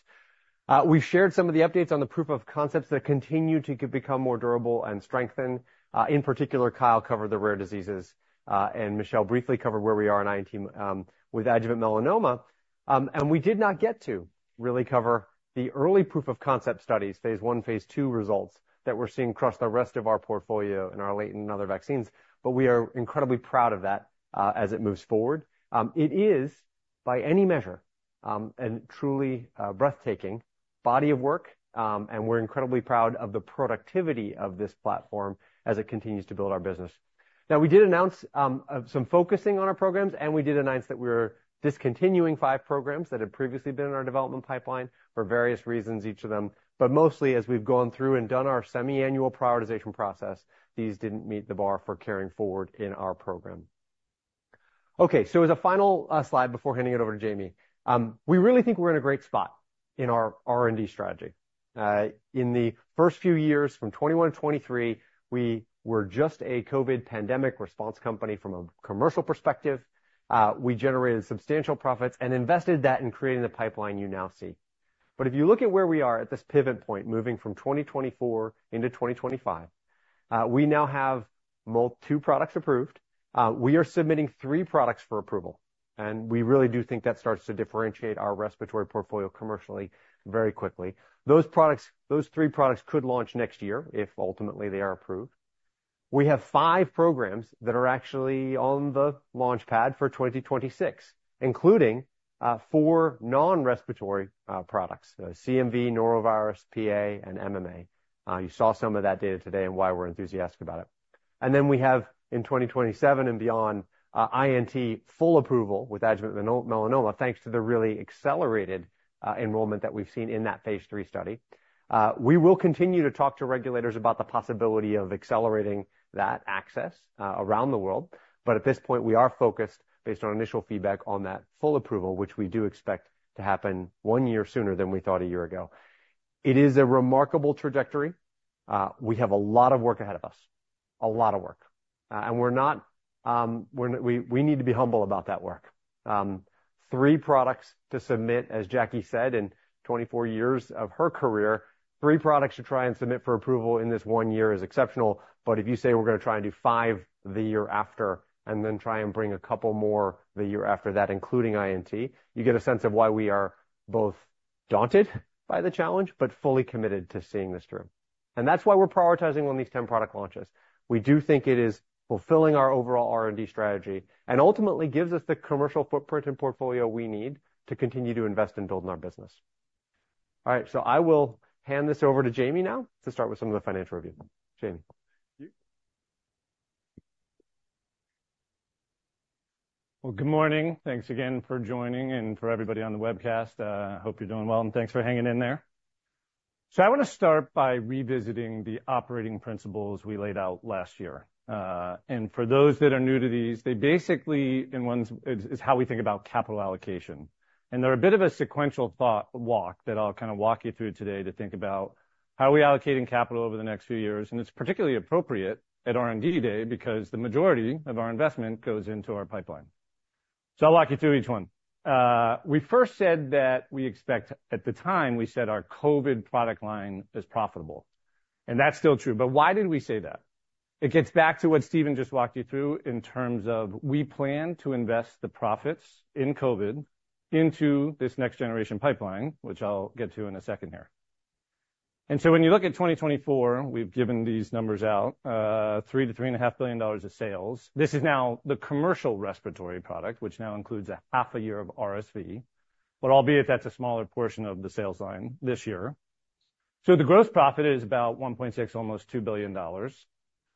We've shared some of the updates on the proof of concepts that continue to become more durable and strengthen. In particular, Kyle covered the rare diseases, and Michelle briefly covered where we are in INT, with adjuvant melanoma. And we did not get to really cover the early proof of concept studies, phase I, phase II results, that we're seeing across the rest of our portfolio in our late and other vaccines, but we are incredibly proud of that, as it moves forward. It is, by any measure, and truly, a breathtaking body of work, and we're incredibly proud of the productivity of this platform as it continues to build our business. Now, we did announce some focusing on our programs, and we did announce that we were discontinuing five programs that had previously been in our development pipeline for various reasons, each of them. But mostly, as we've gone through and done our semi-annual prioritization process, these didn't meet the bar for carrying forward in our program. Okay, so as a final slide before handing it over to Jamey. We really think we're in a great spot in our R&D strategy. In the first few years, from 2021 to 2023, we were just a COVID pandemic response company from a commercial perspective. We generated substantial profits and invested that in creating the pipeline you now see. But if you look at where we are at this pivot point, moving from 2024 into 2025, we now have two products approved. We are submitting three products for approval, and we really do think that starts to differentiate our respiratory portfolio commercially, very quickly. Those products, those three products could launch next year if ultimately they are approved. We have five programs that are actually on the launch pad for twenty twenty-six, including four non-respiratory products, CMV, norovirus, PA, and MMA. You saw some of that data today and why we're enthusiastic about it. And then we have, in 2027 and beyond, INT full approval with adjuvant melanoma, thanks to the really accelerated enrollment that we've seen in that phase III study. We will continue to talk to regulators about the possibility of accelerating that access around the world. But at this point, we are focused, based on initial feedback on that full approval, which we do expect to happen one year sooner than we thought a year ago. It is a remarkable trajectory. We have a lot of work ahead of us, a lot of work. And we need to be humble about that work. Three products to submit, as Jackie said, in 24 years of her career, three products to try and submit for approval in this one year is exceptional. But if you say we're gonna try and do five the year after, and then try and bring a couple more the year after that, including INT, you get a sense of why we are both daunted by the challenge, but fully committed to seeing this through. And that's why we're prioritizing on these 10 product launches. We do think it is fulfilling our overall R&D strategy and ultimately gives us the commercial footprint and portfolio we need to continue to invest in building our business. All right, so I will hand this over to Jamey now to start with some of the financial review. Jamey, thank you. Good morning. Thanks again for joining, and for everybody on the webcast, hope you're doing well, and thanks for hanging in there. I wanna start by revisiting the operating principles we laid out last year. For those that are new to these, they basically, it's how we think about capital allocation. They're a bit of a sequential thought walk that I'll kind of walk you through today to think about how are we allocating capital over the next few years, and it's particularly appropriate at R&D Day because the majority of our investment goes into our pipeline. I'll walk you through each one. We first said that we expect, at the time, we said our COVID product line is profitable, and that's still true, but why did we say that? It gets back to what Stephen just walked you through in terms of we plan to invest the profits in COVID into this next generation pipeline, which I'll get to in a second here. And so when you look at 2024, we've given these numbers out, $3 billion-$3.5 billion of sales. This is now the commercial respiratory product, which now includes a half a year of RSV, but albeit that's a smaller portion of the sales line this year. The gross profit is about $1.6 billion-almost $2 billion.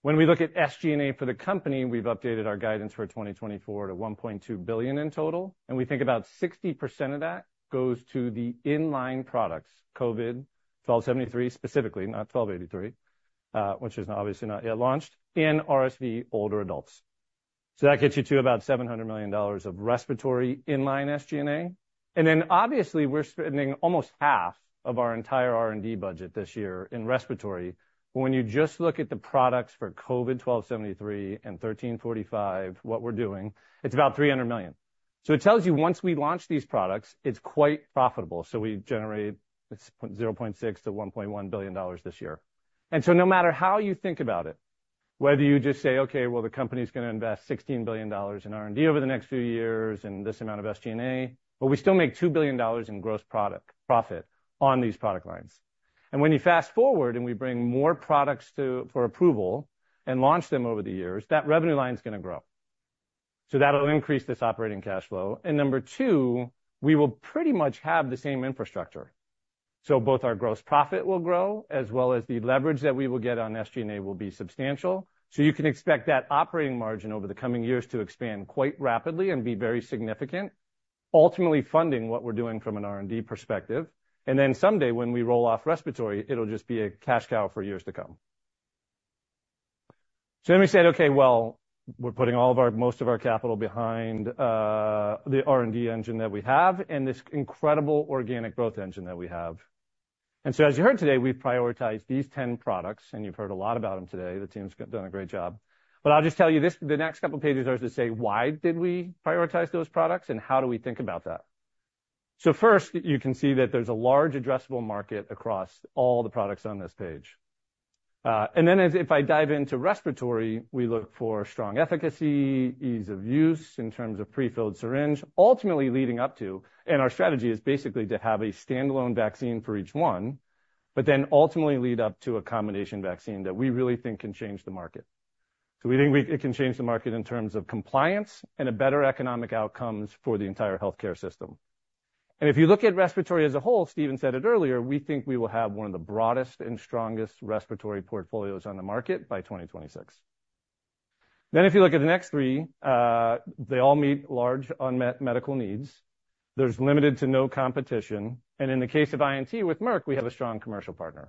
When we look at SG&A for the company, we've updated our guidance for 2024 to $1.2 billion in total, and we think about 60% of that goes to the in-line products, COVID, mRNA-1273, specifically, not mRNA-1283, which is obviously not yet launched, in RSV older adults. That gets you to about $700 million of respiratory in-line SG&A. And then obviously, we're spending almost half of our entire R&D budget this year in respiratory. But when you just look at the products for COVID-1273 and 1345, what we're doing, it's about $300 million. So it tells you once we launch these products, it's quite profitable. So we generate it's point zero point six to one point one billion dollars this year. And so no matter how you think about it, whether you just say, "Okay, well, the company's gonna invest $16 billion in R&D over the next few years and this amount of SG&A," but we still make $2 billion in gross product profit on these product lines. And when you fast forward, and we bring more products for approval and launch them over the years, that revenue line is gonna grow. So that'll increase this operating cash flow. And number two, we will pretty much have the same infrastructure. So both our gross profit will grow, as well as the leverage that we will get on SG&A will be substantial. So you can expect that operating margin over the coming years to expand quite rapidly and be very significant, ultimately funding what we're doing from an R&D perspective. And then someday, when we roll off respiratory, it'll just be a cash cow for years to come. So then we said, "Okay, well, we're putting most of our capital behind the R&D engine that we have and this incredible organic growth engine that we have." And so, as you heard today, we've prioritized these ten products, and you've heard a lot about them today. The team's done a great job. But I'll just tell you, this, the next couple of pages are to say, why did we prioritize those products, and how do we think about that? So first, you can see that there's a large addressable market across all the products on this page, and then if I dive into respiratory, we look for strong efficacy, ease of use in terms of prefilled syringe, ultimately leading up to, and our strategy is basically to have a standalone vaccine for each one, but then ultimately lead up to a combination vaccine that we really think can change the market. So we think it can change the market in terms of compliance and a better economic outcomes for the entire healthcare system. If you look at respiratory as a whole, Stephen said it earlier, we think we will have one of the broadest and strongest respiratory portfolios on the market by 2026. Then if you look at the next three, they all meet large unmet medical needs. There's limited to no competition, and in the case of INT with Merck, we have a strong commercial partner.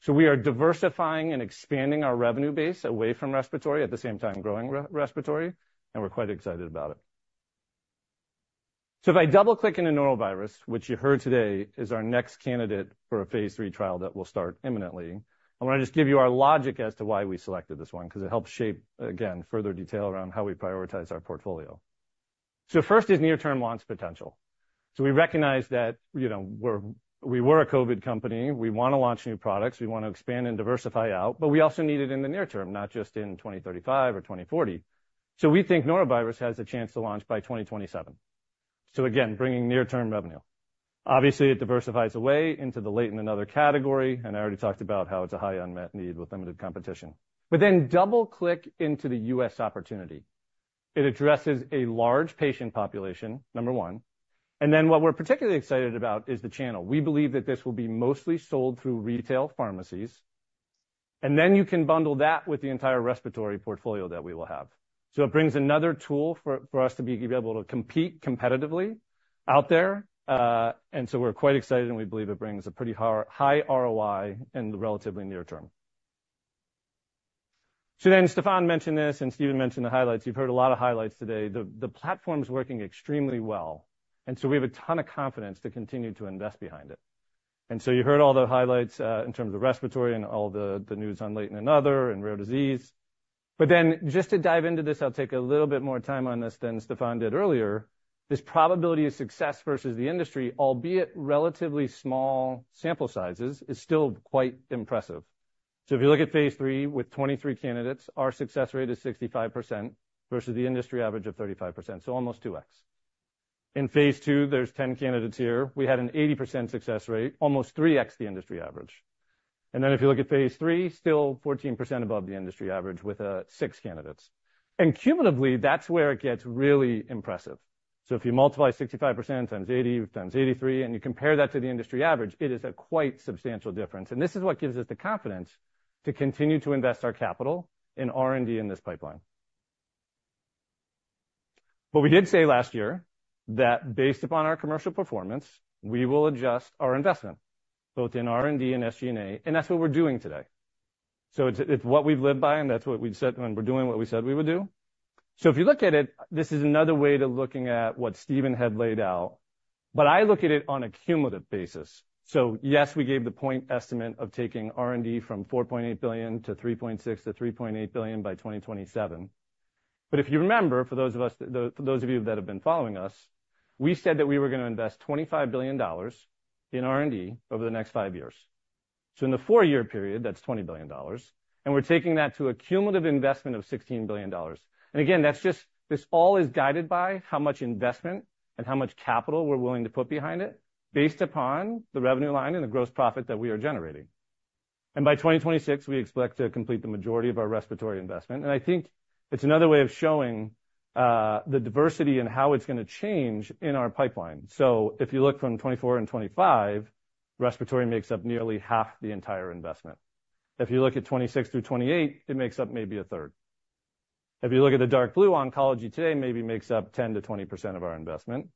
So we are diversifying and expanding our revenue base away from respiratory, at the same time, growing respiratory, and we're quite excited about it. So if I double-click in the norovirus, which you heard today, is our next candidate for a phase III trial that will start imminently, I wanna just give you our logic as to why we selected this one, because it helps shape, again, further detail around how we prioritize our portfolio. So first is near-term launch potential. So we recognize that, you know, we were a COVID company, we wanna launch new products, we wanna expand and diversify out, but we also need it in the near term, not just in 2035 or 2040. So we think norovirus has a chance to launch by 2027. So again, bringing near-term revenue. Obviously, it diversifies away into the late and another category, and I already talked about how it's a high unmet need with limited competition. But then double-click into the U.S. opportunity. It addresses a large patient population, number one, and then what we're particularly excited about is the channel. We believe that this will be mostly sold through retail pharmacies, and then you can bundle that with the entire respiratory portfolio that we will have. So it brings another tool for us to be able to compete competitively out there, and so we're quite excited, and we believe it brings a pretty high ROI in the relatively near term. So then Stéphane mentioned this, and Stephen mentioned the highlights. You've heard a lot of highlights today. The platform's working extremely well, and so we have a ton of confidence to continue to invest behind it. And so you heard all the highlights in terms of respiratory and all the news on late and oncology and rare disease. But then, just to dive into this, I'll take a little bit more time on this than Stéphane did earlier. This probability of success versus the industry, albeit relatively small sample sizes, is still quite impressive. So if you look at phase III with 23 candidates, our success rate is 65% versus the industry average of 35%, so almost two X. In phase II, there's 10 candidates here. We had an 80% success rate, almost three X the industry average. And then if you look at phase III, still 14% above the industry average with six candidates. And cumulatively, that's where it gets really impressive. So if you multiply 65% times 80 times 83, and you compare that to the industry average, it is a quite substantial difference. And this is what gives us the confidence to continue to invest our capital in R&D in this pipeline. But we did say last year that based upon our commercial performance, we will adjust our investment, both in R&D and SG&A, and that's what we're doing today. So it's, it's what we've lived by, and that's what we've said, and we're doing what we said we would do. So if you look at it, this is another way to looking at what Stephen had laid out, but I look at it on a cumulative basis. So yes, we gave the point estimate of taking R&D from $4.8 billion to $3.6 billion-$3.8 billion by 2027. But if you remember, for those of you that have been following us, we said that we were gonna invest $25 billion in R&D over the next five years. So in the four-year period, that's $20 billion, and we're taking that to a cumulative investment of $16 billion. And again, that's just... This all is guided by how much investment and how much capital we're willing to put behind it, based upon the revenue line and the gross profit that we are generating. By 2026, we expect to complete the majority of our respiratory investment. I think it's another way of showing the diversity and how it's gonna change in our pipeline. If you look from 2024 and 2025, respiratory makes up nearly half the entire investment. If you look at 2026 through 2028, it makes up maybe a third. If you look at the dark blue, oncology today, maybe makes up 10% to 20% of our investment.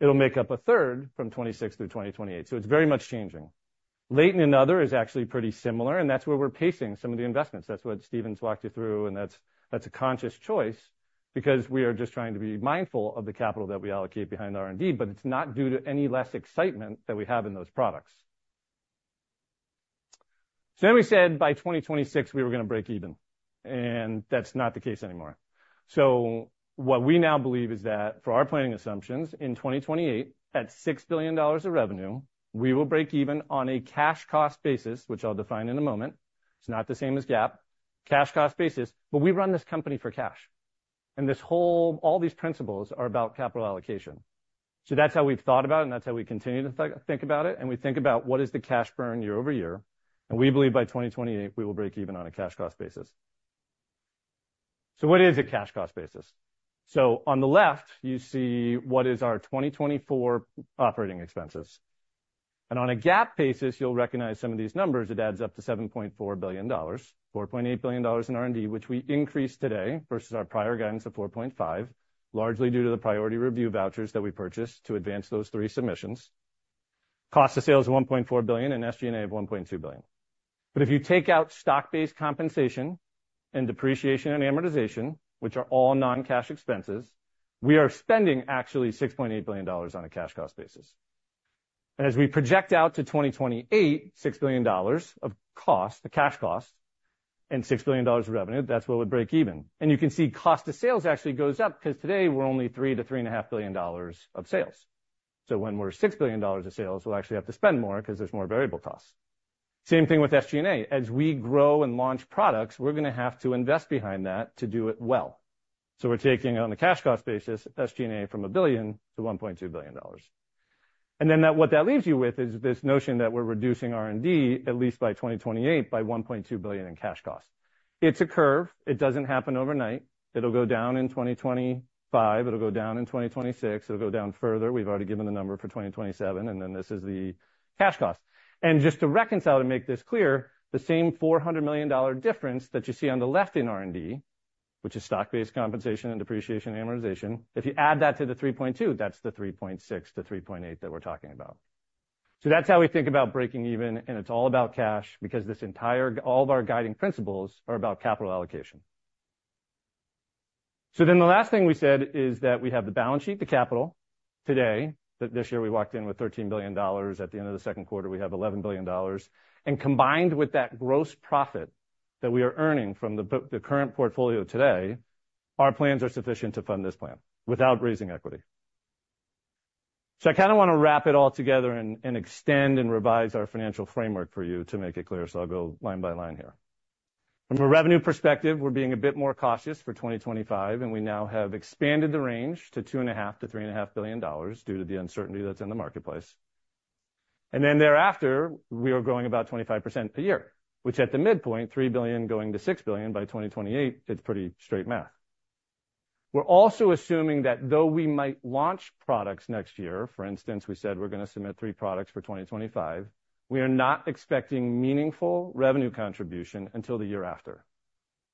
It'll make up a third from 2026 through 2028, so it's very much changing. Rare and other is actually pretty similar, and that's where we're pacing some of the investments. That's what Stephen's walked you through, and that's, that's a conscious choice because we are just trying to be mindful of the capital that we allocate behind R&D, but it's not due to any less excitement that we have in those products. So then we said by 2026, we were gonna break even, and that's not the case anymore. So what we now believe is that for our planning assumptions in 2028, at $6 billion of revenue, we will break even on a cash cost basis, which I'll define in a moment. It's not the same as GAAP, cash cost basis, but we run this company for cash, and this whole, all these principles are about capital allocation. That's how we've thought about it, and that's how we continue to think about it, and we think about what is the cash burn year-over-year, and we believe by 2028, we will break even on a cash cost basis. What is a cash cost basis? On the left, you see what is our 2024 operating expenses, and on a GAAP basis, you'll recognize some of these numbers. It adds up to $7.4 billion, $4.8 billion in R&D, which we increased today versus our prior guidance of $4.5 billion, largely due to the priority review vouchers that we purchased to advance those three submissions. Cost of sales of $1.4 billion and SG&A of $1.2 billion. But if you take out stock-based compensation and depreciation and amortization, which are all non-cash expenses, we are spending actually $6.8 billion on a cash cost basis. And as we project out to 2028, $6 billion of cost, the cash cost, and $6 billion of revenue, that's where we break even. And you can see cost of sales actually goes up because today we're only $3 billion -$3.5 billion of sales. So when we're $6 billion of sales, we'll actually have to spend more because there's more variable costs. Same thing with SG&A. As we grow and launch products, we're gonna have to invest behind that to do it well. So we're taking on the cash cost basis, SG&A from $1 billion - $1.2 billion. And then what that leaves you with is this notion that we're reducing R&D at least by 2028, by $1.2 billion in cash costs. It's a curve. It doesn't happen overnight. It'll go down in 2025, it'll go down in 2026, it'll go down further. We've already given the number for 2027, and then this is the cash cost. And just to reconcile and make this clear, the same $400 million dollar difference that you see on the left in R&D, which is stock-based compensation and depreciation, amortization, if you add that to the $3.2, that's the $3.6-$3.8 that we're talking about. So that's how we think about breaking even, and it's all about cash, because this entire, all of our guiding principles are about capital allocation. So then the last thing we said is that we have the balance sheet, the capital today, that this year we walked in with $13 billion. At the end of the second quarter, we have $11 billion. And combined with that gross profit that we are earning from the current portfolio today, our plans are sufficient to fund this plan without raising equity. So I kinda wanna wrap it all together and extend and revise our financial framework for you to make it clear. So I'll go line by line here. From a revenue perspective, we're being a bit more cautious for 2025, and we now have expanded the range to $2.5 billion-$3.5 billion due to the uncertainty that's in the marketplace. And then thereafter, we are growing about 25% per year, which at the midpoint, $3 billion - $6 billion by 2028, it's pretty straight math. We're also assuming that though we might launch products next year, for instance, we said we're gonna submit three products for 2025, we are not expecting meaningful revenue contribution until the year after,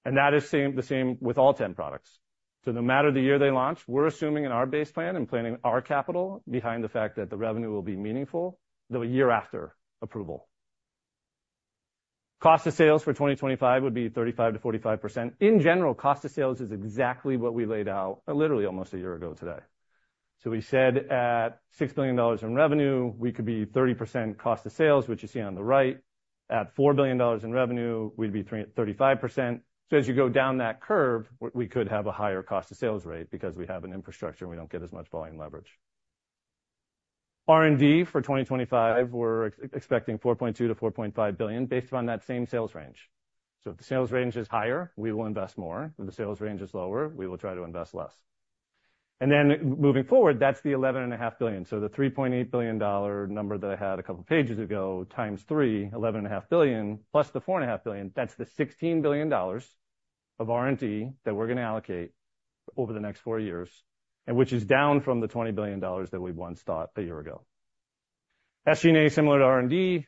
and that is same, the same with all 10 products. So no matter the year they launch, we're assuming in our base plan and planning our capital behind the fact that the revenue will be meaningful, though a year after approval. Cost of sales for 2025 would be 35%-45%. In general, cost of sales is exactly what we laid out, literally almost a year ago today. So we said at $6 billion in revenue, we could be 30% cost of sales, which you see on the right. At $4 billion in revenue, we'd be 35%. So as you go down that curve, we could have a higher cost of sales rate because we have an infrastructure, and we don't get as much volume leverage. R&D for 2025, we're expecting $4.2 billion-$4.5 billion based on that same sales range. So if the sales range is higher, we will invest more. If the sales range is lower, we will try to invest less. And then moving forward, that's the $11.5 billion. So the $3.8 billion number that I had a couple of pages ago, times 3, $11.5 billion, plus the $4.5 billion, that's the $16 billion of R&D that we're gonna allocate over the next four years, and which is down from the $20 billion that we once thought a year ago. SG&A, similar to R&D,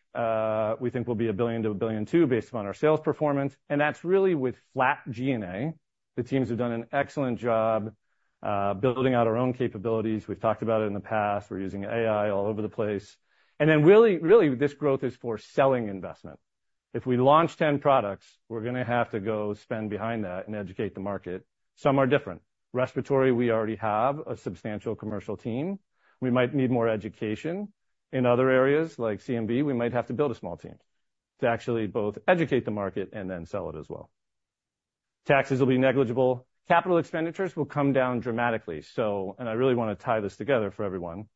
we think will be $1 billion-$1.2 billion based on our sales performance, and that's really with flat G&A. The teams have done an excellent job, building out our own capabilities. We've talked about it in the past. We're using AI all over the place. And then really, really, this growth is for selling investment. If we launch 10 products, we're gonna have to go spend behind that and educate the market. Some are different. Respiratory, we already have a substantial commercial team. We might need more education. In other areas like CMV, we might have to build a small team to actually both educate the market and then sell it as well. Taxes will be negligible. Capital expenditures will come down dramatically, so... and I really wanna tie this together for everyone,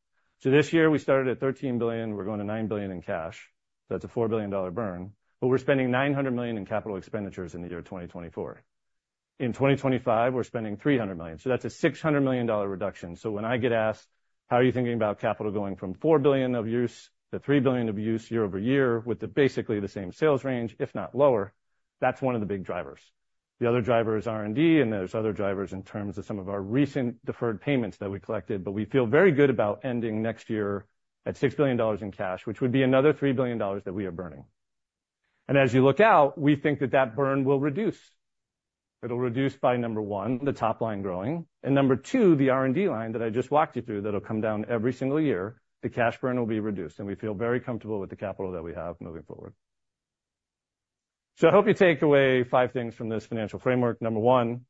so this year we started at $13 billion, we're going to $9 billion in cash. That's a $4 billion dollar burn, but we're spending $900 million in capital expenditures in the year 2024, in 2025, we're spending $300 million, so that's a $600 million dollar reduction, so when I get asked: How are you thinking about capital going from $4 billion of use to $3 billion of use year-over-year with the basically the same sales range, if not lower? That's one of the big drivers. The other driver is R&D, and there's other drivers in terms of some of our recent deferred payments that we collected, but we feel very good about ending next year at $6 billion in cash, which would be another $3 billion that we are burning. And as you look out, we think that that burn will reduce. It'll reduce by, number one, the top line growing, and number two, the R&D line that I just walked you through, that'll come down every single year. The cash burn will be reduced, and we feel very comfortable with the capital that we have moving forward. So I hope you take away five things from this financial framework. Number one,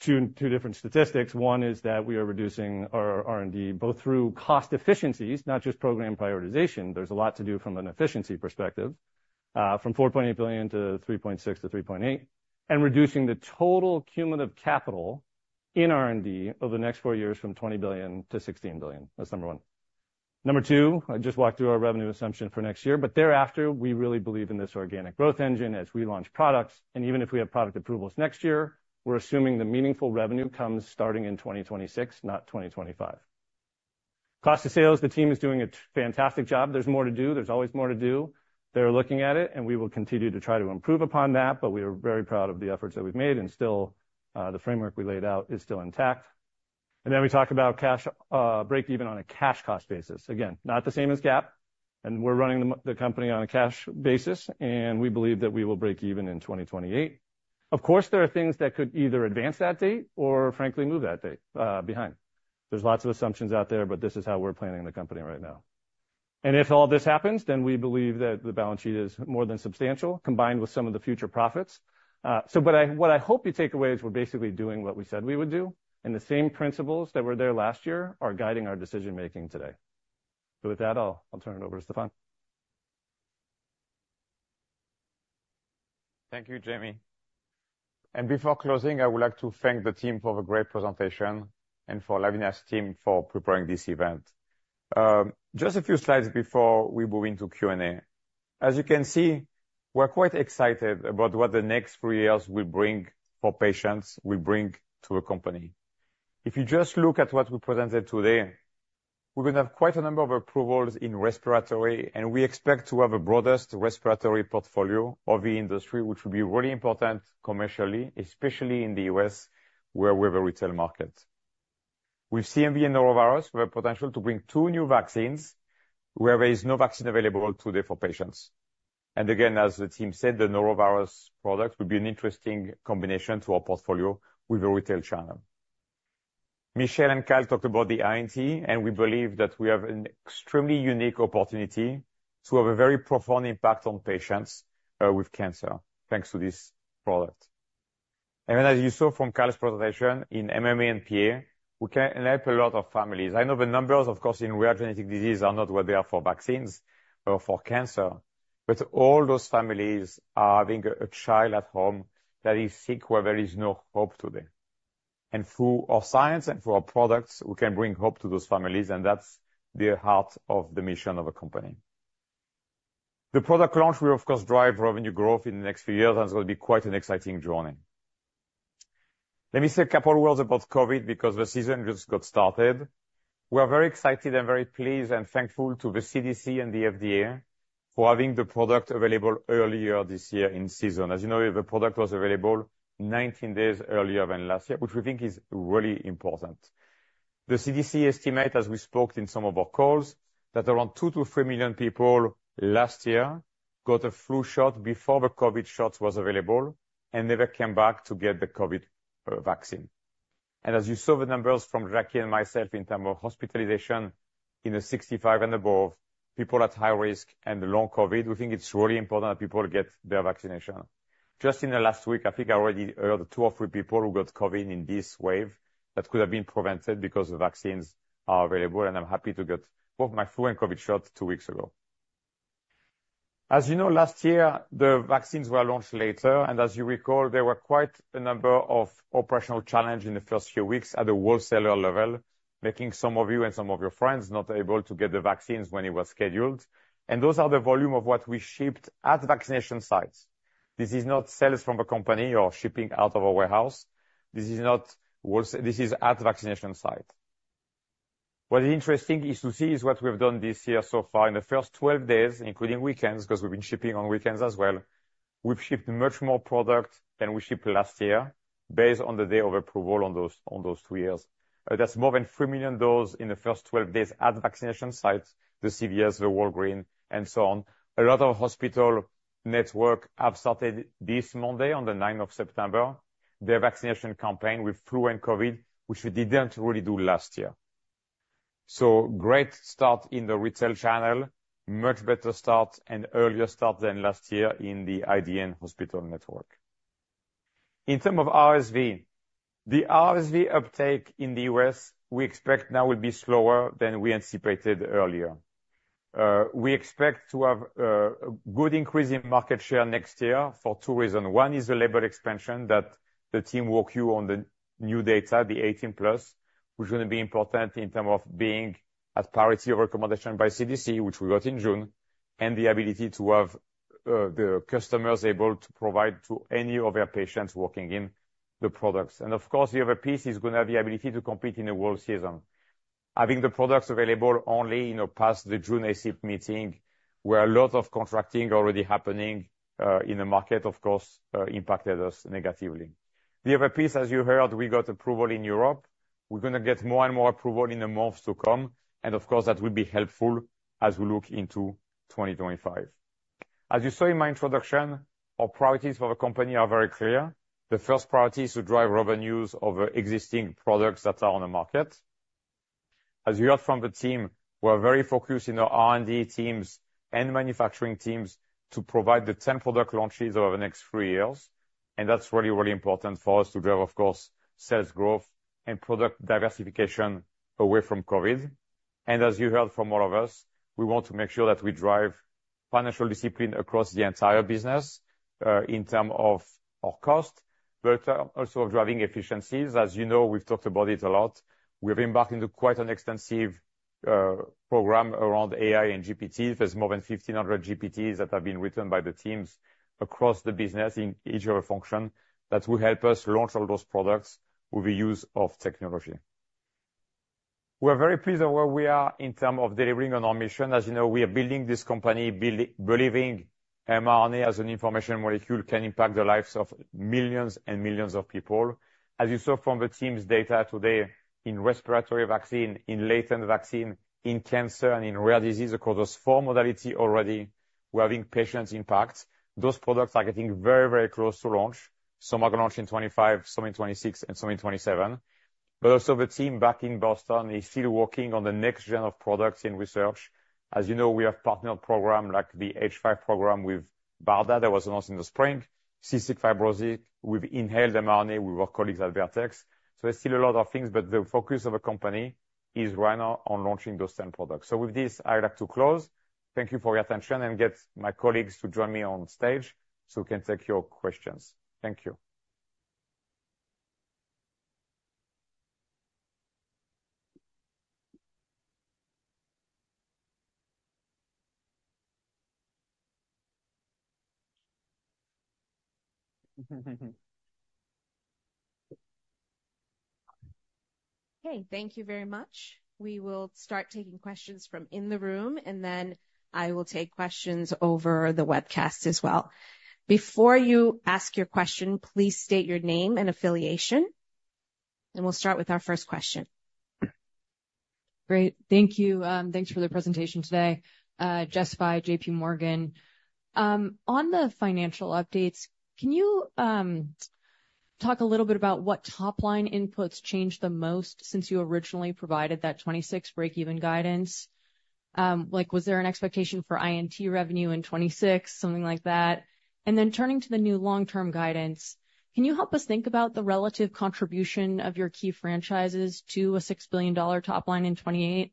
two, two different statistics. One is that we are reducing our R&D, both through cost efficiencies, not just program prioritization. There's a lot to do from an efficiency perspective, from $4.8 billion to $3.6 billion-$3.8 billion, and reducing the total cumulative capital in R&D over the next four years from $20 billion to $16 billion. That's number one. Number two, I just walked through our revenue assumption for next year, but thereafter, we really believe in this organic growth engine as we launch products, and even if we have product approvals next year, we're assuming the meaningful revenue comes starting in 2026, not 2025. Cost of sales, the team is doing a fantastic job. There's more to do. There's always more to do. They're looking at it, and we will continue to try to improve upon that, but we are very proud of the efforts that we've made, and still, the framework we laid out is still intact. Then we talk about cash, break even on a cash cost basis. Again, not the same as GAAP, and we're running the company on a cash basis, and we believe that we will break even in 2028. Of course, there are things that could either advance that date or frankly, move that date behind. There's lots of assumptions out there, but this is how we're planning the company right now. If all this happens, then we believe that the balance sheet is more than substantial, combined with some of the future profits. But I, what I hope you take away is we're basically doing what we said we would do, and the same principles that were there last year are guiding our decision-making today. With that, I'll turn it over to Stéphane. Thank you, Jamey. And before closing, I would like to thank the team for the great presentation and for Lavina's team for preparing this event. Just a few slides before we move into Q&A. As you can see, we're quite excited about what the next three years will bring for patients, will bring to the company. If you just look at what we presented today, we're gonna have quite a number of approvals in respiratory, and we expect to have the broadest respiratory portfolio of the industry, which will be really important commercially, especially in the U.S., where we have a retail market. With CMV and norovirus, we have potential to bring two new vaccines, where there is no vaccine available today for patients. And again, as the team said, the norovirus product will be an interesting combination to our portfolio with the retail channel. Michelle and Kyle talked about the INT, and we believe that we have an extremely unique opportunity to have a very profound impact on patients with cancer, thanks to this product. And then, as you saw from Kyle's presentation, in MMA and PA, we can help a lot of families. I know the numbers, of course, in rare genetic disease are not what they are for vaccines or for cancer, but all those families are having a child at home that is sick, where there is no hope today. And through our science and through our products, we can bring hope to those families, and that's the heart of the mission of the company. The product launch will, of course, drive revenue growth in the next few years, and it's gonna be quite an exciting journey. Let me say a couple words about COVID, because the season just got started. We are very excited and very pleased and thankful to the CDC and the FDA for having the product available earlier this year in season. As you know, the product was available nineteen days earlier than last year, which we think is really important. The CDC estimate, as we spoke in some of our calls, that around two to three million people last year got a flu shot before the COVID shot was available and never came back to get the COVID vaccine. And as you saw the numbers from Jackie and myself in terms of hospitalization in the 65 and above, people at high risk and the long COVID, we think it's really important that people get their vaccination. Just in the last week, I think I already heard two or three people who got COVID in this wave that could have been prevented because the vaccines are available, and I'm happy to get both my flu and COVID shots two weeks ago. As you know, last year, the vaccines were launched later, and as you recall, there were quite a number of operational challenges in the first few weeks at the wholesaler level, making some of you and some of your friends not able to get the vaccines when it was scheduled. Those are the volumes of what we shipped at vaccination sites. This is not sales from a company or shipping out of a warehouse. This is at vaccination sites. What is interesting is to see what we have done this year so far. In the first twelve days, including weekends, 'cause we've been shipping on weekends as well, we've shipped much more product than we shipped last year based on the day of approval on those, on those two years. That's more than 3 million doses in the first twelve days at vaccination sites, the CVS, the Walgreens, and so on. A lot of hospital network have started this Monday on the ninth of September, their vaccination campaign with flu and COVID, which we didn't really do last year, so great start in the retail channel, much better start and earlier start than last year in the IDN hospital network. In terms of RSV, the RSV uptake in the U.S., we expect now will be slower than we anticipated earlier. We expect to have good increase in market share next year for two reasons. One is the label expansion that the team walked you through on the new data, the 18+, which is gonna be important in terms of being at parity with the recommendation by the CDC, which we got in June. And the ability to have the customers able to provide to any of their patients the products. And of course, the other piece is going to have the ability to compete in flu season. Having the products available only, you know, past the June ACIP meeting, where a lot of contracting already happening in the market, of course, impacted us negatively. The other piece, as you heard, we got approval in Europe. We're going to get more and more approval in the months to come, and of course, that will be helpful as we look into 2025. As you saw in my introduction, our priorities for the company are very clear. The first priority is to drive revenues over existing products that are on the market. As you heard from the team, we're very focused in our R&D teams and manufacturing teams to provide the ten product launches over the next three years, and that's really, really important for us to drive, of course, sales growth and product diversification away from COVID. As you heard from all of us, we want to make sure that we drive financial discipline across the entire business in terms of our cost, but also of driving efficiencies. As you know, we've talked about it a lot. We've embarked into quite an extensive program around AI and GPTs. There's more than 1,500 GPTs that have been written by the teams across the business in each function that will help us launch all those products with the use of technology. We are very pleased on where we are in terms of delivering on our mission. As you know, we are building this company, believing mRNA as an information molecule can impact the lives of millions and millions of people. As you saw from the team's data today, in respiratory vaccine, in latent vaccine, in cancer, and in rare disease, across those four modalities already, we're having patient impact. Those products are getting very, very close to launch. Some are going to launch in 2025, some in 2026, and some in 2027. But also the team back in Boston is still working on the next gen of products in research. As you know, we have partnered programs like the H5 program with BARDA that was announced in the spring. Cystic fibrosis, we've inhaled the mRNA with our colleagues at Vertex. So there's still a lot of things, but the focus of the company is right now on launching those ten products. So with this, I'd like to close. Thank you for your attention and get my colleagues to join me on stage, so we can take your questions. Thank you. Okay, thank you very much. We will start taking questions from the room, and then I will take questions over the webcast as well. Before you ask your question, please state your name and affiliation, and we'll start with our first question. Great. Thank you. Thanks for the presentation today. Jess Fye, JPMorgan. On the financial updates, can you talk a little bit about what top-line inputs changed the most since you originally provided that 2026 breakeven guidance? Like, was there an expectation for INT revenue in 2026, something like that? And then turning to the new long-term guidance, can you help us think about the relative contribution of your key franchises to a $6 billion top line in 2028?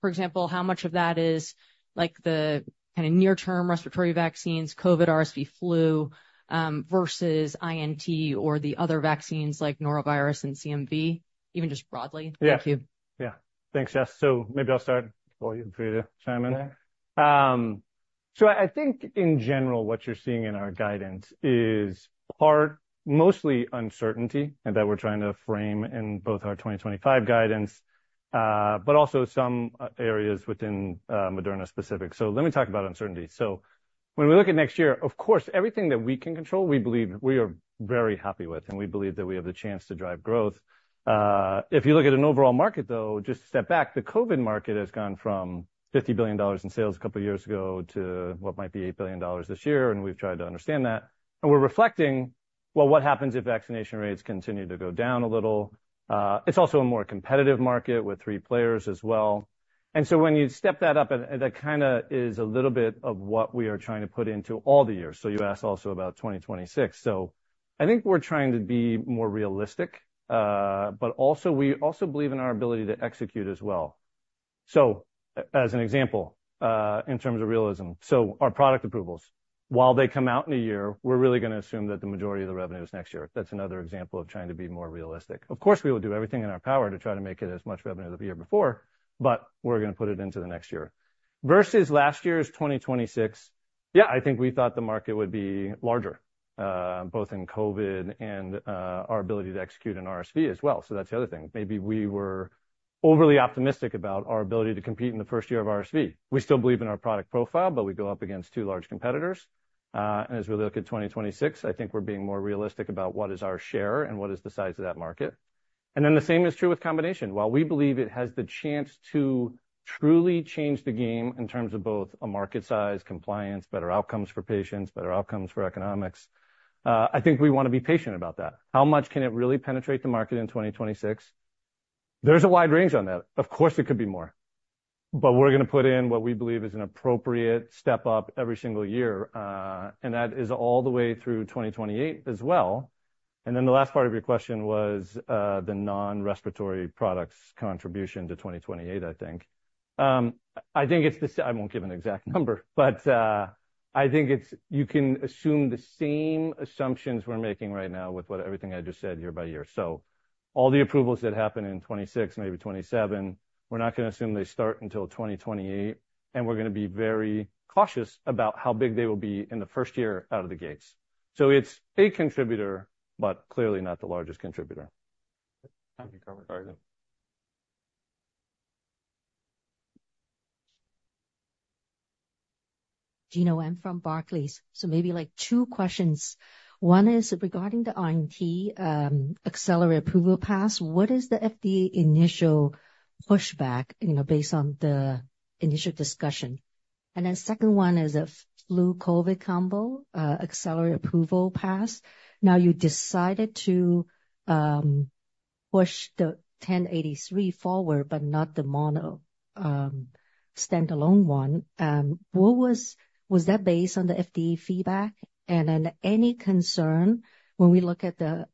For example, how much of that is like the kind of near term respiratory vaccines, COVID, RSV, flu, versus INT or the other vaccines like norovirus and CMV, even just broadly? Yeah. Thank you. Yeah. Thanks, Jess. So maybe I'll start for you to chime in there. I think in general, what you're seeing in our guidance is part mostly uncertainty, and that we're trying to frame in both our 2025 guidance, but also some areas within Moderna specific. Let me talk about uncertainty. When we look at next year, of course, everything that we can control, we believe we are very happy with, and we believe that we have the chance to drive growth. If you look at an overall market, though, just to step back, the COVID market has gone from $50 billion in sales a couple of years ago to what might be $8 billion this year, and we've tried to understand that. We're reflecting, well, what happens if vaccination rates continue to go down a little? It's also a more competitive market with three players as well. And so when you step that up, and that kind of is a little bit of what we are trying to put into all the years. So you asked also about 2026. So I think we're trying to be more realistic, but also we believe in our ability to execute as well. So as an example, in terms of realism, so our product approvals, while they come out in a year, we're really going to assume that the majority of the revenue is next year. That's another example of trying to be more realistic. Of course, we will do everything in our power to try to make it as much revenue as the year before, but we're going to put it into the next year. Versus last year's 2026, yeah, I think we thought the market would be larger, both in COVID and, our ability to execute in RSV as well. So that's the other thing. Maybe we were overly optimistic about our ability to compete in the first year of RSV. We still believe in our product profile, but we go up against two large competitors. And as we look at 2026, I think we're being more realistic about what is our share and what is the size of that market. And then the same is true with combination. While we believe it has the chance to truly change the game in terms of both a market size, compliance, better outcomes for patients, better outcomes for economics, I think we want to be patient about that. How much can it really penetrate the market in 2026? There's a wide range on that. Of course, it could be more, but we're going to put in what we believe is an appropriate step up every single year, and that is all the way through 2028 as well. And then the last part of your question was the non-respiratory products contribution to 2028, I think. I won't give an exact number, but I think it's. You can assume the same assumptions we're making right now with what everything I just said year-by-year. So all the approvals that happen in 2026, maybe 2027, we're not gonna assume they start until 2028, and we're gonna be very cautious about how big they will be in the first year out of the gates. So it's a contributor, but clearly not the largest contributor. I think you covered all of them. Gena, I'm from Barclays. So maybe, like, two questions. One is regarding the INT accelerated approval path. What is the FDA initial pushback, you know, based on the initial discussion? And then second one is a flu COVID combo accelerated approval path. Now, you decided to push the 1083 forward, but not the mono standalone one. Was that based on the FDA feedback? And then any concern when we look at the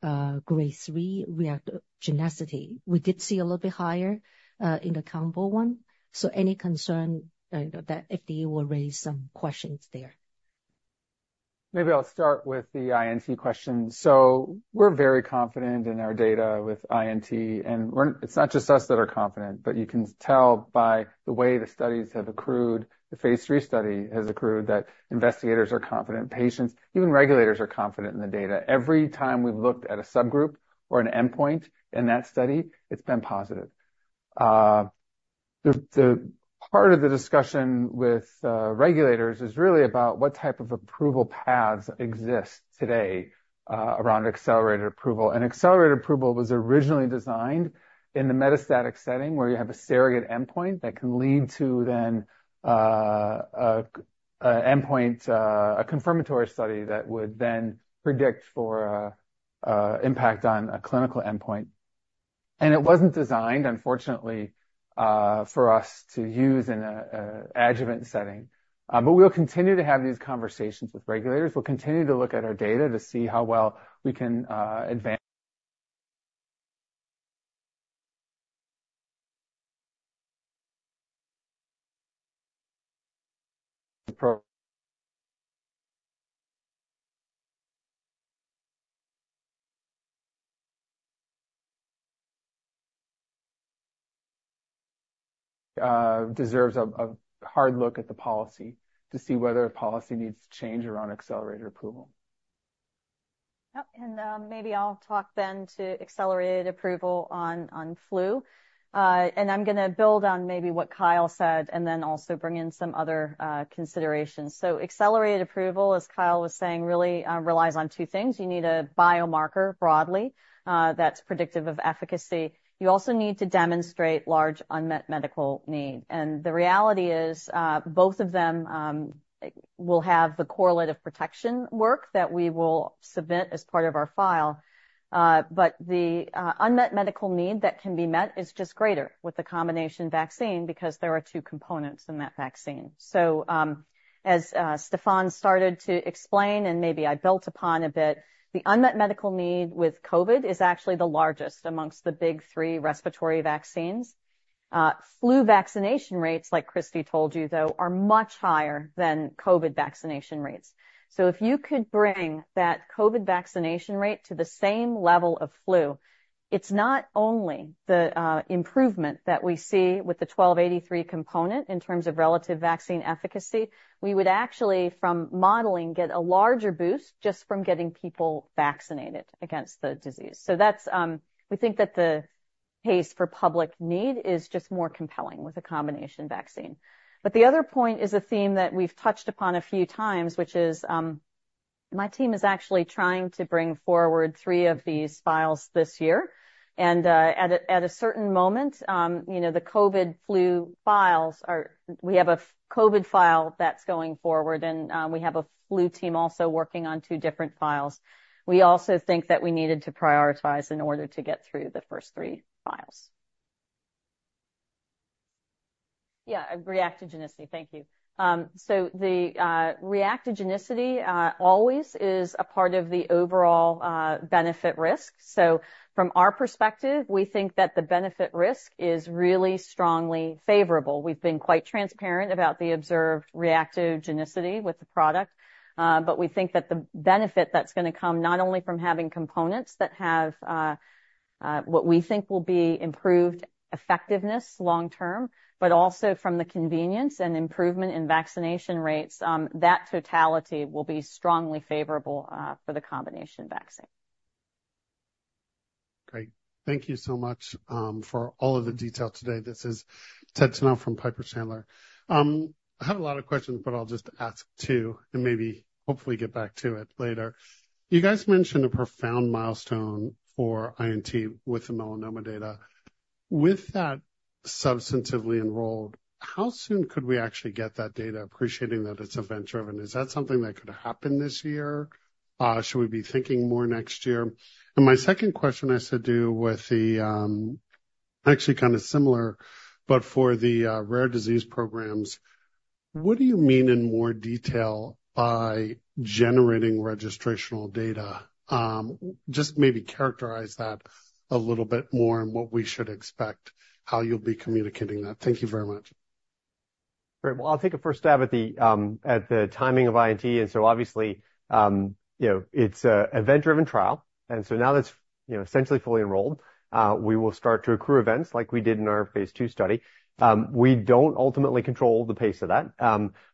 grade three reactogenicity, we did see a little bit higher in the combo one. So any concern that FDA will raise some questions there? Maybe I'll start with the INT question. So we're very confident in our data with INT, and we're, it's not just us that are confident, but you can tell by the way the studies have accrued, the phase three study has accrued, that investigators are confident, patients, even regulators are confident in the data. Every time we've looked at a subgroup or an endpoint in that study, it's been positive. The part of the discussion with regulators is really about what type of approval paths exist today around accelerated approval. And accelerated approval was originally designed in the metastatic setting, where you have a surrogate endpoint that can lead to then a endpoint, a confirmatory study that would then predict for a impact on a clinical endpoint. And it wasn't designed, unfortunately, for us to use in a adjuvant setting. But we'll continue to have these conversations with regulators. We'll continue to look at our data to see how well we can advance... deserves a hard look at the policy to see whether a policy needs to change around accelerated approval. Yep, and maybe I'll talk then to accelerated approval on flu. And I'm gonna build on maybe what Kyle said, and then also bring in some other considerations. So accelerated approval, as Kyle was saying, really relies on two things. You need a biomarker broadly that's predictive of efficacy. You also need to demonstrate large unmet medical need. And the reality is both of them will have the correlative protection work that we will submit as part of our file. But the unmet medical need that can be met is just greater with the combination vaccine because there are two components in that vaccine. So, as Stéphane started to explain, and maybe I built upon a bit, the unmet medical need with COVID is actually the largest among the big three respiratory vaccines. Flu vaccination rates, like Christine told you, though, are much higher than COVID vaccination rates. So if you could bring that COVID vaccination rate to the same level of flu, it's not only the improvement that we see with the 1283 component in terms of relative vaccine efficacy, we would actually, from modeling, get a larger boost just from getting people vaccinated against the disease. So that's, We think that the pace for public need is just more compelling with a combination vaccine. But the other point is a theme that we've touched upon a few times, which is, my team is actually trying to bring forward three of these files this year, and, at a certain moment, you know, the COVID flu files are, we have a COVID file that's going forward, and, we have a flu team also working on two different files. We also think that we needed to prioritize in order to get through the first three files. Yeah, reactogenicity. Thank you. So the reactogenicity always is a part of the overall benefit-risk. So from our perspective, we think that the benefit-risk is really strongly favorable. We've been quite transparent about the observed reactogenicity with the product, but we think that the benefit that's gonna come, not only from having components that have what we think will be improved effectiveness long term, but also from the convenience and improvement in vaccination rates, that totality will be strongly favorable for the combination vaccine. Great. Thank you so much for all of the detail today. This is Ted Tenthoff from Piper Sandler. I have a lot of questions, but I'll just ask two and maybe hopefully get back to it later. You guys mentioned a profound milestone for INT with the melanoma data. With that substantively enrolled, how soon could we actually get that data, appreciating that it's event-driven? Is that something that could happen this year? Should we be thinking more next year? And my second question has to do with the, actually kind of similar, but for the, rare disease programs, what do you mean in more detail by generating registrational data? Just maybe characterize that a little bit more and what we should expect, how you'll be communicating that. Thank you very much. Great. Well, I'll take a first stab at the timing of INT and so obviously, you know, it's an event-driven trial, and so now that's, you know, essentially fully enrolled, we will start to accrue events like we did in our phase II study. We don't ultimately control the pace of that,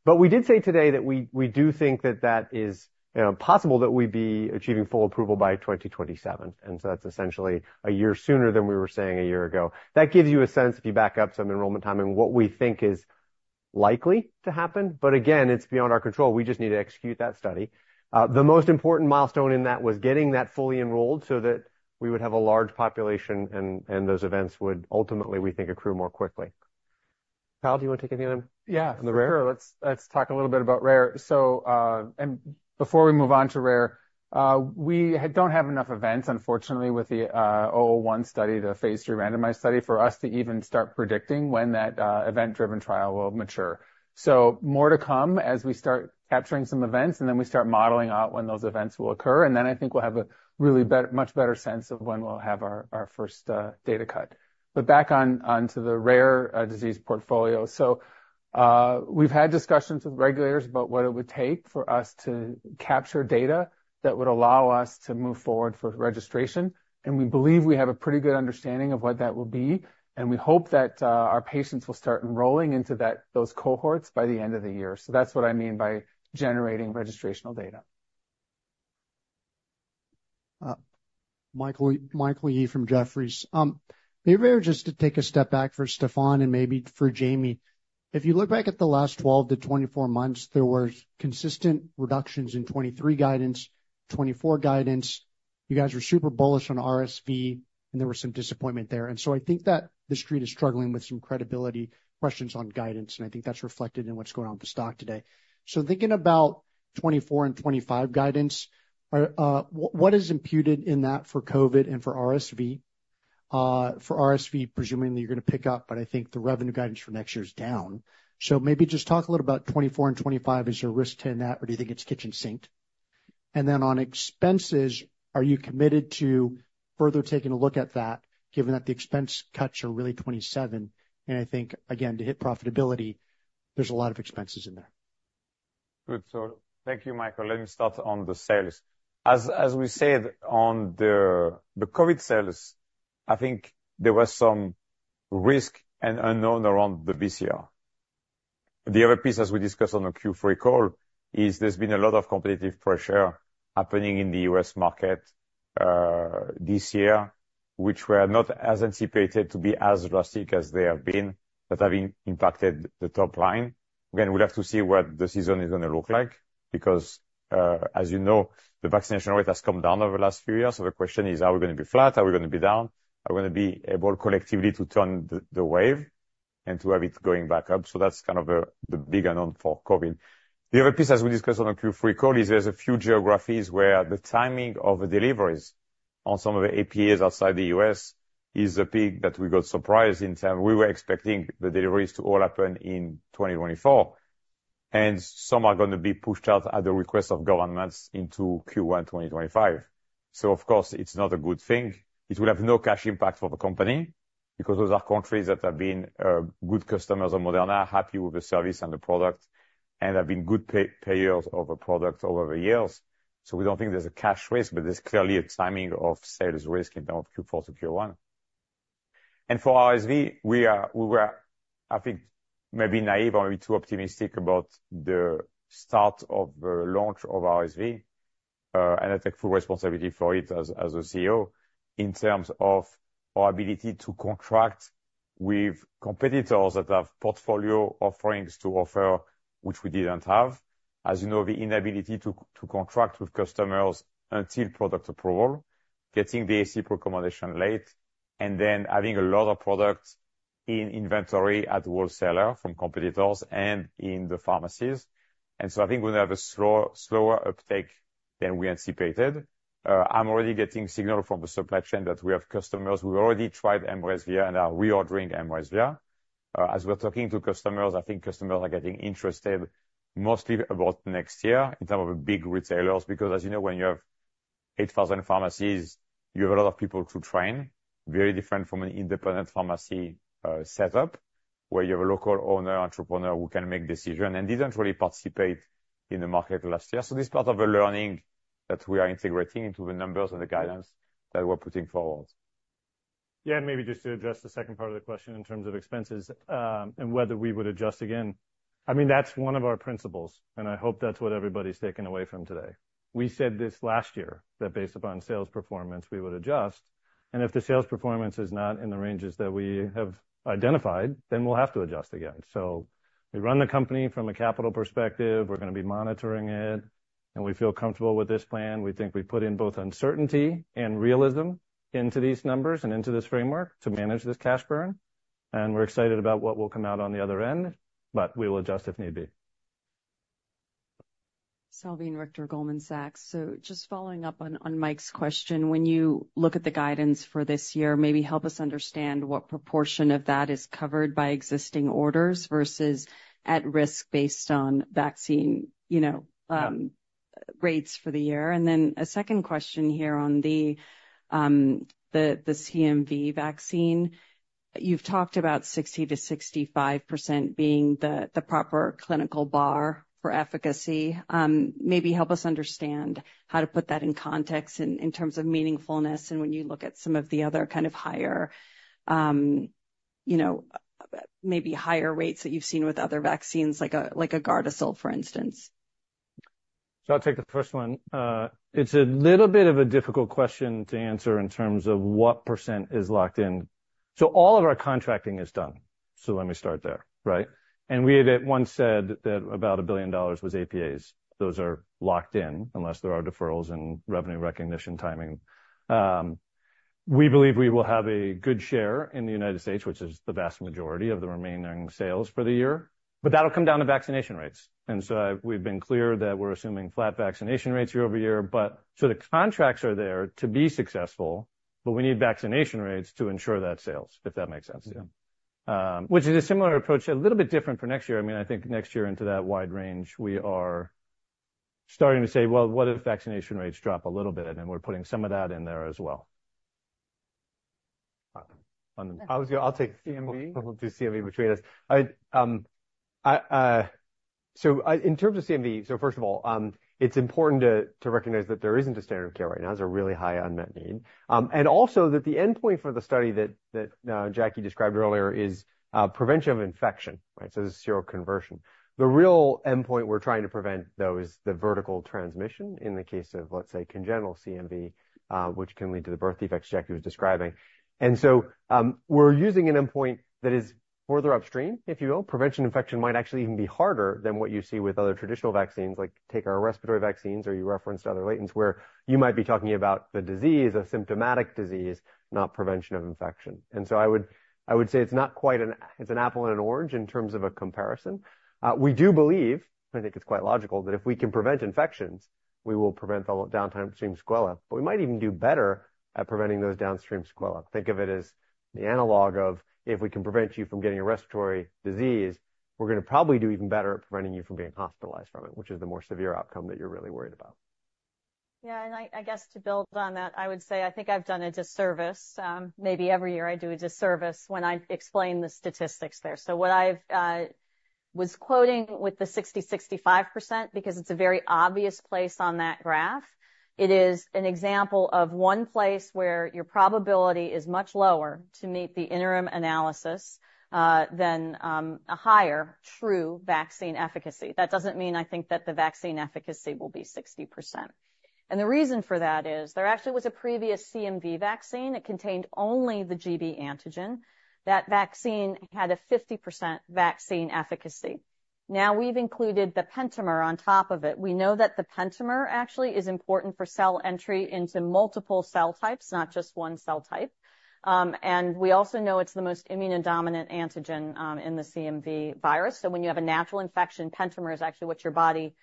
but we did say today that we do think that that is, you know, possible that we'd be achieving full approval by 2027, and so that's essentially a year sooner than we were saying a year ago. That gives you a sense, if you back up some enrollment timing, what we think is likely to happen, but again, it's beyond our control. We just need to execute that study. The most important milestone in that was getting that fully enrolled so that we would have a large population, and those events would ultimately, we think, accrue more quickly. Kyle, do you want to take anything on- Yeah. on the rare? Sure. Let's talk a little bit about rare. So, and before we move on to rare, we don't have enough events, unfortunately, with the 1010 study, the Phase 3 randomized study, for us to even start predicting when that event-driven trial will mature. So more to come as we start capturing some events, and then we start modeling out when those events will occur. And then I think we'll have a really better, much better sense of when we'll have our first data cut. But back on, onto the rare disease portfolio. So, we've had discussions with regulators about what it would take for us to capture data that would allow us to move forward for registration, and we believe we have a pretty good understanding of what that will be. And we hope that, our patients will start enrolling into that, those cohorts by the end of the year. So that's what I mean by generating registrational data. Mike Yee from Jefferies. Maybe just to take a step back for Stéphane and maybe for Jamey. If you look back at the last 12-24 months, there were consistent reductions in 2023 guidance, 2024 guidance. You guys were super bullish on RSV, and there was some disappointment there. And so I think that The Street is struggling with some credibility questions on guidance, and I think that's reflected in what's going on with the stock today. So thinking about 2024 and 2025 guidance, what is imputed in that for COVID and for RSV? For RSV, presuming that you're gonna pick up, but I think the revenue guidance for next year is down. So maybe just talk a little about 2024 and 2025. Is your risk to net, or do you think it's kitchen sink? Then on expenses, are you committed to further taking a look at that, given that the expense cuts are really 2027? I think, again, to hit profitability, there's a lot of expenses in there. Good. So thank you, Mike. Let me start on the sales. As we said on the COVID sales, I think there was some risk and unknown around the VCR. The other piece, as we discussed on the Q3 call, is there's been a lot of competitive pressure happening in the U.S. market this year, which were not as anticipated to be as drastic as they have been, but have impacted the top line. Again, we'll have to see what the season is gonna look like, because as you know, the vaccination rate has come down over the last few years. So the question is, are we gonna be flat? Are we gonna be down? Are we gonna be able, collectively, to turn the wave and to have it going back up? So that's kind of the big unknown for COVID. The other piece, as we discussed on the Q3 call, is there's a few geographies where the timing of the deliveries on some of the APAs outside the U.S. is a peak that we got surprised in terms. We were expecting the deliveries to all happen in 2024, and some are gonna be pushed out at the request of governments into Q1 2025. So of course, it's not a good thing. It will have no cash impact for the company, because those are countries that have been good customers of Moderna, are happy with the service and the product, and have been good pay-payers of a product over the years. So we don't think there's a cash risk, but there's clearly a timing of sales risk in terms of Q4 to Q1. And for RSV, we were, I think, maybe naive or maybe too optimistic about the start of the launch of RSV, and I take full responsibility for it as the CEO, in terms of our ability to contract with competitors that have portfolio offerings to offer, which we didn't have. As you know, the inability to contract with customers until product approval, getting the AC recommendation late, and then adding a lot of product in inventory at wholesaler from competitors and in the pharmacies. And so I think we're gonna have a slower uptake than we anticipated. I'm already getting signal from the supply chain that we have customers who already tried mRESVIA and are reordering mRESVIA. As we're talking to customers, I think customers are getting interested mostly about next year in terms of the big retailers. Because as you know, when you have 8,000 pharmacies, you have a lot of people to train, very different from an independent pharmacy setup, where you have a local owner, entrepreneur, who can make decision and didn't really participate in the market last year, so this is part of a learning that we are integrating into the numbers and the guidance that we're putting forward. Yeah, and maybe just to address the second part of the question in terms of expenses, and whether we would adjust again. I mean, that's one of our principles, and I hope that's what everybody's taken away from today. We said this last year, that based upon sales performance, we would adjust, and if the sales performance is not in the ranges that we have identified, then we'll have to adjust again. So we run the company from a capital perspective. We're gonna be monitoring it, and we feel comfortable with this plan. We think we put in both uncertainty and realism into these numbers and into this framework to manage this cash burn, and we're excited about what will come out on the other end, but we will adjust if need be. Salveen Richter, Goldman Sachs. So just following up on Mike's question, when you look at the guidance for this year, maybe help us understand what proportion of that is covered by existing orders versus at risk based on vaccine, you know? rates for the year? And then a second question here on the CMV vaccine. You've talked about 60%-65% being the proper clinical bar for efficacy. Maybe help us understand how to put that in context in terms of meaningfulness, and when you look at some of the other kind of higher, you know, maybe higher rates that you've seen with other vaccines, like a Gardasil, for instance. So I'll take the first one. It's a little bit of a difficult question to answer in terms of what % is locked in. So all of our contracting is done, so let me start there, right? And we had once said that about $1 billion was APAs. Those are locked in unless there are deferrals in revenue recognition timing. We believe we will have a good share in the United States, which is the vast majority of the remaining sales for the year, but that'll come down to vaccination rates. And so we've been clear that we're assuming flat vaccination rates year-over-year, but so the contracts are there to be successful, but we need vaccination rates to ensure that sales, if that makes sense. Yeah. Which is a similar approach, a little bit different for next year. I mean, I think next year into that wide range, we are starting to say, "Well, what if vaccination rates drop a little bit?" And we're putting some of that in there as well. I'll take CMV. We'll do CMV between us. In terms of CMV, so first of all, it's important to recognize that there isn't a standard of care right now. There's a really high unmet need, and also that the endpoint for the study that Jackie described earlier is prevention of infection, right? So this is seroconversion. The real endpoint we're trying to prevent, though, is the vertical transmission in the case of, let's say, congenital CMV, which can lead to the birth defects Jackie was describing, and so we're using an endpoint that is further upstream, if you will. Preventing infection might actually even be harder than what you see with other traditional vaccines, like take our respiratory vaccines, or you referenced other latents, where you might be talking about the disease, a symptomatic disease, not prevention of infection. And so I would say it's not quite an—it's an apple and an orange in terms of a comparison. We do believe, I think it's quite logical, that if we can prevent infections, we will prevent all downstream sequela, but we might even do better at preventing those downstream sequela. Think of it as the analog of if we can prevent you from getting a respiratory disease, we're gonna probably do even better at preventing you from being hospitalized from it, which is the more severe outcome that you're really worried about. Yeah, and I guess to build on that, I would say I think I've done a disservice, maybe every year I do a disservice when I explain the statistics there. So what I was quoting with the 65%, because it's a very obvious place on that graph, it is an example of one place where your probability is much lower to meet the interim analysis than a higher true vaccine efficacy. That doesn't mean I think that the vaccine efficacy will be 60%. And the reason for that is there actually was a previous CMV vaccine. It contained only the gB antigen. That vaccine had a 50% vaccine efficacy. Now, we've included the pentamer on top of it. We know that the pentamer actually is important for cell entry into multiple cell types, not just one cell type. And we also know it's the most immunodominant antigen in the CMV virus. So when you have a natural infection, pentamer is actually what your body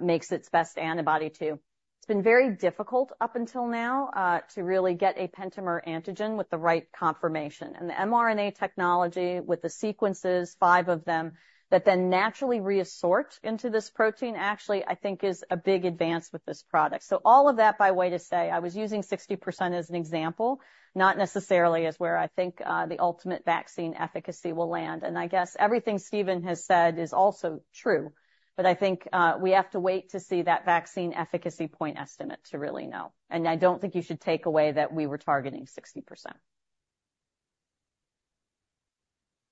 makes its best antibody to. It's been very difficult up until now to really get a pentamer antigen with the right conformation. And the mRNA technology, with the sequences, five of them, that then naturally reassort into this protein, actually, I think is a big advance with this product. So all of that, by way to say, I was using 60% as an example, not necessarily as where I think the ultimate vaccine efficacy will land. And I guess everything Stephen has said is also true, but I think we have to wait to see that vaccine efficacy point estimate to really know. And I don't think you should take away that we were targeting 60%.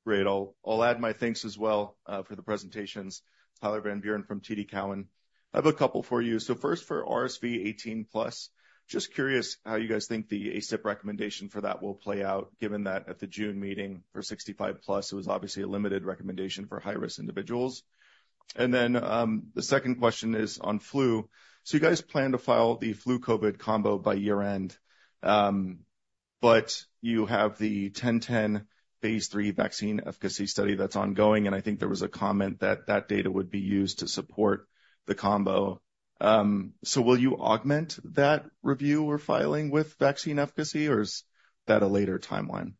Great. I'll add my thanks as well for the presentations. Tyler Van Buren from TD Cowen. I have a couple for you. So first, for RSV eighteen plus, just curious how you guys think the ACIP recommendation for that will play out, given that at the June meeting for 65 plus, it was obviously a limited recommendation for high-risk individuals. And then, the second question is on flu. So you guys plan to file the flu COVID combo by year-end, but you have the 1010 phase three vaccine efficacy study that's ongoing, and I think there was a comment that that data would be used to support the combo. So will you augment that review or filing with vaccine efficacy, or is that a later timeline?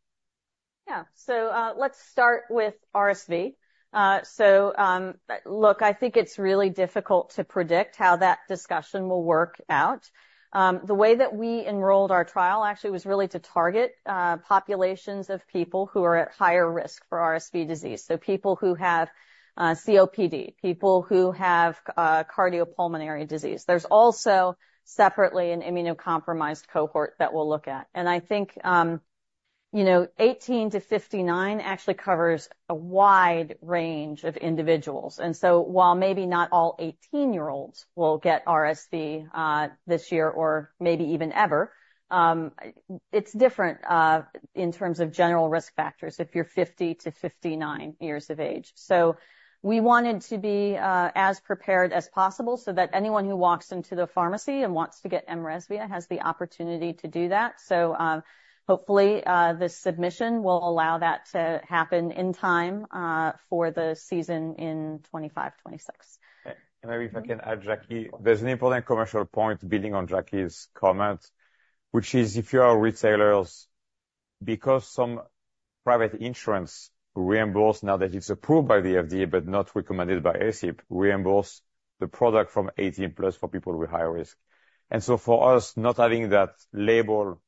Yeah. So, let's start with RSV. So, look, I think it's really difficult to predict how that discussion will work out. The way that we enrolled our trial actually was really to target populations of people who are at higher risk for RSV disease, so people who have COPD, people who have cardiopulmonary disease. There's also separately an immunocompromised cohort that we'll look at. And I think, you know, 18-59 actually covers a wide range of individuals. And so while maybe not all 18 year olds will get RSV this year or maybe even ever, it's different in terms of general risk factors if you're 50-59 years of age. So we wanted to be as prepared as possible so that anyone who walks into the pharmacy and wants to get mRESVIA has the opportunity to do that. So, hopefully, this submission will allow that to happen in time for the season in 2025, 2026. Maybe if I can add, Jackie, there's an important commercial point building on Jackie's comment, which is if you are retailers, because some private insurance reimburse now that it's approved by the FDA, but not recommended by ACIP, reimburse the product from 18+ for people with high risk. And so for us, not having that label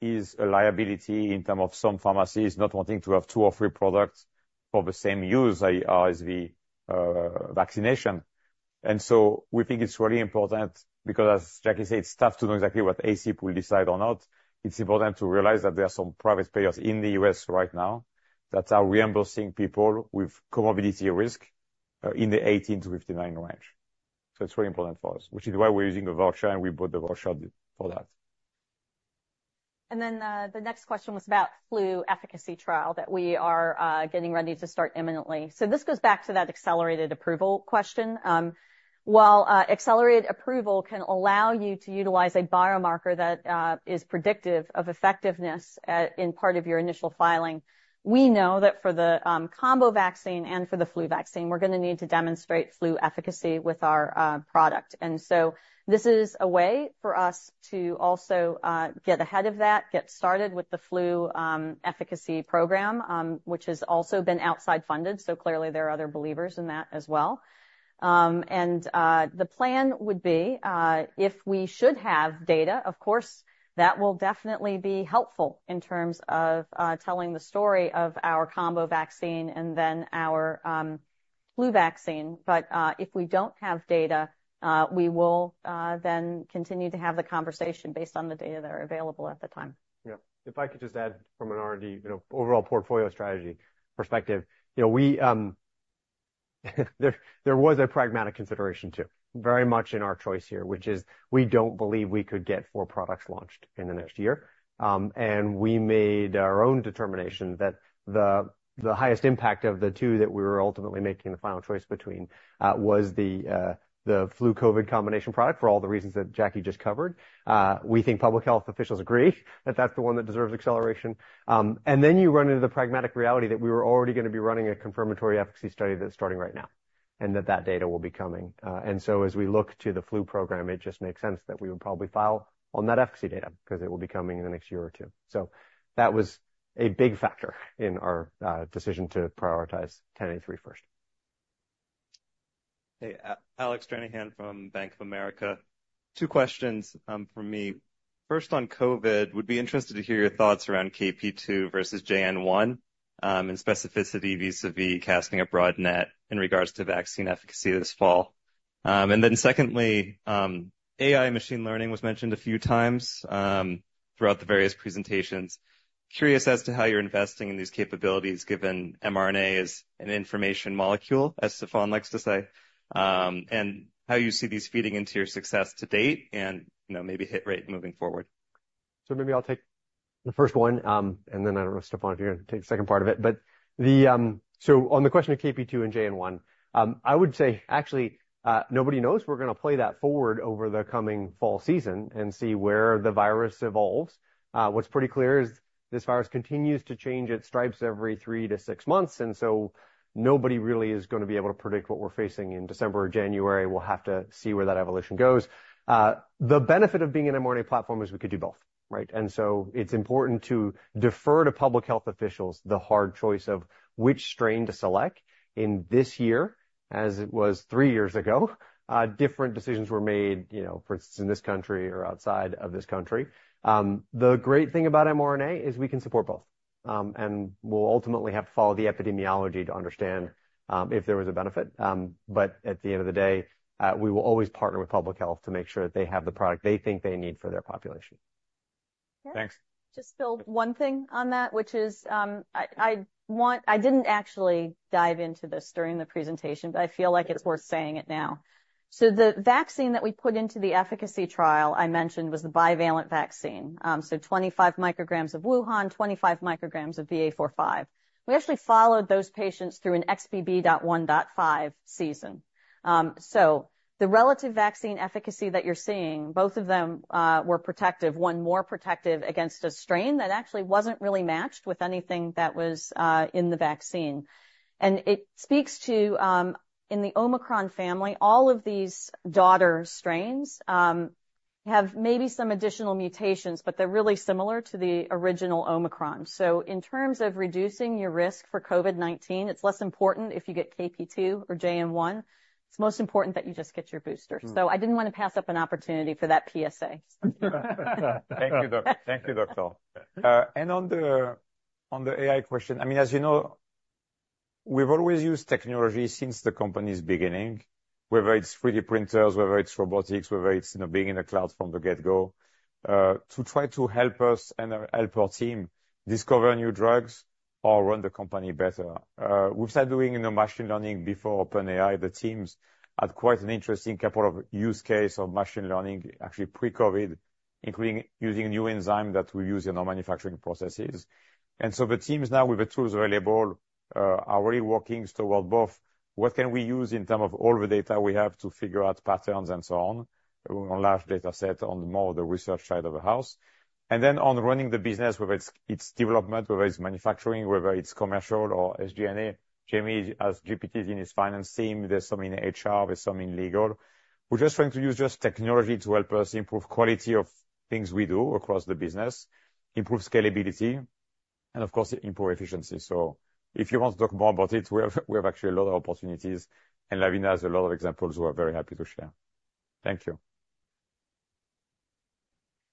is a liability in terms of some pharmacies not wanting to have two or three products for the same use, i.e., RSV, vaccination. And so we think it's really important because as Jackie said, it's tough to know exactly what ACIP will decide or not. It's important to realize that there are some private players in the U.S. right now that are reimbursing people with comorbidity risk, in the 18 to 59 range. So it's very important for us, which is why we're using a voucher, and we built the voucher for that. And then, the next question was about flu efficacy trial that we are getting ready to start imminently. So this goes back to that accelerated approval question. While accelerated approval can allow you to utilize a biomarker that is predictive of effectiveness in part of your initial filing, we know that for the combo vaccine and for the flu vaccine, we're gonna need to demonstrate flu efficacy with our product. And so this is a way for us to also get ahead of that, get started with the flu efficacy program, which has also been outside funded, so clearly there are other believers in that as well. And, the plan would be, if we should have data, of course, that will definitely be helpful in terms of telling the story of our combo vaccine and then our flu vaccine. But, if we don't have data, we will then continue to have the conversation based on the data that are available at the time. Yeah. If I could just add from an R&D, you know, overall portfolio strategy perspective. You know, we, there was a pragmatic consideration, too, very much in our choice here, which is we don't believe we could get four products launched in the next year, and we made our own determination that the highest impact of the two that we were ultimately making the final choice between was the flu-COVID combination product, for all the reasons that Jackie just covered. We think public health officials agree that that's the one that deserves acceleration, and then you run into the pragmatic reality that we were already gonna be running a confirmatory efficacy study that's starting right now, and that that data will be coming. And so as we look to the flu program, it just makes sense that we would probably file on that efficacy data, 'cause it will be coming in the next year or two. So that was a big factor in our decision to prioritize 1083 first. Hey, Alec Stranahan from Bank of America. Two questions from me. First, on COVID, would be interested to hear your thoughts around KP.2 versus JN.1, and specificity vis-a-vis casting a broad net in regards to vaccine efficacy this fall. Then secondly, AI machine learning was mentioned a few times throughout the various presentations. Curious as to how you're investing in these capabilities, given mRNA is an information molecule, as Stéphane likes to say, and how you see these feeding into your success to date and, you know, maybe hit rate moving forward. Maybe I'll take the first one, and then I don't know, Stéphane, if you're gonna take the second part of it. On the question of KP.2 and JN.1, I would say, actually, nobody knows. We're gonna play that forward over the coming fall season and see where the virus evolves. What's pretty clear is this virus continues to change its stripes every three to six months, and so nobody really is gonna be able to predict what we're facing in December or January. We'll have to see where that evolution goes. The benefit of being an mRNA platform is we could do both, right? It's important to defer to public health officials the hard choice of which strain to select. In this year, as it was three years ago, different decisions were made, you know, for instance, in this country or outside of this country. The great thing about mRNA is we can support both. And we'll ultimately have to follow the epidemiology to understand, if there was a benefit. But at the end of the day, we will always partner with public health to make sure that they have the product they think they need for their population. Thanks. Just build one thing on that, which is, I want. I didn't actually dive into this during the presentation, but I feel like it's worth saying it now. So the vaccine that we put into the efficacy trial, I mentioned, was the bivalent vaccine. So 25 mcg of Wuhan, 25 mcg of BA.4,5. We actually followed those patients through an XBB.1.5 season. So the relative vaccine efficacy that you're seeing, both of them, were protective, one more protective against a strain that actually wasn't really matched with anything that was, in the vaccine. And it speaks to, in the Omicron family, all of these daughter strains, have maybe some additional mutations, but they're really similar to the original Omicron. So in terms of reducing your risk for COVID-19, it's less important if you get KP.2 or JN.1. It's most important that you just get your booster. So I didn't wanna pass up an opportunity for that PSA. Thank you, Doctor. Thank you, Doctor. And on the, on the AI question, I mean, as you know, we've always used technology since the company's beginning, whether it's 3D printers, whether it's robotics, whether it's, you know, being in the cloud from the get-go, to try to help us and, help our team discover new drugs or run the company better. We've started doing machine learning before OpenAI. The teams had quite an interesting couple of use case of machine learning, actually pre-COVID, including using new enzyme that we use in our manufacturing processes. And so the teams now, with the tools available, are really working toward both what can we use in term of all the data we have to figure out patterns and so on, on large data set, on more the research side of the house. Then on running the business, whether it's development, whether it's manufacturing, whether it's commercial or SG&A, Jamey has GPT in his finance team. There's some in HR, there's some in legal. We're just trying to use just technology to help us improve quality of things we do across the business, improve scalability. and of course, improve efficiency. So if you want to talk more about it, we have actually a lot of opportunities, and Lavina has a lot of examples we're very happy to share. Thank you.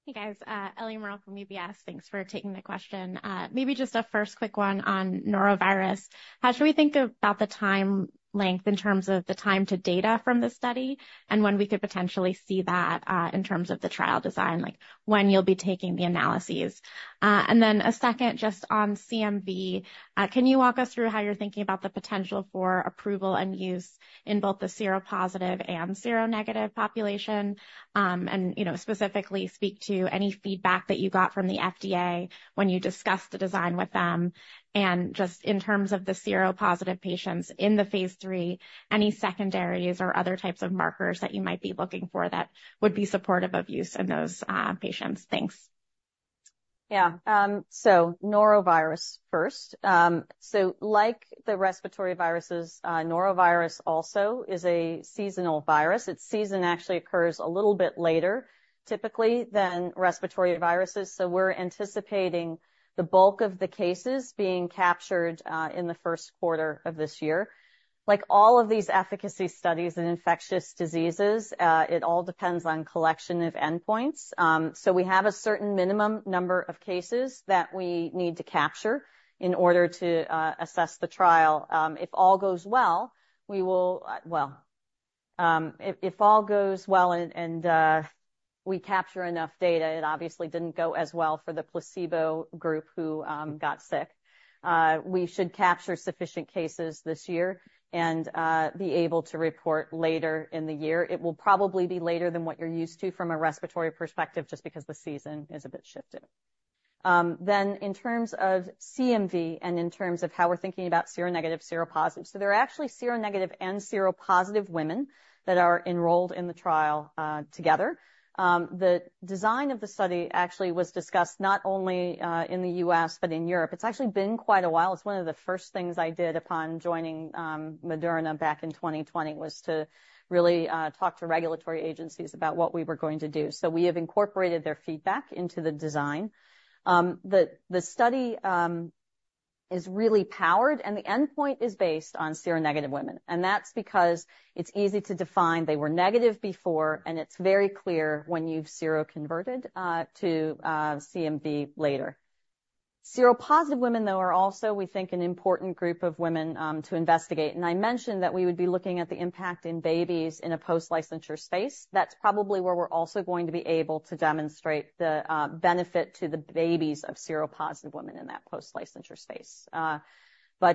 Hey, guys, Ellie Merle from UBS. Thanks for taking the question. Maybe just a first quick one on norovirus. How should we think about the time length in terms of the time to data from the study, and when we could potentially see that, in terms of the trial design? Like, when you'll be taking the analyses. And then a second just on CMV, can you walk us through how you're thinking about the potential for approval and use in both the seropositive and seronegative population? And, you know, specifically speak to any feedback that you got from the FDA when you discussed the design with them. And just in terms of the seropositive patients in the phase three, any secondaries or other types of markers that you might be looking for that would be supportive of use in those patients? Thanks. Yeah. So norovirus first. So like the respiratory viruses, norovirus also is a seasonal virus. Its season actually occurs a little bit later, typically, than respiratory viruses, so we're anticipating the bulk of the cases being captured in the first quarter of this year. Like all of these efficacy studies in infectious diseases, it all depends on collection of endpoints. So we have a certain minimum number of cases that we need to capture in order to assess the trial. If all goes well, we will- well, if all goes well and we capture enough data, it obviously didn't go as well for the placebo group who got sick. We should capture sufficient cases this year and be able to report later in the year. It will probably be later than what you're used to from a respiratory perspective, just because the season is a bit shifted. Then in terms of CMV and in terms of how we're thinking about seronegative, seropositive, so there are actually seronegative and seropositive women that are enrolled in the trial, together. The design of the study actually was discussed not only in the U.S., but in Europe. It's actually been quite a while. It's one of the first things I did upon joining Moderna back in 2020, was to really talk to regulatory agencies about what we were going to do. So we have incorporated their feedback into the design. The study is really powered, and the endpoint is based on seronegative women, and that's because it's easy to define. They were negative before, and it's very clear when you've seroconverted to CMV later. Seropositive women, though, are also, we think, an important group of women to investigate. And I mentioned that we would be looking at the impact in babies in a post-licensure space. That's probably where we're also going to be able to demonstrate the benefit to the babies of seropositive women in that post-licensure space,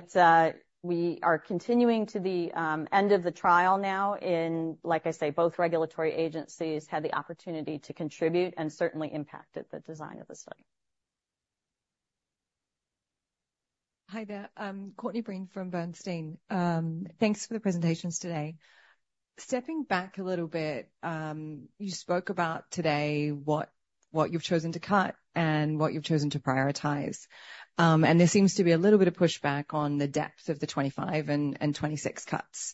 but we are continuing to the end of the trial now. Like I say, both regulatory agencies had the opportunity to contribute and certainly impacted the design of the study. Hi there, Courtney Breen from Bernstein. Thanks for the presentations today. Stepping back a little bit, you spoke about today, what you've chosen to cut and what you've chosen to prioritize. And there seems to be a little bit of pushback on the depth of the 2025 and 2026 cuts.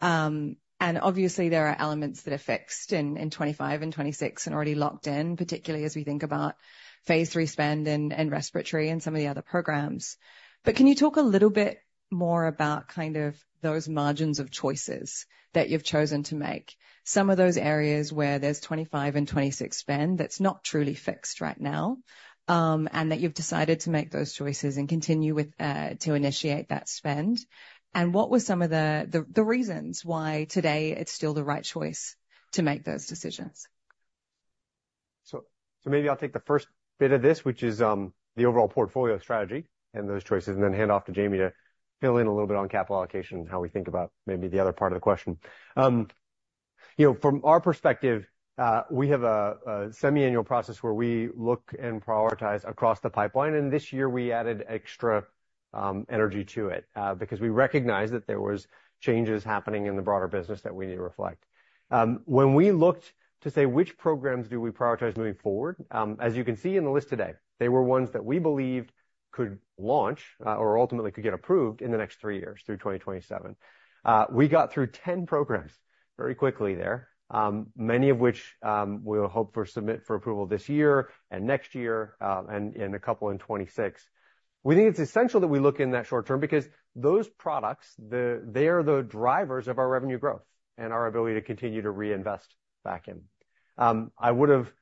And obviously, there are elements that are fixed in 2025 and 2026 and already locked in, particularly as we think about phase three spend and respiratory and some of the other programs. But can you talk a little bit more about kind of those margins of choices that you've chosen to make? Some of those areas where there's 2025 and 2026 spend, that's not truly fixed right now, and that you've decided to make those choices and continue with to initiate that spend. What were some of the reasons why today it's still the right choice to make those decisions? So maybe I'll take the first bit of this, which is the overall portfolio strategy and those choices, and then hand off to Jamey to fill in a little bit on capital allocation and how we think about maybe the other part of the question. You know, from our perspective, we have a semiannual process where we look and prioritize across the pipeline, and this year we added extra energy to it because we recognized that there was changes happening in the broader business that we need to reflect. When we looked to say which programs do we prioritize moving forward, as you can see in the list today, they were ones that we believed could launch or ultimately could get approved in the next three years through 2027. We got through ten programs very quickly there, many of which, we'll hope for submit for approval this year and next year, and a couple in 2026. We think it's essential that we look in that short term, because those products, they are the drivers of our revenue growth and our ability to continue to reinvest back in. I would've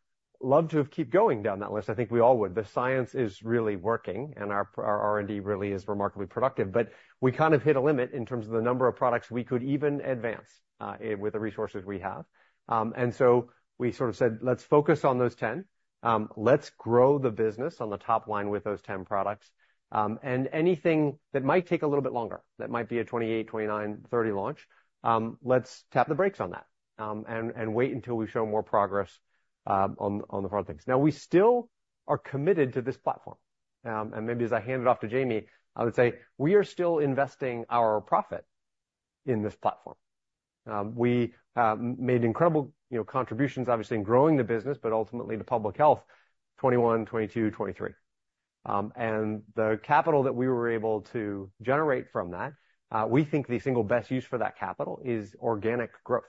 loved to have keep going down that list. I think we all would. The science is really working, and our R&D really is remarkably productive, but we kind of hit a limit in terms of the number of products we could even advance, with the resources we have. And so we sort of said, "Let's focus on those ten. Let's grow the business on the top line with those 10 products, and anything that might take a little bit longer, that might be a 2028, 2029, 2030 launch, let's tap the brakes on that, and wait until we show more progress on the hard things." Now, we still are committed to this platform. And maybe as I hand it off to Jamey, I would say we are still investing our profit in this platform. We made incredible, you know, contributions, obviously, in growing the business, but ultimately the public health, 2021, 2022, 2023. And the capital that we were able to generate from that, we think the single best use for that capital is organic growth.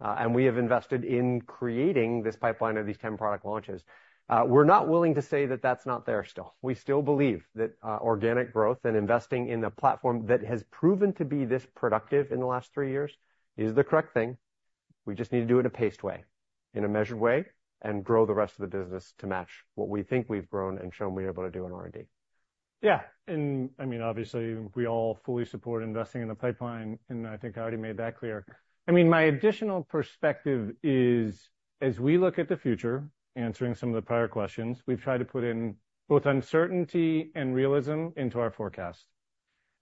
And we have invested in creating this pipeline of these 10 product launches. We're not willing to say that that's not there still. We still believe that organic growth and investing in a platform that has proven to be this productive in the last three years is the correct thing. We just need to do it in a paced way, in a measured way, and grow the rest of the business to match what we think we've grown and shown we're able to do in R&D. Yeah. And, I mean, obviously, we all fully support investing in the pipeline, and I think I already made that clear. I mean, my additional perspective is, as we look at the future, answering some of the prior questions, we've tried to put in both uncertainty and realism into our forecast.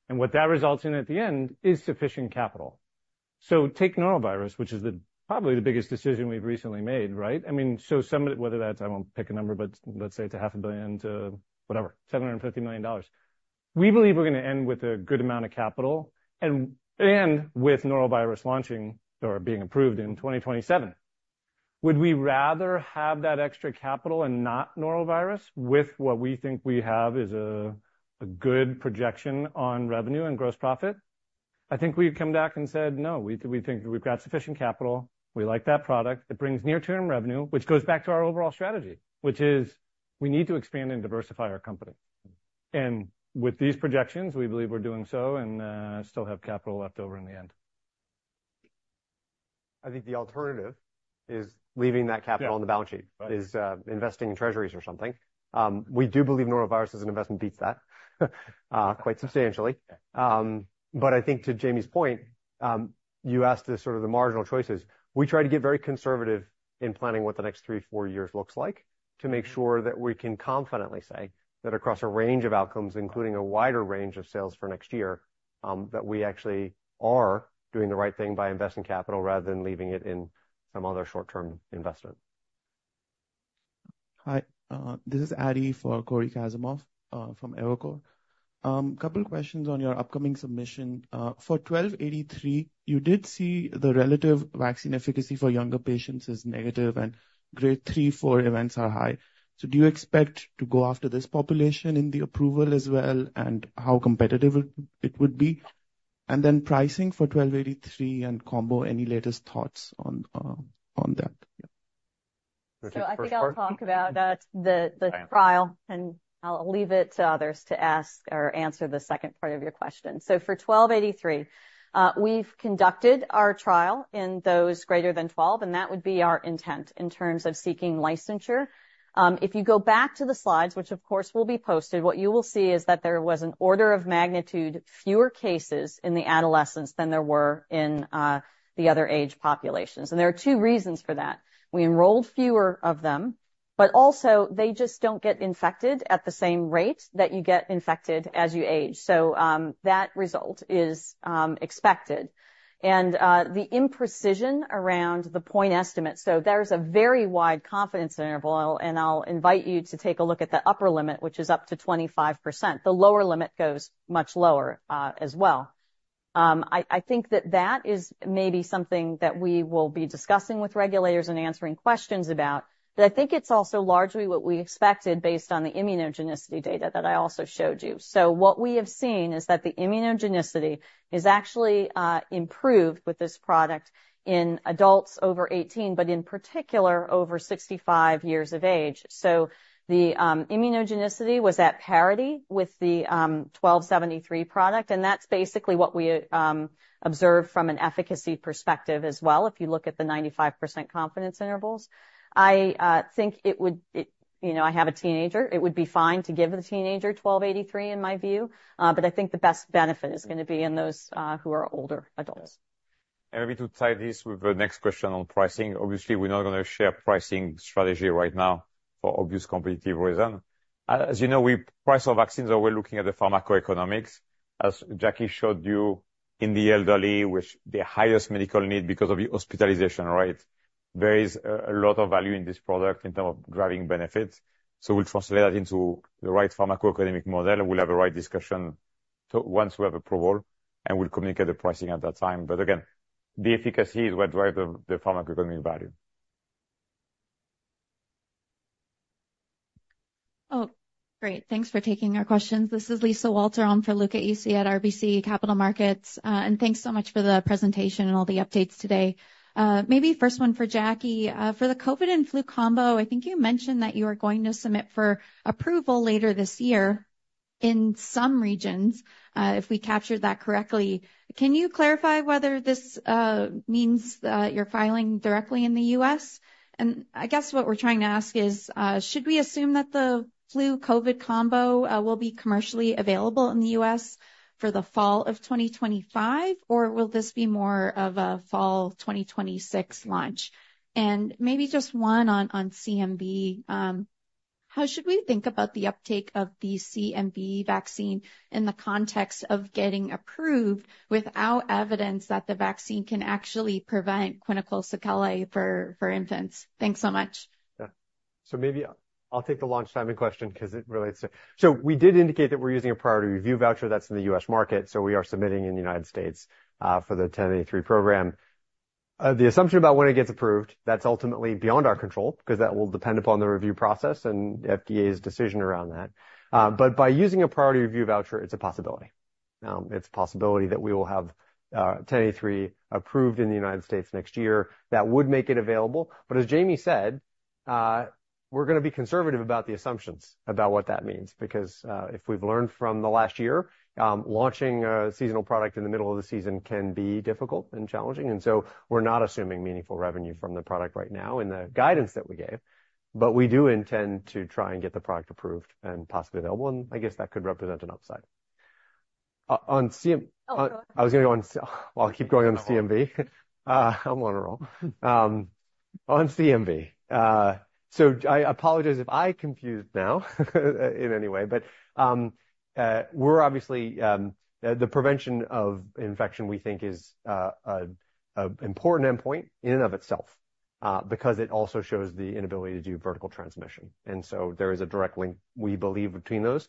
And what that results in at the end is sufficient capital. So take norovirus, which is probably the biggest decision we've recently made, right? I mean, so some of it, whether that's, I won't pick a number, but let's say it's $500 million to whatever, $750 million. We believe we're gonna end with a good amount of capital and, and with norovirus launching or being approved in 2027. Would we rather have that extra capital and not norovirus with what we think we have is a good projection on revenue and gross profit? I think we've come back and said, "No, we think we've got sufficient capital. We like that product. It brings near-term revenue," which goes back to our overall strategy, which is we need to expand and diversify our company. And with these projections, we believe we're doing so and still have capital left over in the end. I think the alternative is leaving that capital- Yeah. on the balance sheet. Right. Is investing in treasuries or something. We do believe norovirus as an investment beats that quite substantially, but I think to Jamey's point, you asked the sort of the marginal choices. We try to get very conservative in planning what the next three, four years looks like, to make sure that we can confidently say that across a range of outcomes, including a wider range of sales for next year, that we actually are doing the right thing by investing capital rather than leaving it in some other short-term investment. Hi, this is Adi for Cory Kasimov from Evercore ISI. Couple questions on your upcoming submission. For 1283, you did see the relative vaccine efficacy for younger patients is negative, and grade three, four events are high. So do you expect to go after this population in the approval as well, and how competitive it would be? And then pricing for 1283 and combo, any latest thoughts on that? The first part? So I think I'll talk about the trial, and I'll leave it to others to ask or answer the second part of your question. So for 1283, we've conducted our trial in those greater than twelve, and that would be our intent in terms of seeking licensure. If you go back to the slides, which, of course, will be posted, what you will see is that there was an order of magnitude fewer cases in the adolescents than there were in the other age populations. And there are two reasons for that. We enrolled fewer of them, but also they just don't get infected at the same rate that you get infected as you age. So, that result is expected. The imprecision around the point estimate, so there's a very wide confidence interval, and I'll invite you to take a look at the upper limit, which is up to 25%. The lower limit goes much lower, as well. I think that is maybe something that we will be discussing with regulators and answering questions about. But I think it's also largely what we expected based on the immunogenicity data that I also showed you. So what we have seen is that the immunogenicity is actually improved with this product in adults over 18, but in particular, over 65 years of age. So the immunogenicity was at parity with the 1273 product, and that's basically what we observed from an efficacy perspective as well, if you look at the 95% confidence intervals. I think it would. You know, I have a teenager, it would be fine to give the teenager mRNA-1283, in my view, but I think the best benefit is gonna be in those who are older adults. Maybe to tie this with the next question on pricing. Obviously, we're not gonna share pricing strategy right now for obvious competitive reason. As you know, we price vaccines, we're looking at the pharmacoeconomics. As Jackie showed you, in the elderly, with the highest medical need because of the hospitalization rate, there is a lot of value in this product in terms of driving benefits. So we'll translate that into the right pharmacoeconomic model, and we'll have a right discussion to once we have approval, and we'll communicate the pricing at that time. But again, the efficacy is what drive the pharmacoeconomic value. Oh, great. Thanks for taking our questions. This is Lisa Walter on for Luca Issi at RBC Capital Markets, and thanks so much for the presentation and all the updates today. Maybe first one for Jackie. For the COVID and flu combo, I think you mentioned that you are going to submit for approval later this year in some regions, if we captured that correctly. Can you clarify whether this means you're filing directly in the U.S? And I guess what we're trying to ask is, should we assume that the flu/COVID combo will be commercially available in the U.S. for the fall of 2025, or will this be more of a fall 2026 launch? And maybe just one on CMV. How should we think about the uptake of the CMV vaccine in the context of getting approved without evidence that the vaccine can actually prevent clinical sequelae for infants? Thanks so much. Yeah. So maybe I'll take the launch timing question 'cause it relates to... So we did indicate that we're using a priority review voucher that's in the U.S. market, so we are submitting in the United States, for the 1083 program. The assumption about when it gets approved, that's ultimately beyond our control, 'cause that will depend upon the review process and FDA's decision around that. But by using a priority review voucher, it's a possibility.... Now, it's a possibility that we will have, 1083 approved in the United States next year. That would make it available, but as Jamey said, we're gonna be conservative about the assumptions about what that means, because, if we've learned from the last year, launching a seasonal product in the middle of the season can be difficult and challenging. And so we're not assuming meaningful revenue from the product right now in the guidance that we gave, but we do intend to try and get the product approved and possibly available. And I guess that could represent an upside. On CMV- Oh, go ahead. I was gonna go on. Well, I'll keep going on CMV. I'm on a roll. On CMV, so I apologize if I confused now, in any way, but we're obviously the prevention of infection, we think is an important endpoint in and of itself, because it also shows the inability to do vertical transmission. And so there is a direct link, we believe, between those.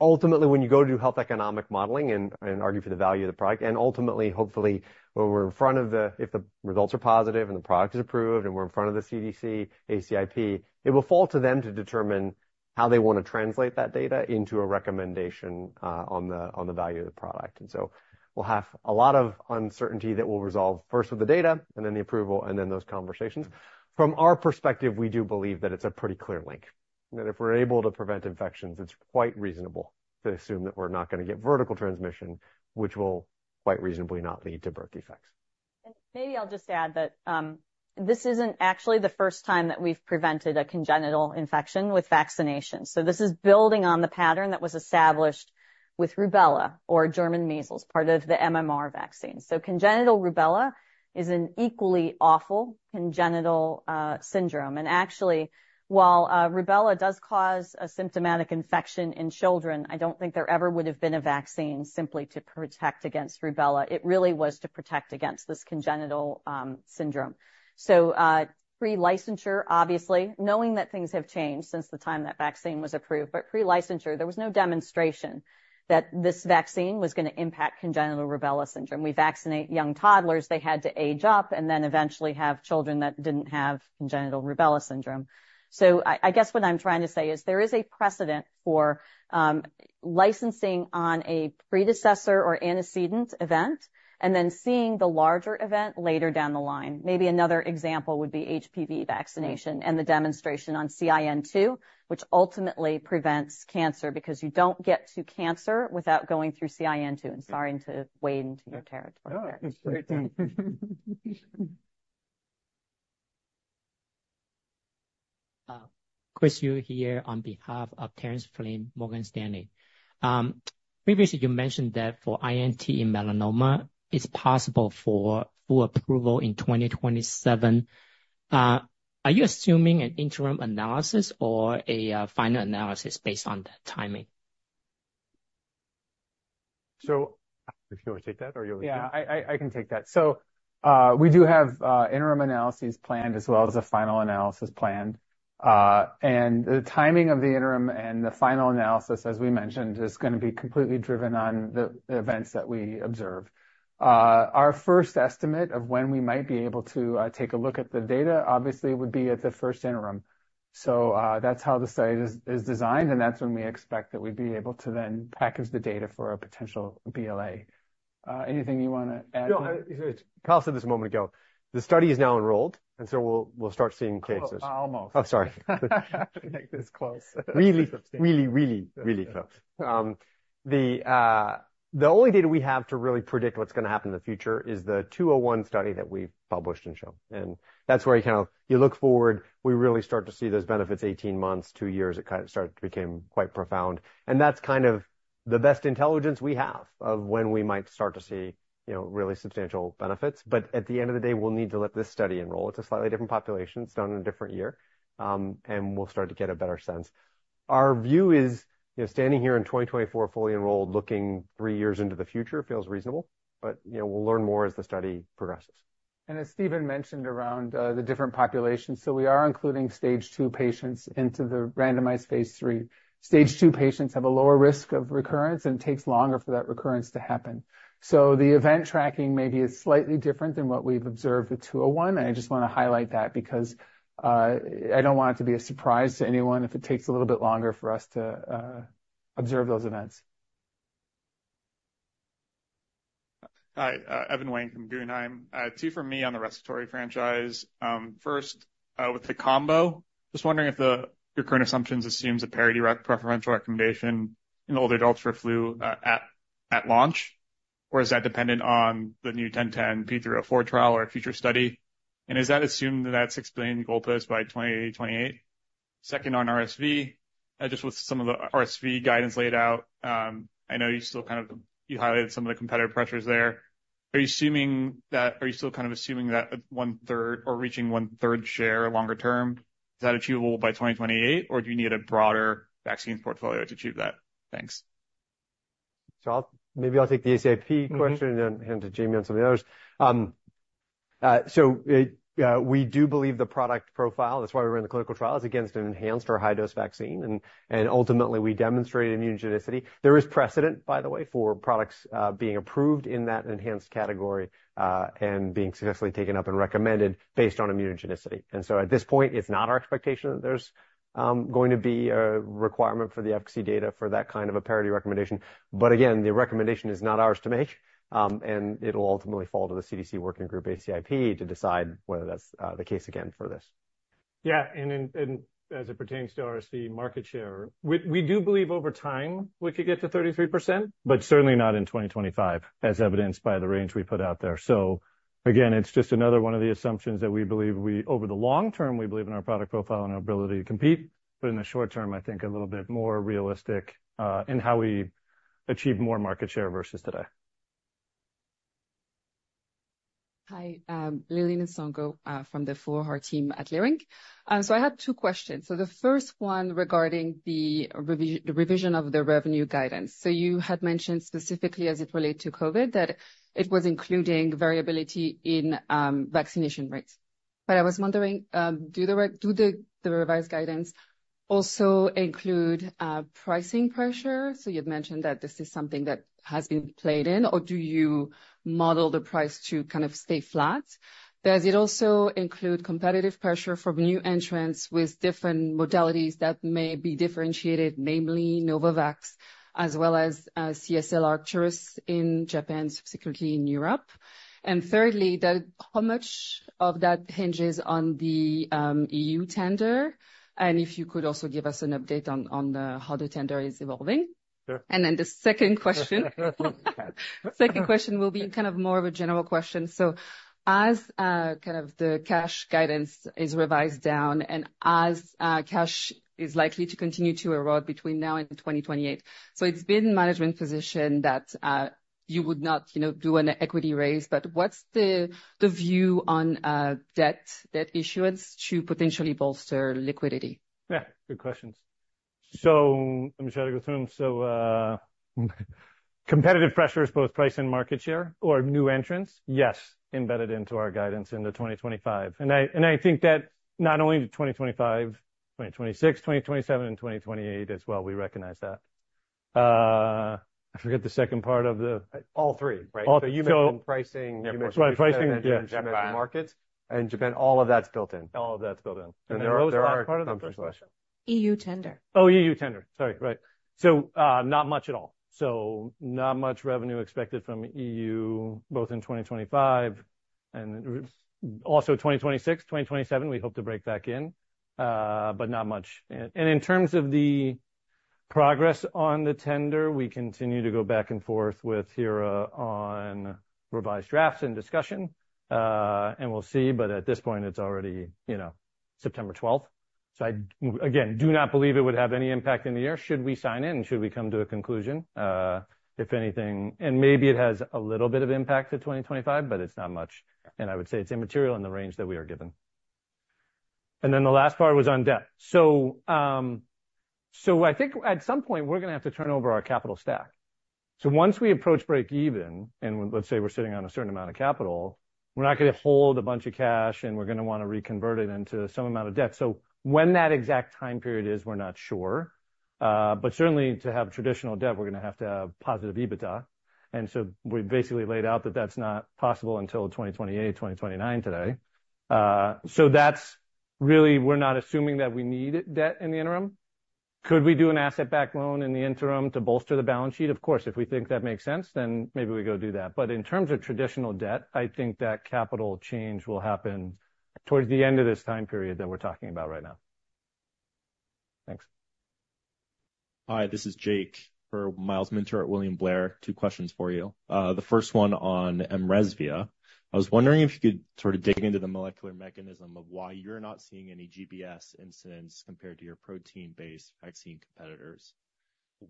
Ultimately, when you go to do health economic modeling and argue for the value of the product, and ultimately, hopefully, when we're in front of the, if the results are positive and the product is approved and we're in front of the CDC, ACIP, it will fall to them to determine how they want to translate that data into a recommendation on the value of the product. And so we'll have a lot of uncertainty that will resolve first with the data, and then the approval, and then those conversations. From our perspective, we do believe that it's a pretty clear link, that if we're able to prevent infections, it's quite reasonable to assume that we're not gonna get vertical transmission, which will quite reasonably not lead to birth defects. Maybe I'll just add that, this isn't actually the first time that we've prevented a congenital infection with vaccination. This is building on the pattern that was established with rubella or German measles, part of the MMR vaccine. Congenital rubella is an equally awful congenital syndrome. Actually, while rubella does cause a symptomatic infection in children, I don't think there ever would have been a vaccine simply to protect against rubella. It really was to protect against this congenital syndrome. Pre-licensure, obviously, knowing that things have changed since the time that vaccine was approved, but pre-licensure, there was no demonstration that this vaccine was gonna impact congenital rubella syndrome. We vaccinate young toddlers, they had to age up and then eventually have children that didn't have congenital rubella syndrome. So I guess what I'm trying to say is there is a precedent for licensing on a predecessor or antecedent event, and then seeing the larger event later down the line. Maybe another example would be HPV vaccination and the demonstration on CIN 2, which ultimately prevents cancer, because you don't get to cancer without going through CIN 2, and sorry to wade into your territory there. No, it's great. Chris Yu here on behalf of Terence Flynn, Morgan Stanley. Previously, you mentioned that for INT in melanoma, it's possible for full approval in 2027. Are you assuming an interim analysis or a final analysis based on that timing? So if you want to take that, or you want me to- Yeah, I can take that. So, we do have interim analyses planned, as well as a final analysis planned, and the timing of the interim and the final analysis, as we mentioned, is gonna be completely driven on the events that we observe. Our first estimate of when we might be able to take a look at the data obviously would be at the first interim, so that's how the study is designed, and that's when we expect that we'd be able to then package the data for a potential BLA. Anything you want to add? No, Kyle said this a moment ago. The study is now enrolled, and so we'll start seeing cases. Oh, almost. Oh, sorry. Make this close. Really, really, really, really close. The only data we have to really predict what's gonna happen in the future is the 201 study that we've published and shown. And that's where you kind of, you look forward, we really start to see those benefits 18 months, two years, it kind of started to become quite profound. And that's kind of the best intelligence we have of when we might start to see, you know, really substantial benefits. But at the end of the day, we'll need to let this study enroll. It's a slightly different population. It's done in a different year, and we'll start to get a better sense. Our view is, you know, standing here in 2024, fully enrolled, looking three years into the future feels reasonable, but, you know, we'll learn more as the study progresses. And as Stephen mentioned around the different populations, so we are including Stage II patients into the randomized Phase 3. Stage II patients have a lower risk of recurrence, and it takes longer for that recurrence to happen. So the event tracking maybe is slightly different than what we've observed with 201, and I just want to highlight that because I don't want it to be a surprise to anyone if it takes a little bit longer for us to observe those events. Hi, Evan Wang from Guggenheim. Two for me on the respiratory franchise. First, with the combo, just wondering if your current assumptions assume a parity or preferential recommendation in older adults for flu at launch, or is that dependent on the new 1010 P3 or P4 trial or a future study? And is that assumed that that's the goalpost by 2028? Second, on RSV, just with some of the RSV guidance laid out, I know you still kind of highlighted some of the competitive pressures there. Are you still kind of assuming that one-third or reaching one-third share longer term, is that achievable by 2028, or do you need a broader vaccines portfolio to achieve that? Thanks. Maybe I'll take the ACIP question. And then hand to Jamey on some of the others. So we do believe the product profile, that's why we're in the clinical trial, is against an enhanced or high-dose vaccine, and ultimately we demonstrate immunogenicity. There is precedent, by the way, for products being approved in that enhanced category, and being successfully taken up and recommended based on immunogenicity, and so at this point, it's not our expectation that there's going to be a requirement for the efficacy data for that kind of a parity recommendation, but again, the recommendation is not ours to make, and it'll ultimately fall to the CDC working group, ACIP, to decide whether that's the case again for this. Yeah, and as it pertains to RSV market share, we do believe over time, we could get to 33%, but certainly not in 2025, as evidenced by the range we put out there. So again, it's just another one of the assumptions that we believe we over the long term, we believe in our product profile and our ability to compete, but in the short term, I think a little bit more realistic in how we achieve more market share versus today. Hi, Lili Nsongo from Leerink Partners. So I had two questions. So the first one regarding the revision of the revenue guidance. So you had mentioned specifically as it relate to COVID, that it was including variability in vaccination rates. But I was wondering, do the revised guidance also include pricing pressure? So you've mentioned that this is something that has been priced in, or do you model the price to kind of stay flat? Does it also include competitive pressure from new entrants with different modalities that may be differentiated, namely Novavax, as well as CSL, Arcturus in Japan, specifically in Europe? And thirdly, how much of that hinges on the E.U. tender? And if you could also give us an update on how the tender is evolving. Sure. Then the second question will be kind of more of a general question. So as kind of the cash guidance is revised down and as cash is likely to continue to erode between now and 2028. So it's been management's position that you would not, you know, do an equity raise, but what's the view on debt issuance to potentially bolster liquidity? Yeah, good questions. So let me try to go through them. So, competitive pressures, both price and market share or new entrants? Yes, embedded into our guidance into 2025. And I think that not only 2025, 2026, 2027 and 2028 as well, we recognize that. I forget the second part of the- All three, right? All, so- So you mentioned pricing- Right, pricing, yeah. Markets and Japan, all of that's built in. All of that's built in. And the last part of the question? E.U. tender. Oh, E.U. tender. Sorry, right. So, not much at all. So not much revenue expected from E.U., both in 2025 and also 2026, 2027, we hope to break back in, but not much. And in terms of the progress on the tender, we continue to go back and forth with HERA on revised drafts and discussion, and we'll see, but at this point, it's already, you know, September 12th. So I, again, do not believe it would have any impact in the year should we sign in, should we come to a conclusion, if anything, and maybe it has a little bit of impact to 2025, but it's not much. And I would say it's immaterial in the range that we are given. And then the last part was on debt. I think at some point, we're gonna have to turn over our capital stack. Once we approach break even, and let's say we're sitting on a certain amount of capital, we're not gonna hold a bunch of cash, and we're gonna wanna reconvert it into some amount of debt. When that exact time period is, we're not sure, but certainly to have traditional debt, we're gonna have to have positive EBITDA. We've basically laid out that that's not possible until 2028, 2029 today. That's really, we're not assuming that we need debt in the interim. Could we do an asset-backed loan in the interim to bolster the balance sheet? Of course, if we think that makes sense, then maybe we go do that. But in terms of traditional debt, I think that capital change will happen toward the end of this time period that we're talking about right now. Thanks. Hi, this is Jake for Myles Minter at William Blair. Two questions for you. The first one on mRESVIA. I was wondering if you could sort of dig into the molecular mechanism of why you're not seeing any GBS incidents compared to your protein-based vaccine competitors.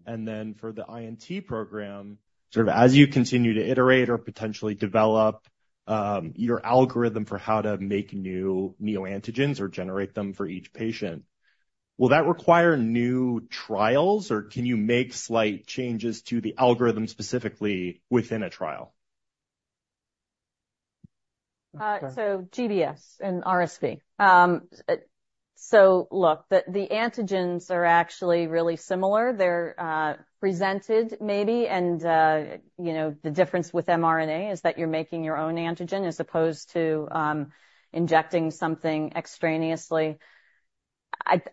And then for the INT program, sort of as you continue to iterate or potentially develop, your algorithm for how to make new neoantigens or generate them for each patient, will that require new trials, or can you make slight changes to the algorithm, specifically within a trial? GBS and RSV. The antigens are actually really similar. They're presented maybe, and you know, the difference with mRNA is that you're making your own antigen, as opposed to injecting something extraneously.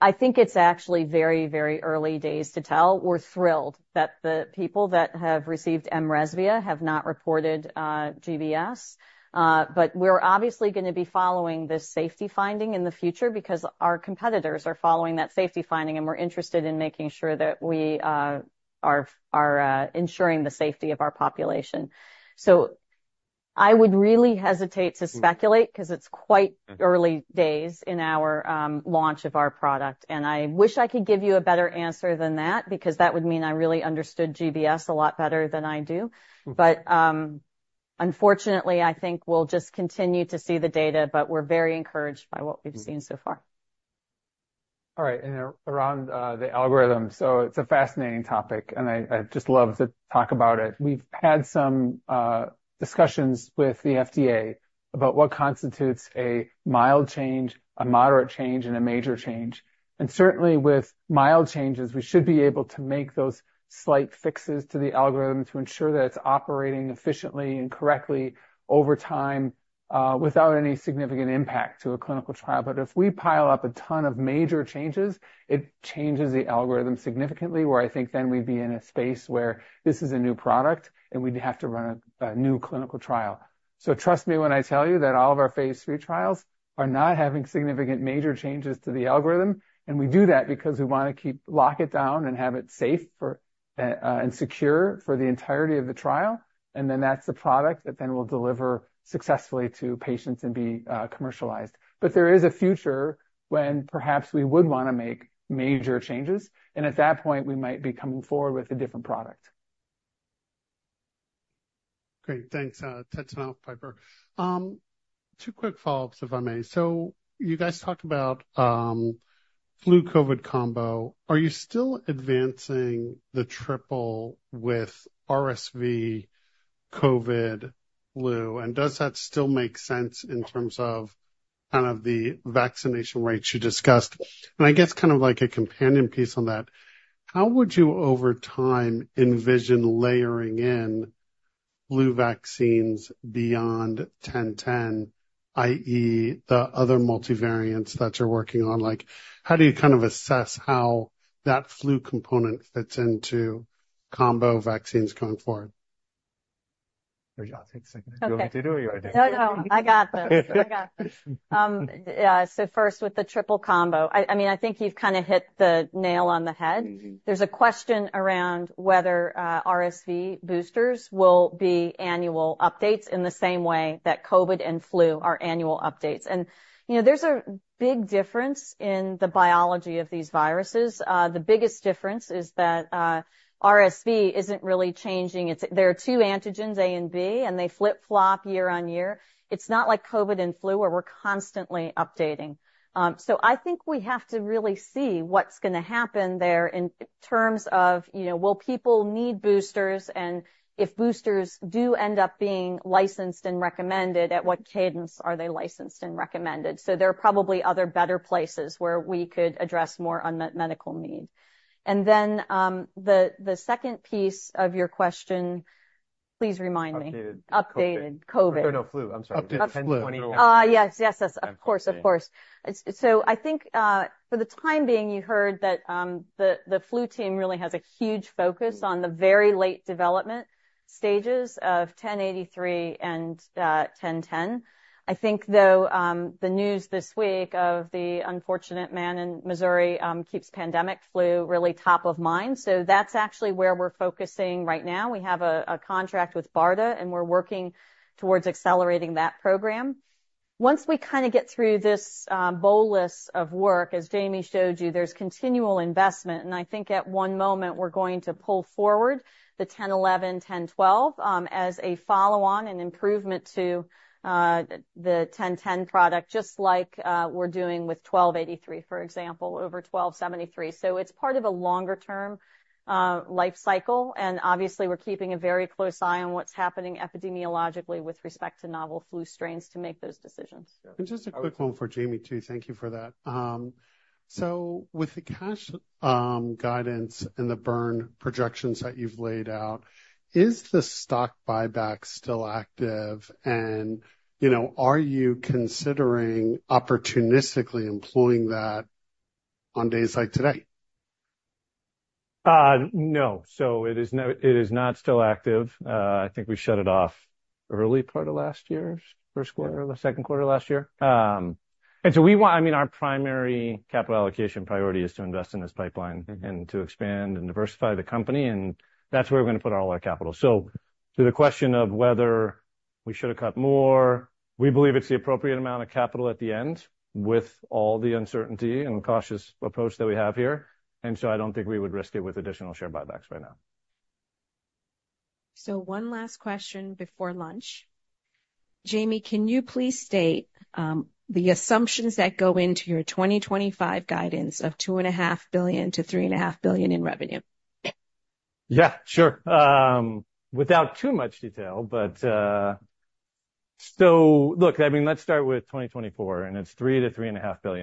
I think it's actually very, very early days to tell. We're thrilled that the people that have received mRESVIA have not reported GBS, but we're obviously gonna be following this safety finding in the future because our competitors are following that safety finding, and we're interested in making sure that we are ensuring the safety of our population. I would really hesitate to speculate, 'cause it's quite early days in our launch of our product. I wish I could give you a better answer than that, because that would mean I really understood GBS a lot better than I do. But, unfortunately, I think we'll just continue to see the data, but we're very encouraged by what we've seen so far. All right, and around the algorithm. So it's a fascinating topic, and I just love to talk about it. We've had some discussions with the FDA about what constitutes a mild change, a moderate change, and a major change. And certainly with mild changes, we should be able to make those slight fixes to the algorithm to ensure that it's operating efficiently and correctly over time, without any significant impact to a clinical trial. But if we pile up a ton of major changes, it changes the algorithm significantly, where I think then we'd be in a space where this is a new product, and we'd have to run a new clinical trial. So, trust me when I tell you that all of our phase III trials are not having significant major changes to the algorithm, and we do that because we wanna lock it down and have it safe for, and secure for the entirety of the trial, and then that's the product that then we'll deliver successfully to patients and be, commercialized. But there is a future when perhaps we would wanna make major changes, and at that point, we might be coming forward with a different product. Great, thanks, it's Ted, Piper. Two quick follow-ups, if I may. So you guys talked about flu COVID combo. Are you still advancing the triple with RSV COVID flu, and does that still make sense in terms of kind of the vaccination rates you discussed? And I guess kind of like a companion piece on that, how would you, over time, envision layering in flu vaccines beyond 1010, i.e., the other multi-variants that you're working on? Like, how do you kind of assess how that flu component fits into combo vaccines going forward? I'll take a second. Do you want me to do it, or you wanna do it? No, no, I got this. I got this. So first, with the triple combo, I mean, I think you've kinda hit the nail on the head. There's a question around whether RSV boosters will be annual updates in the same way that COVID and flu are annual updates, and you know, there's a big difference in the biology of these viruses. The biggest difference is that RSV isn't really changing. There are two antigens, A and B, and they flip-flop year-on-year. It's not like COVID and flu, where we're constantly updating, so I think we have to really see what's gonna happen there in terms of, you know, will people need boosters, and if boosters do end up being licensed and recommended, at what cadence are they licensed and recommended, so there are probably other better places where we could address more unmet medical need. And then, the second piece of your question, please remind me. Updated. Updated COVID. Oh, no, flu. I'm sorry. Updated flu. Ten-twenty. Ah, yes, yes, yes, of course, of course. It's so I think for the time being, you heard that, the flu team really has a huge focus on the very late development stages of 1083 and 1010. I think, though, the news this week of the unfortunate man in Missouri keeps pandemic flu really top of mind, so that's actually where we're focusing right now. We have a contract with BARDA, and we're working towards accelerating that program. Once we kinda get through this bolus of work, as Jamey showed you, there's continual investment, and I think at one moment we're going to pull forward the 1011, 1012, as a follow-on, an improvement to the 1010 product, just like we're doing with 1283, for example, over 1273. So it's part of a longer-term life cycle, and obviously, we're keeping a very close eye on what's happening epidemiologically with respect to novel flu strains to make those decisions. Just a quick one for Jamey, too. Thank you for that. So with the cash guidance and the burn projections that you've laid out, is the stock buyback still active? You know, are you considering opportunistically employing that on days like today? No. So it is not still active. I think we shut it off early part of last year's first quarter or the second quarter of last year. And so we want... I mean, our primary capital allocation priority is to invest in this pipeline and to expand and diversify the company, and that's where we're gonna put all our capital. So to the question of whether we should have cut more, we believe it's the appropriate amount of capital at the end, with all the uncertainty and cautious approach that we have here, and so I don't think we would risk it with additional share buybacks right now. One last question before lunch. Jamey, can you please state the assumptions that go into your 2025 guidance of $2.5 billion-$3.5 billion in revenue? Yeah, sure. Without too much detail, but, so look, I mean, let's start with 2024, and it's $3 billion-$3.5 billion.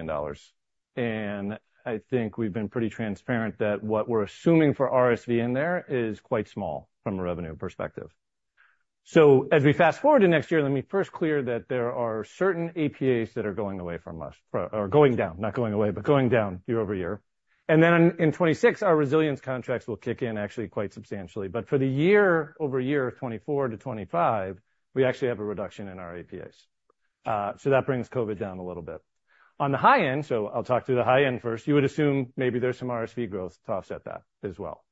And I think we've been pretty transparent that what we're assuming for RSV in there is quite small, from a revenue perspective. So as we fast forward to next year, let me first clear that there are certain APAs that are going away from us, or going down, not going away, but going down year-over-year. And then in 2026, our Resilience contracts will kick in actually quite substantially. But for the year-over-year, 2024 to 2025, we actually have a reduction in our APAs. So that brings COVID down a little bit. On the high end, so I'll talk to the high end first, you would assume maybe there's some RSV growth to offset that as well.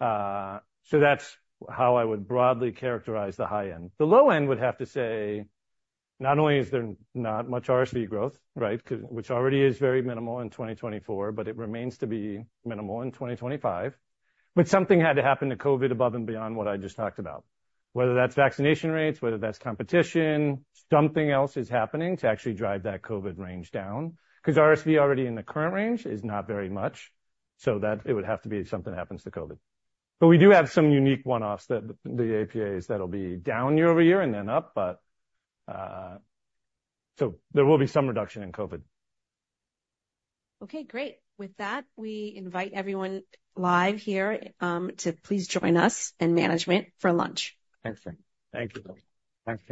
So that's how I would broadly characterize the high end. The low end would have to say not only is there not much RSV growth, right, which already is very minimal in 2024, but it remains to be minimal in 2025. But something had to happen to COVID above and beyond what I just talked about, whether that's vaccination rates, whether that's competition, something else is happening to actually drive that COVID range down, 'cause RSV already in the current range is not very much, so that it would have to be something happens to COVID. But we do have some unique one-offs that the APAs, that'll be down year-over-year and then up, but. So there will be some reduction in COVID. Okay, great. With that, we invite everyone live here to please join us and management for lunch. Excellent. Thank you. Thanks.